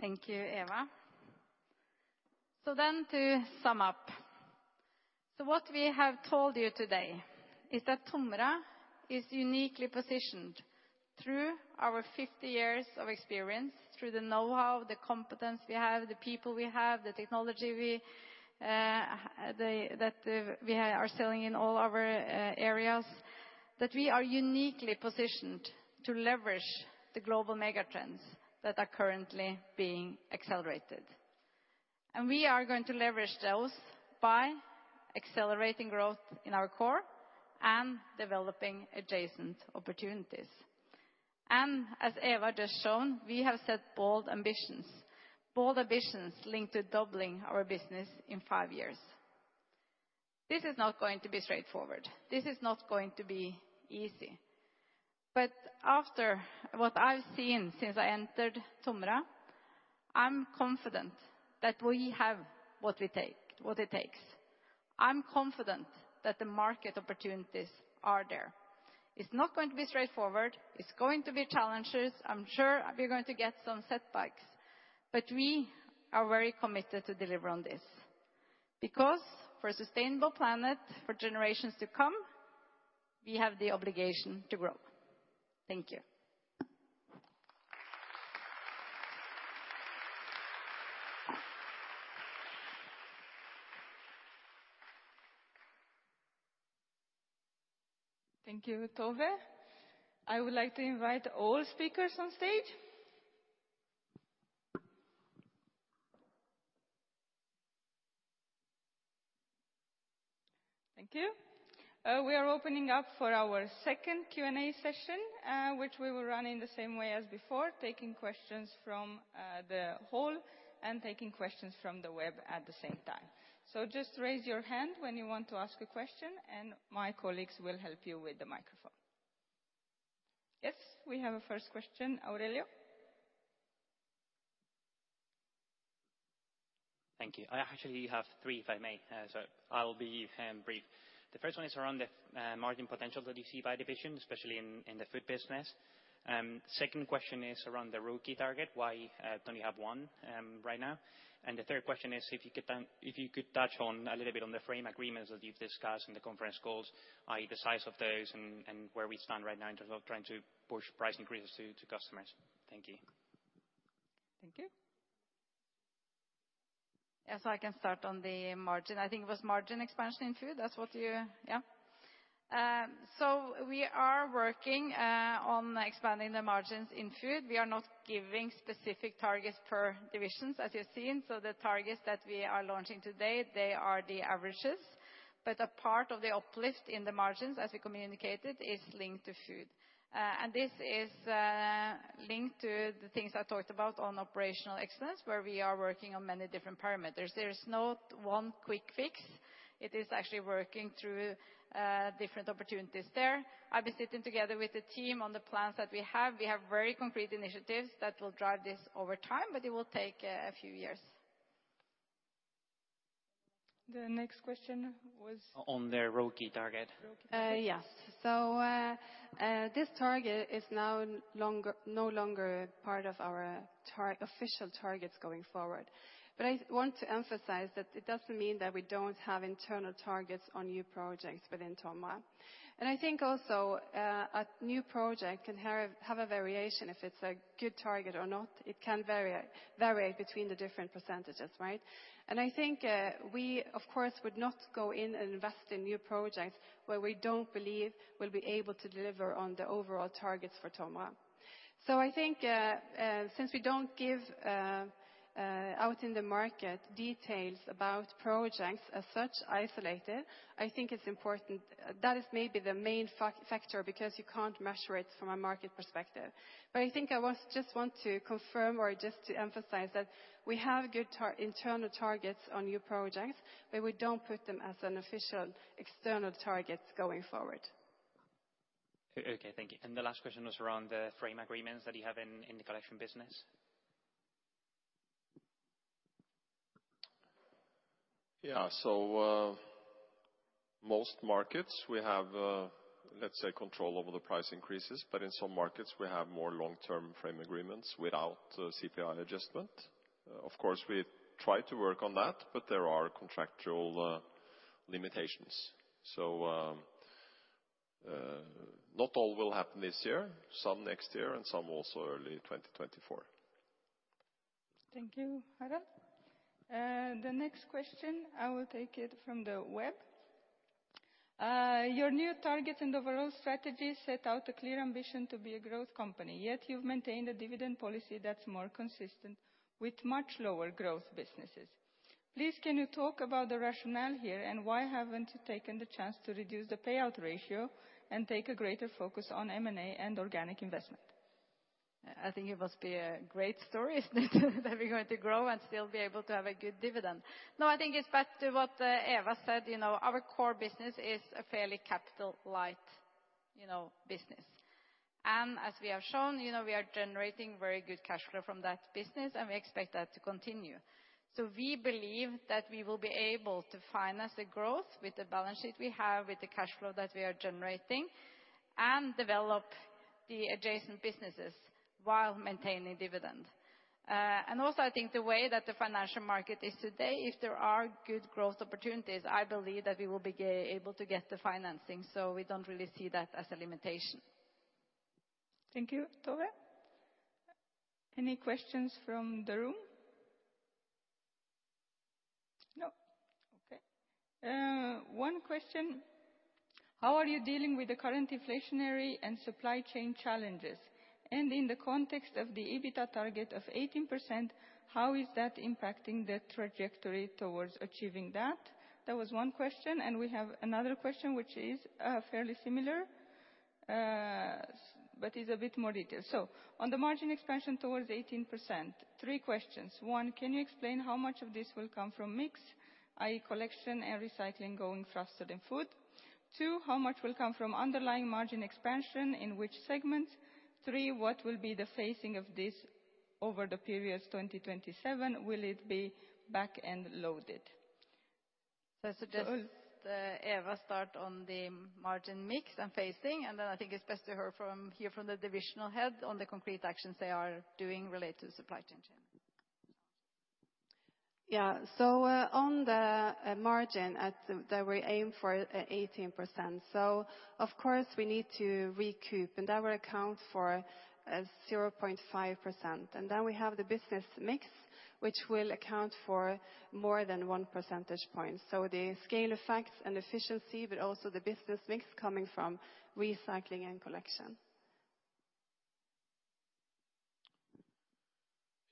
Thank you, Eva. To sum up. What we have told you today is that TOMRA is uniquely positioned through our 50 years of experience, through the know-how, the competence we have, the people we have, the technology we are selling in all our areas, that we are uniquely positioned to leverage the global mega trends that are currently being accelerated. We are going to leverage those by accelerating growth in our core and developing adjacent opportunities. As Eva just shown, we have set bold ambitions linked to doubling our business in five years. This is not going to be straightforward. This is not going to be easy. After what I've seen since I entered TOMRA, I'm confident that we have what it takes. I'm confident that the market opportunities are there. It's not going to be straightforward. It's going to be challenges. I'm sure we're going to get some setbacks, but we are very committed to deliver on this. Because for a sustainable planet, for generations to come, we have the obligation to grow. Thank you. Thank you, Tove. I would like to invite all speakers on stage. Thank you. We are opening up for our second Q&A session, which we will run in the same way as before, taking questions from the hall and taking questions from the web at the same time. Just raise your hand when you want to ask a question, and my colleagues will help you with the microphone. Yes, we have a first question. Aurelio? Thank you. I actually have three, if I may, so I'll be brief. The first one is around the margin potential that you see by division, especially in the food business. Second question is around the ROIC target. Why don't you have one right now? The third question is if you could touch on a little bit on the framework agreements that you've discussed in the conference calls, i.e., the size of those and where we stand right now in terms of trying to push price increases to customers. Thank you. Thank you. Yeah, I can start on the margin. I think it was margin expansion in food. Yeah. We are working on expanding the margins in food. We are not giving specific targets per divisions, as you've seen. The targets that we are launching today, they are the averages. A part of the uplift in the margins, as we communicated, is linked to food. This is linked to the things I talked about on operational excellence, where we are working on many different parameters. There is no one quick fix. It is actually working through different opportunities there. I'll be sitting together with the team on the plans that we have. We have very concrete initiatives that will drive this over time, but it will take a few years. The next question was. On the ROCE target. ROIC target. Yes. This target is now no longer part of our official targets going forward. I want to emphasize that it doesn't mean that we don't have internal targets on new projects within TOMRA. I think also, a new project can have a variation if it's a good target or not. It can vary between the different percentages, right? I think, we, of course, would not go in and invest in new projects where we don't believe we'll be able to deliver on the overall targets for TOMRA. I think, since we don't give out in the market details about projects as such isolated, I think it's important. That is maybe the main factor because you can't measure it from a market perspective. I think I just want to confirm or just to emphasize that we have good internal targets on new projects, but we don't put them as an official external targets going forward. Okay. Thank you. The last question was around the framework agreements that you have in the collection business. Yeah. Most markets we have, let's say, control over the price increases, but in some markets, we have more long-term frame agreements without CPI adjustment. Of course, we try to work on that, but there are contractual limitations. Not all will happen this year, some next year, and some also early 2024. Thank you, Harald. The next question, I will take it from the web. Your new target and overall strategy set out a clear ambition to be a growth company, yet you've maintained a dividend policy that's more consistent with much lower growth businesses. Please, can you talk about the rationale here, and why haven't you taken the chance to reduce the payout ratio and take a greater focus on M&A and organic investment? I think it must be a great story, isn't it? That we're going to grow and still be able to have a good dividend. No, I think it's back to what Eva said. You know, our core business is a fairly capital light business. As we have shown, you know, we are generating very good cash flow from that business, and we expect that to continue. We believe that we will be able to finance the growth with the balance sheet we have, with the cash flow that we are generating, and develop the adjacent businesses while maintaining dividend. Also, I think the way that the financial market is today, if there are good growth opportunities, I believe that we will be able to get the financing, so we don't really see that as a limitation. Thank you, Tove. Any questions from the room? No. Okay. One question: how are you dealing with the current inflationary and supply chain challenges? And in the context of the EBITDA target of 18%, how is that impacting the trajectory towards achieving that? That was one question, and we have another question, which is, fairly similar, but is a bit more detailed. On the margin expansion towards 18%, three questions. One, can you explain how much of this will come from mix, i.e. collection and recycling going faster than food? Two, how much will come from underlying margin expansion, in which segments? Three, what will be the phasing of this over the periods 2027? Will it be back-end loaded? I suggest Eva start on the margin mix and phasing, and then I think it's best to hear from the divisional head on the concrete actions they are doing related to supply chain challenges. On the margin that we aim for 18%, so of course we need to recoup, and that will account for 0.5%. We have the business mix, which will account for more than one percentage point. The scale effects and efficiency, but also the business mix coming from recycling and collection.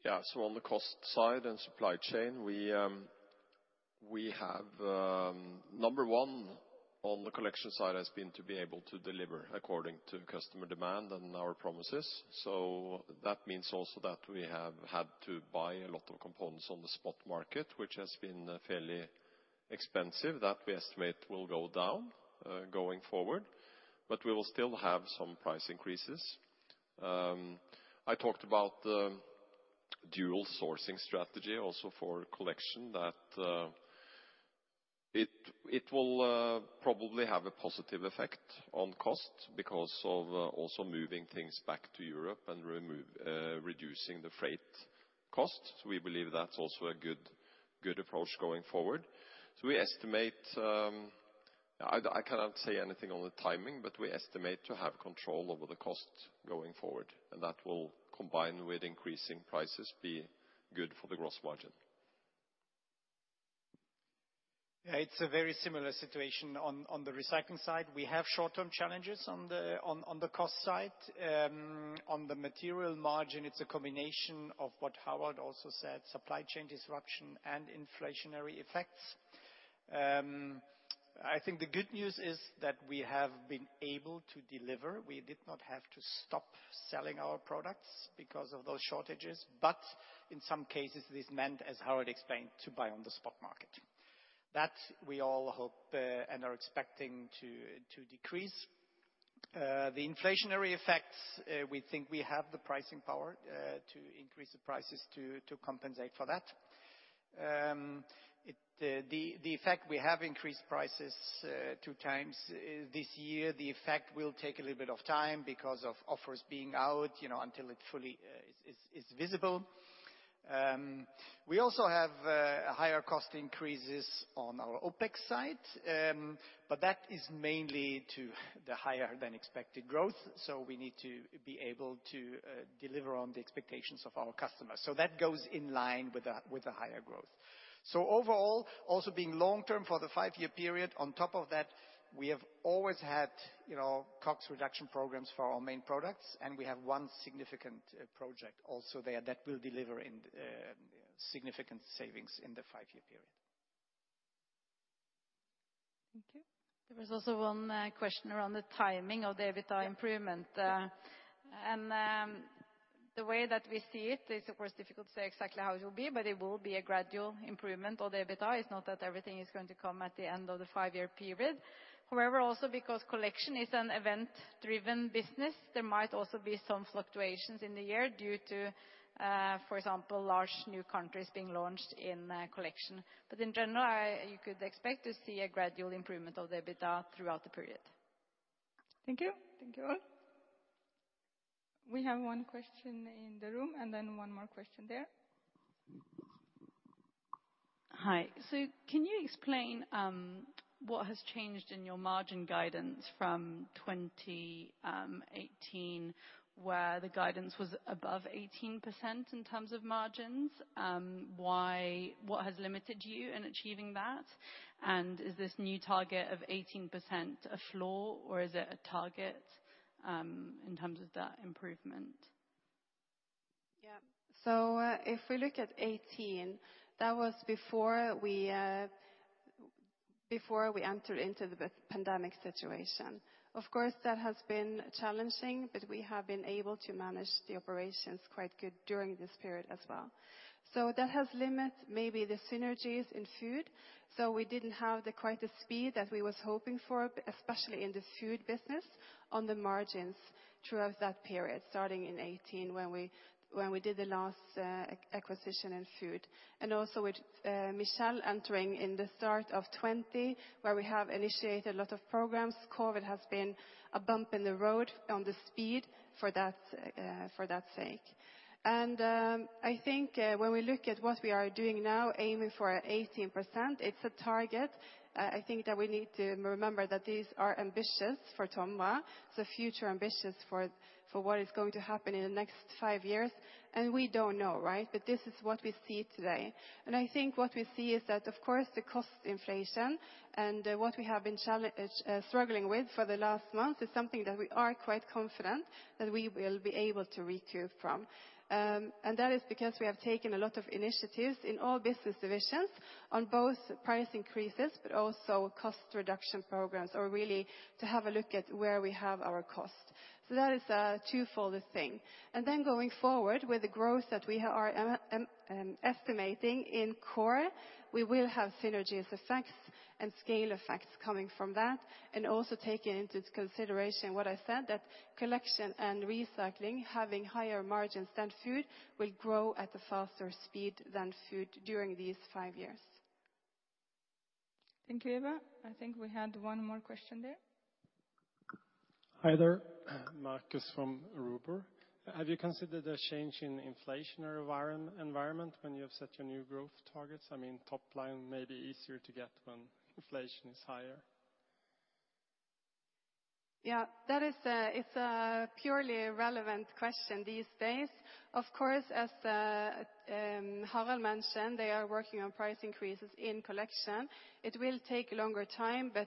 Yeah. On the cost side and supply chain, we have. Number one on the collection side has been to be able to deliver according to customer demand and our promises. That means also that we have had to buy a lot of components on the spot market, which has been fairly expensive. That we estimate will go down going forward, but we will still have some price increases. I talked about the dual sourcing strategy also for collection, that it will probably have a positive effect on cost because of also moving things back to Europe and reducing the freight costs. We believe that's also a good approach going forward. We estimate. I cannot say anything on the timing, but we estimate to have control over the costs going forward, and that will, combined with increasing prices, be good for the gross margin. Yeah, it's a very similar situation on the recycling side. We have short-term challenges on the cost side. On the material margin, it's a combination of what Harald also said, supply chain disruption and inflationary effects. I think the good news is that we have been able to deliver. We did not have to stop selling our products because of those shortages. In some cases this meant, as Harald explained, to buy on the spot market that we all hope and are expecting to decrease. The inflationary effects, we think we have the pricing power to increase the prices to compensate for that. In effect, we have increased prices 2x this year. The effect will take a little bit of time because of offers being out, you know, until it fully is visible. We also have higher cost increases on our OpEx side, but that is mainly to the higher than expected growth, so we need to be able to deliver on the expectations of our customers. That goes in line with the higher growth. Overall, also being long term for the five-year period, on top of that, we have always had, you know, COGS reduction programs for our main products, and we have one significant project also there that will deliver significant savings in the five-year period. Thank you. There was also one question around the timing of the EBITDA improvement. The way that we see it is, of course, difficult to say exactly how it will be, but it will be a gradual improvement of the EBITDA. It's not that everything is going to come at the end of the five-year period. However, also because collection is an event-driven business, there might also be some fluctuations in the year due to, for example, large new countries being launched in, collection. In general, you could expect to see a gradual improvement of the EBITDA throughout the period. Thank you. Thank you all. We have one question in the room and then one more question there. Hi. Can you explain what has changed in your margin guidance from 2018, where the guidance was above 18% in terms of margins? What has limited you in achieving that? And is this new target of 18% a floor, or is it a target in terms of that improvement? Yeah. If we look at 2018, that was before we entered into the pandemic situation. Of course, that has been challenging, but we have been able to manage the operations quite good during this period as well. That has limited maybe the synergies in food. We didn't have quite the speed that we was hoping for, especially in this food business on the margins throughout that period, starting in 2018 when we did the last acquisition in food. And also with Michel Picandet entering in the start of 2020, where we have initiated a lot of programs. COVID has been a bump in the road on the speed for that, for that sake. I think when we look at what we are doing now, aiming for 18%, it's a target. I think that we need to remember that these are ambitious for TOMRA. The future ambitions for what is going to happen in the next five years, and we don't know, right? This is what we see today. I think what we see is that, of course, the cost inflation and what we have been struggling with for the last month is something that we are quite confident that we will be able to recoup from. That is because we have taken a lot of initiatives in all business divisions on both price increases, but also cost reduction programs, or really to have a look at where we have our costs. That is a twofold thing. Going forward with the growth that we are estimating in core, we will have synergies effects and scale effects coming from that. Also taking into consideration what I said, that collection and recycling, having higher margins than food, will grow at a faster speed than food during these five years. Thank you, Eva. I think we had one more question there. Hi there, Marcus from Ruber. Have you considered a change in inflationary environment when you have set your new growth targets? I mean, top line may be easier to get when inflation is higher. Yeah, that is, it's a purely relevant question these days. Of course, as Harald mentioned, they are working on price increases in collection. It will take longer time, but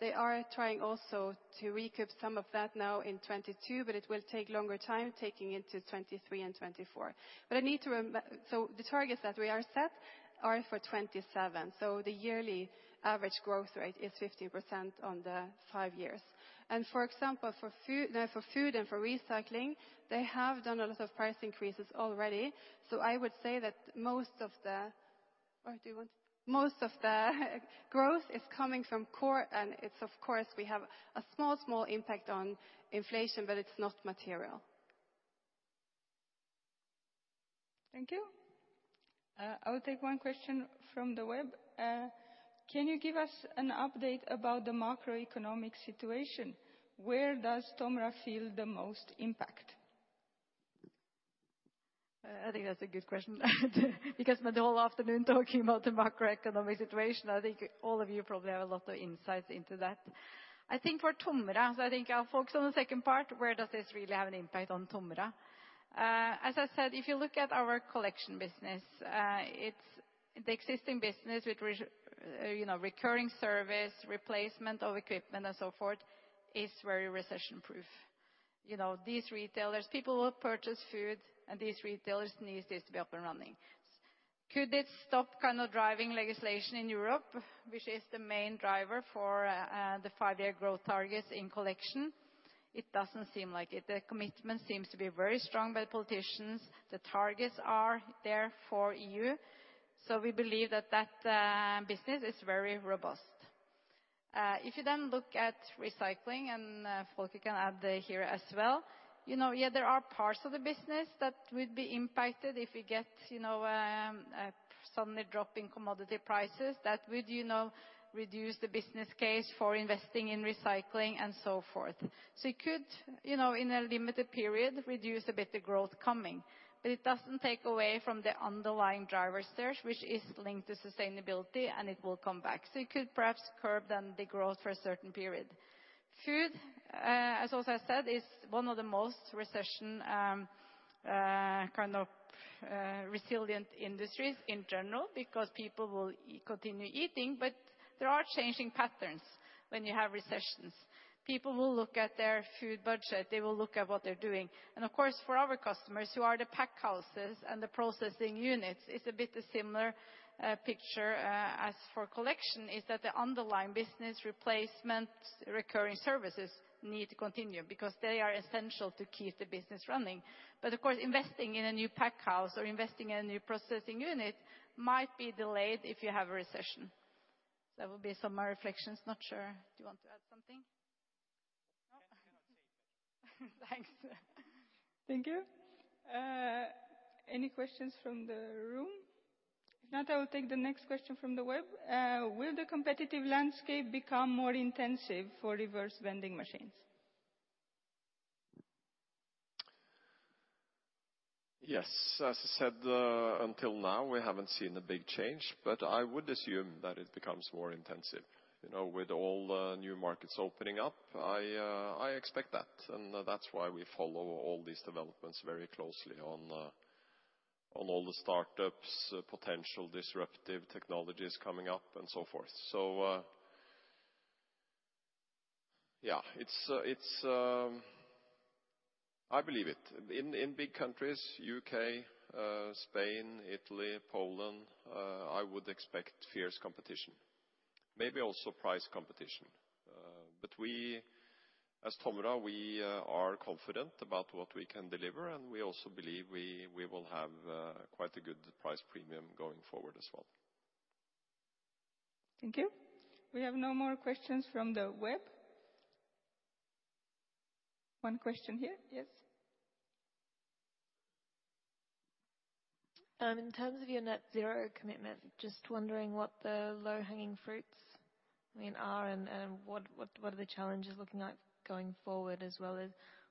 they are trying also to recoup some of that now in 2022. It will take longer time, taking into 2023 and 2024. The targets that we are set are for 2027. The yearly average growth rate is 50% on the five years. For example, for food and for recycling, they have done a lot of price increases already. I would say that most of the growth is coming from core, and of course we have a small impact on inflation, but it's not material. Thank you. I will take one question from the web. Can you give us an update about the macroeconomic situation? Where does TOMRA feel the most impact? I think that's a good question. Because I spent the whole afternoon talking about the macroeconomic situation. I think all of you probably have a lot of insights into that. I think for TOMRA, so I think I'll focus on the second part, where does this really have an impact on TOMRA? As I said, if you look at our collection business, it's the existing business with you know, recurring service, replacement of equipment and so forth, is very recession-proof. You know, these retailers, people will purchase food, and these retailers need this to be up and running. Could it stop kind of driving legislation in Europe, which is the main driver for, the five-year growth targets in collection? It doesn't seem like it. The commitment seems to be very strong by politicians. The targets are there for EU. We believe that business is very robust. If you then look at recycling, and Volker Rehrmann can add here as well, there are parts of the business that would be impacted if you get a sudden drop in commodity prices that would reduce the business case for investing in recycling and so forth. It could in a limited period reduce a bit the growth coming. But it doesn't take away from the underlying drivers, which is linked to sustainability, and it will come back. It could perhaps curb then the growth for a certain period. Food, as I also said, is one of the most recession resilient industries in general, because people will continue eating, but there are changing patterns when you have recessions. People will look at their food budget. They will look at what they're doing. Of course, for our customers who are the pack houses and the processing units, it's a bit similar picture as for collection, that the underlying business replacement recurring services need to continue because they are essential to keep the business running. Of course, investing in a new pack house or investing in a new processing unit might be delayed if you have a recession. That would be some of my reflections. Not sure. Do you want to add something? No. Thanks. Thank you. Any questions from the room? If not, I will take the next question from the web. Will the competitive landscape become more intensive for reverse vending machines? Yes. As I said, until now, we haven't seen a big change, but I would assume that it becomes more intensive. You know, with all the new markets opening up, I expect that, and that's why we follow all these developments very closely on all the startups, potential disruptive technologies coming up and so forth. Yeah, I believe it. In big countries, U.K., Spain, Italy, Poland, I would expect fierce competition. Maybe also price competition. We, as TOMRA, are confident about what we can deliver, and we also believe we will have quite a good price premium going forward as well. Thank you. We have no more questions from the web. One question here. Yes. In terms of your net zero commitment, just wondering what the low-hanging fruits, I mean, are, and what are the challenges looking at going forward, as well as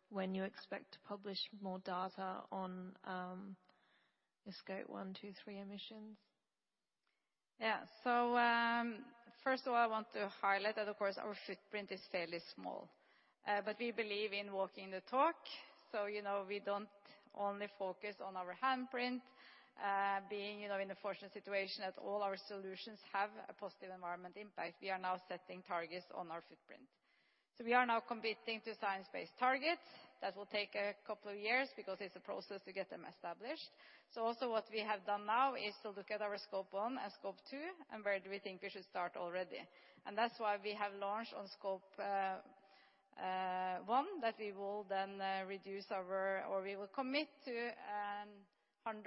when you expect to publish more data on the Scope 1, 2, 3 emissions? Yeah. First of all, I want to highlight that, of course, our footprint is fairly small. We believe in walking the talk, so you know, we don't only focus on our handprint. Being, you know, in the fortunate situation that all our solutions have a positive environmental impact, we are now setting targets on our footprint. We are now committing to Science-Based Targets. That will take a couple of years because it's a process to get them established. Also what we have done now is to look at our Scope 1 and Scope 2, and where do we think we should start already. That's why we have launched on Scope 1, that we will then commit to 100%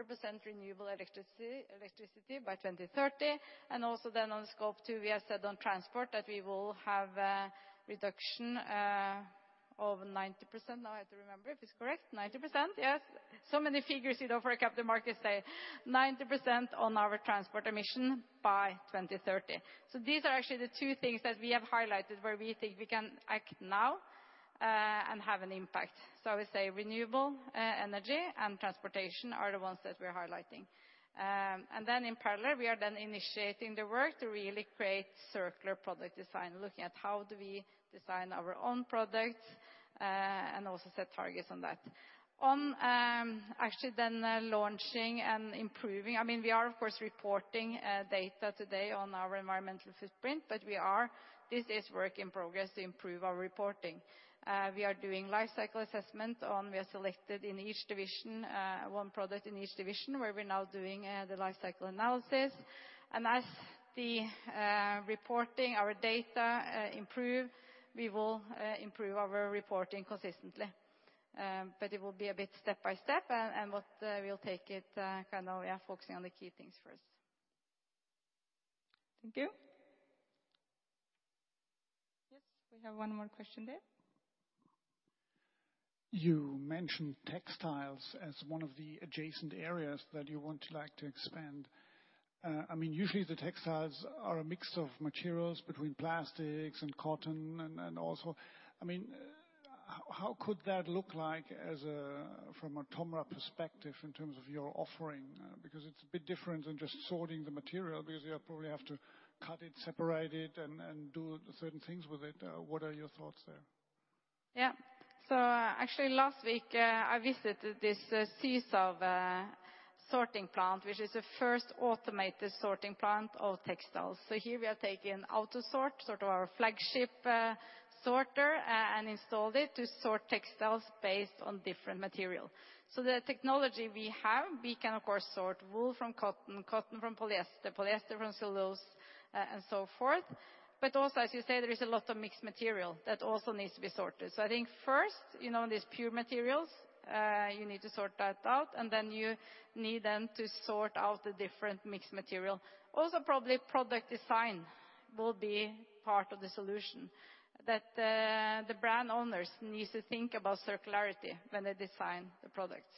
renewable electricity by 2030. On Scope 2, we have said on transport that we will have reduction over 90%. Now I have to remember if it's correct. 90%? Yes. So many figures, you know, for a Capital Markets Day. 90% on our transport emission by 2030. These are actually the two things that we have highlighted where we think we can act now and have an impact. I would say renewable energy and transportation are the ones that we're highlighting. In parallel, we are initiating the work to really create circular product design, looking at how do we design our own products and also set targets on that. On actually then launching and improving, I mean, we are of course reporting data today on our environmental footprint, but we are. This is work in progress to improve our reporting. We are doing life cycle assessment on; we have selected in each division one product in each division where we're now doing the life cycle analysis. As the reporting our data improve, we will improve our reporting consistently. It will be a bit step-by-step, and we'll take it kind of focusing on the key things first. Thank you. Yes, we have one more question there. You mentioned textiles as one of the adjacent areas that you want to like to expand. I mean, usually the textiles are a mix of materials between plastics and cotton, and also. I mean, how could that look like as a from a TOMRA perspective in terms of your offering? Because it's a bit different than just sorting the material because you probably have to cut it, separate it, and do certain things with it. What are your thoughts there? Actually last week, I visited this CETIA sorting plant, which is the first automated sorting plant of textiles. Here we are taking AUTOSORT, sort of our flagship sorter, and installed it to sort textiles based on different material. The technology we have, we can of course sort wool from cotton from polyester from cellulose, and so forth. Also, as you say, there is a lot of mixed material that also needs to be sorted. I think first, you know, these pure materials, you need to sort that out, and then you need to sort out the different mixed material. Also, probably product design will be part of the solution. That, the brand owners needs to think about circularity when they design the products.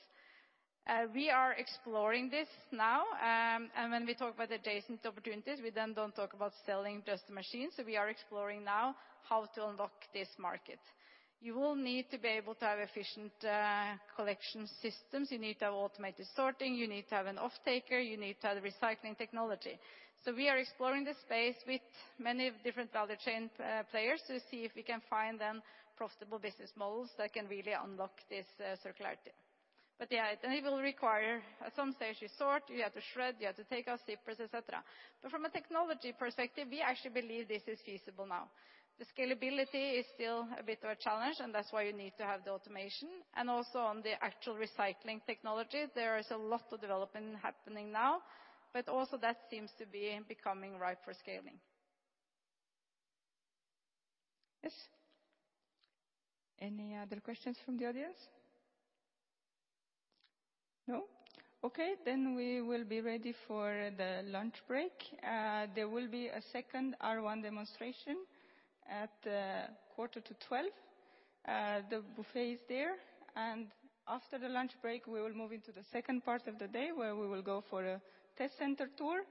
We are exploring this now, and when we talk about adjacent opportunities, we then don't talk about selling just the machines. We are exploring now how to unlock this market. You will need to be able to have efficient collection systems. You need to have automated sorting, you need to have an off-taker, you need to have recycling technology. We are exploring this space with many different value chain players to see if we can find then profitable business models that can really unlock this circularity. Yeah, it will require, at some stage you sort, you have to shred, you have to take out zippers, et cetera. From a technology perspective, we actually believe this is feasible now. The scalability is still a bit of a challenge, and that's why you need to have the automation. Also on the actual recycling technology, there is a lot of development happening now, but also that seems to be becoming ripe for scaling. Yes. Any other questions from the audience? No? Okay, then we will be ready for the lunch break. There will be a second R1 demonstration at 11:45 A.M. The buffet is there, and after the lunch break, we will move into the second part of the day, where we will go for a test center tour,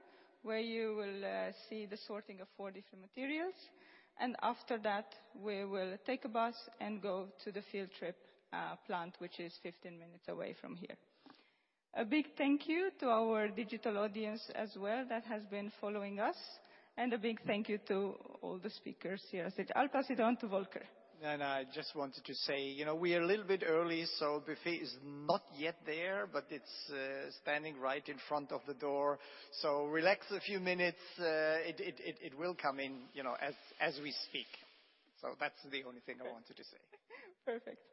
where you will see the sorting of four different materials. After that, we will take a bus and go to the field trip plant, which is 15 minutes away from here. A big thank you to our digital audience as well that has been following us, and a big thank you to all the speakers here. I'll pass it on to Volker. I just wanted to say, you know, we are a little bit early, so buffet is not yet there, but it's standing right in front of the door. Relax a few minutes, it will come in, you know, as we speak. That's the only thing I wanted to say. Perfect. Thank you.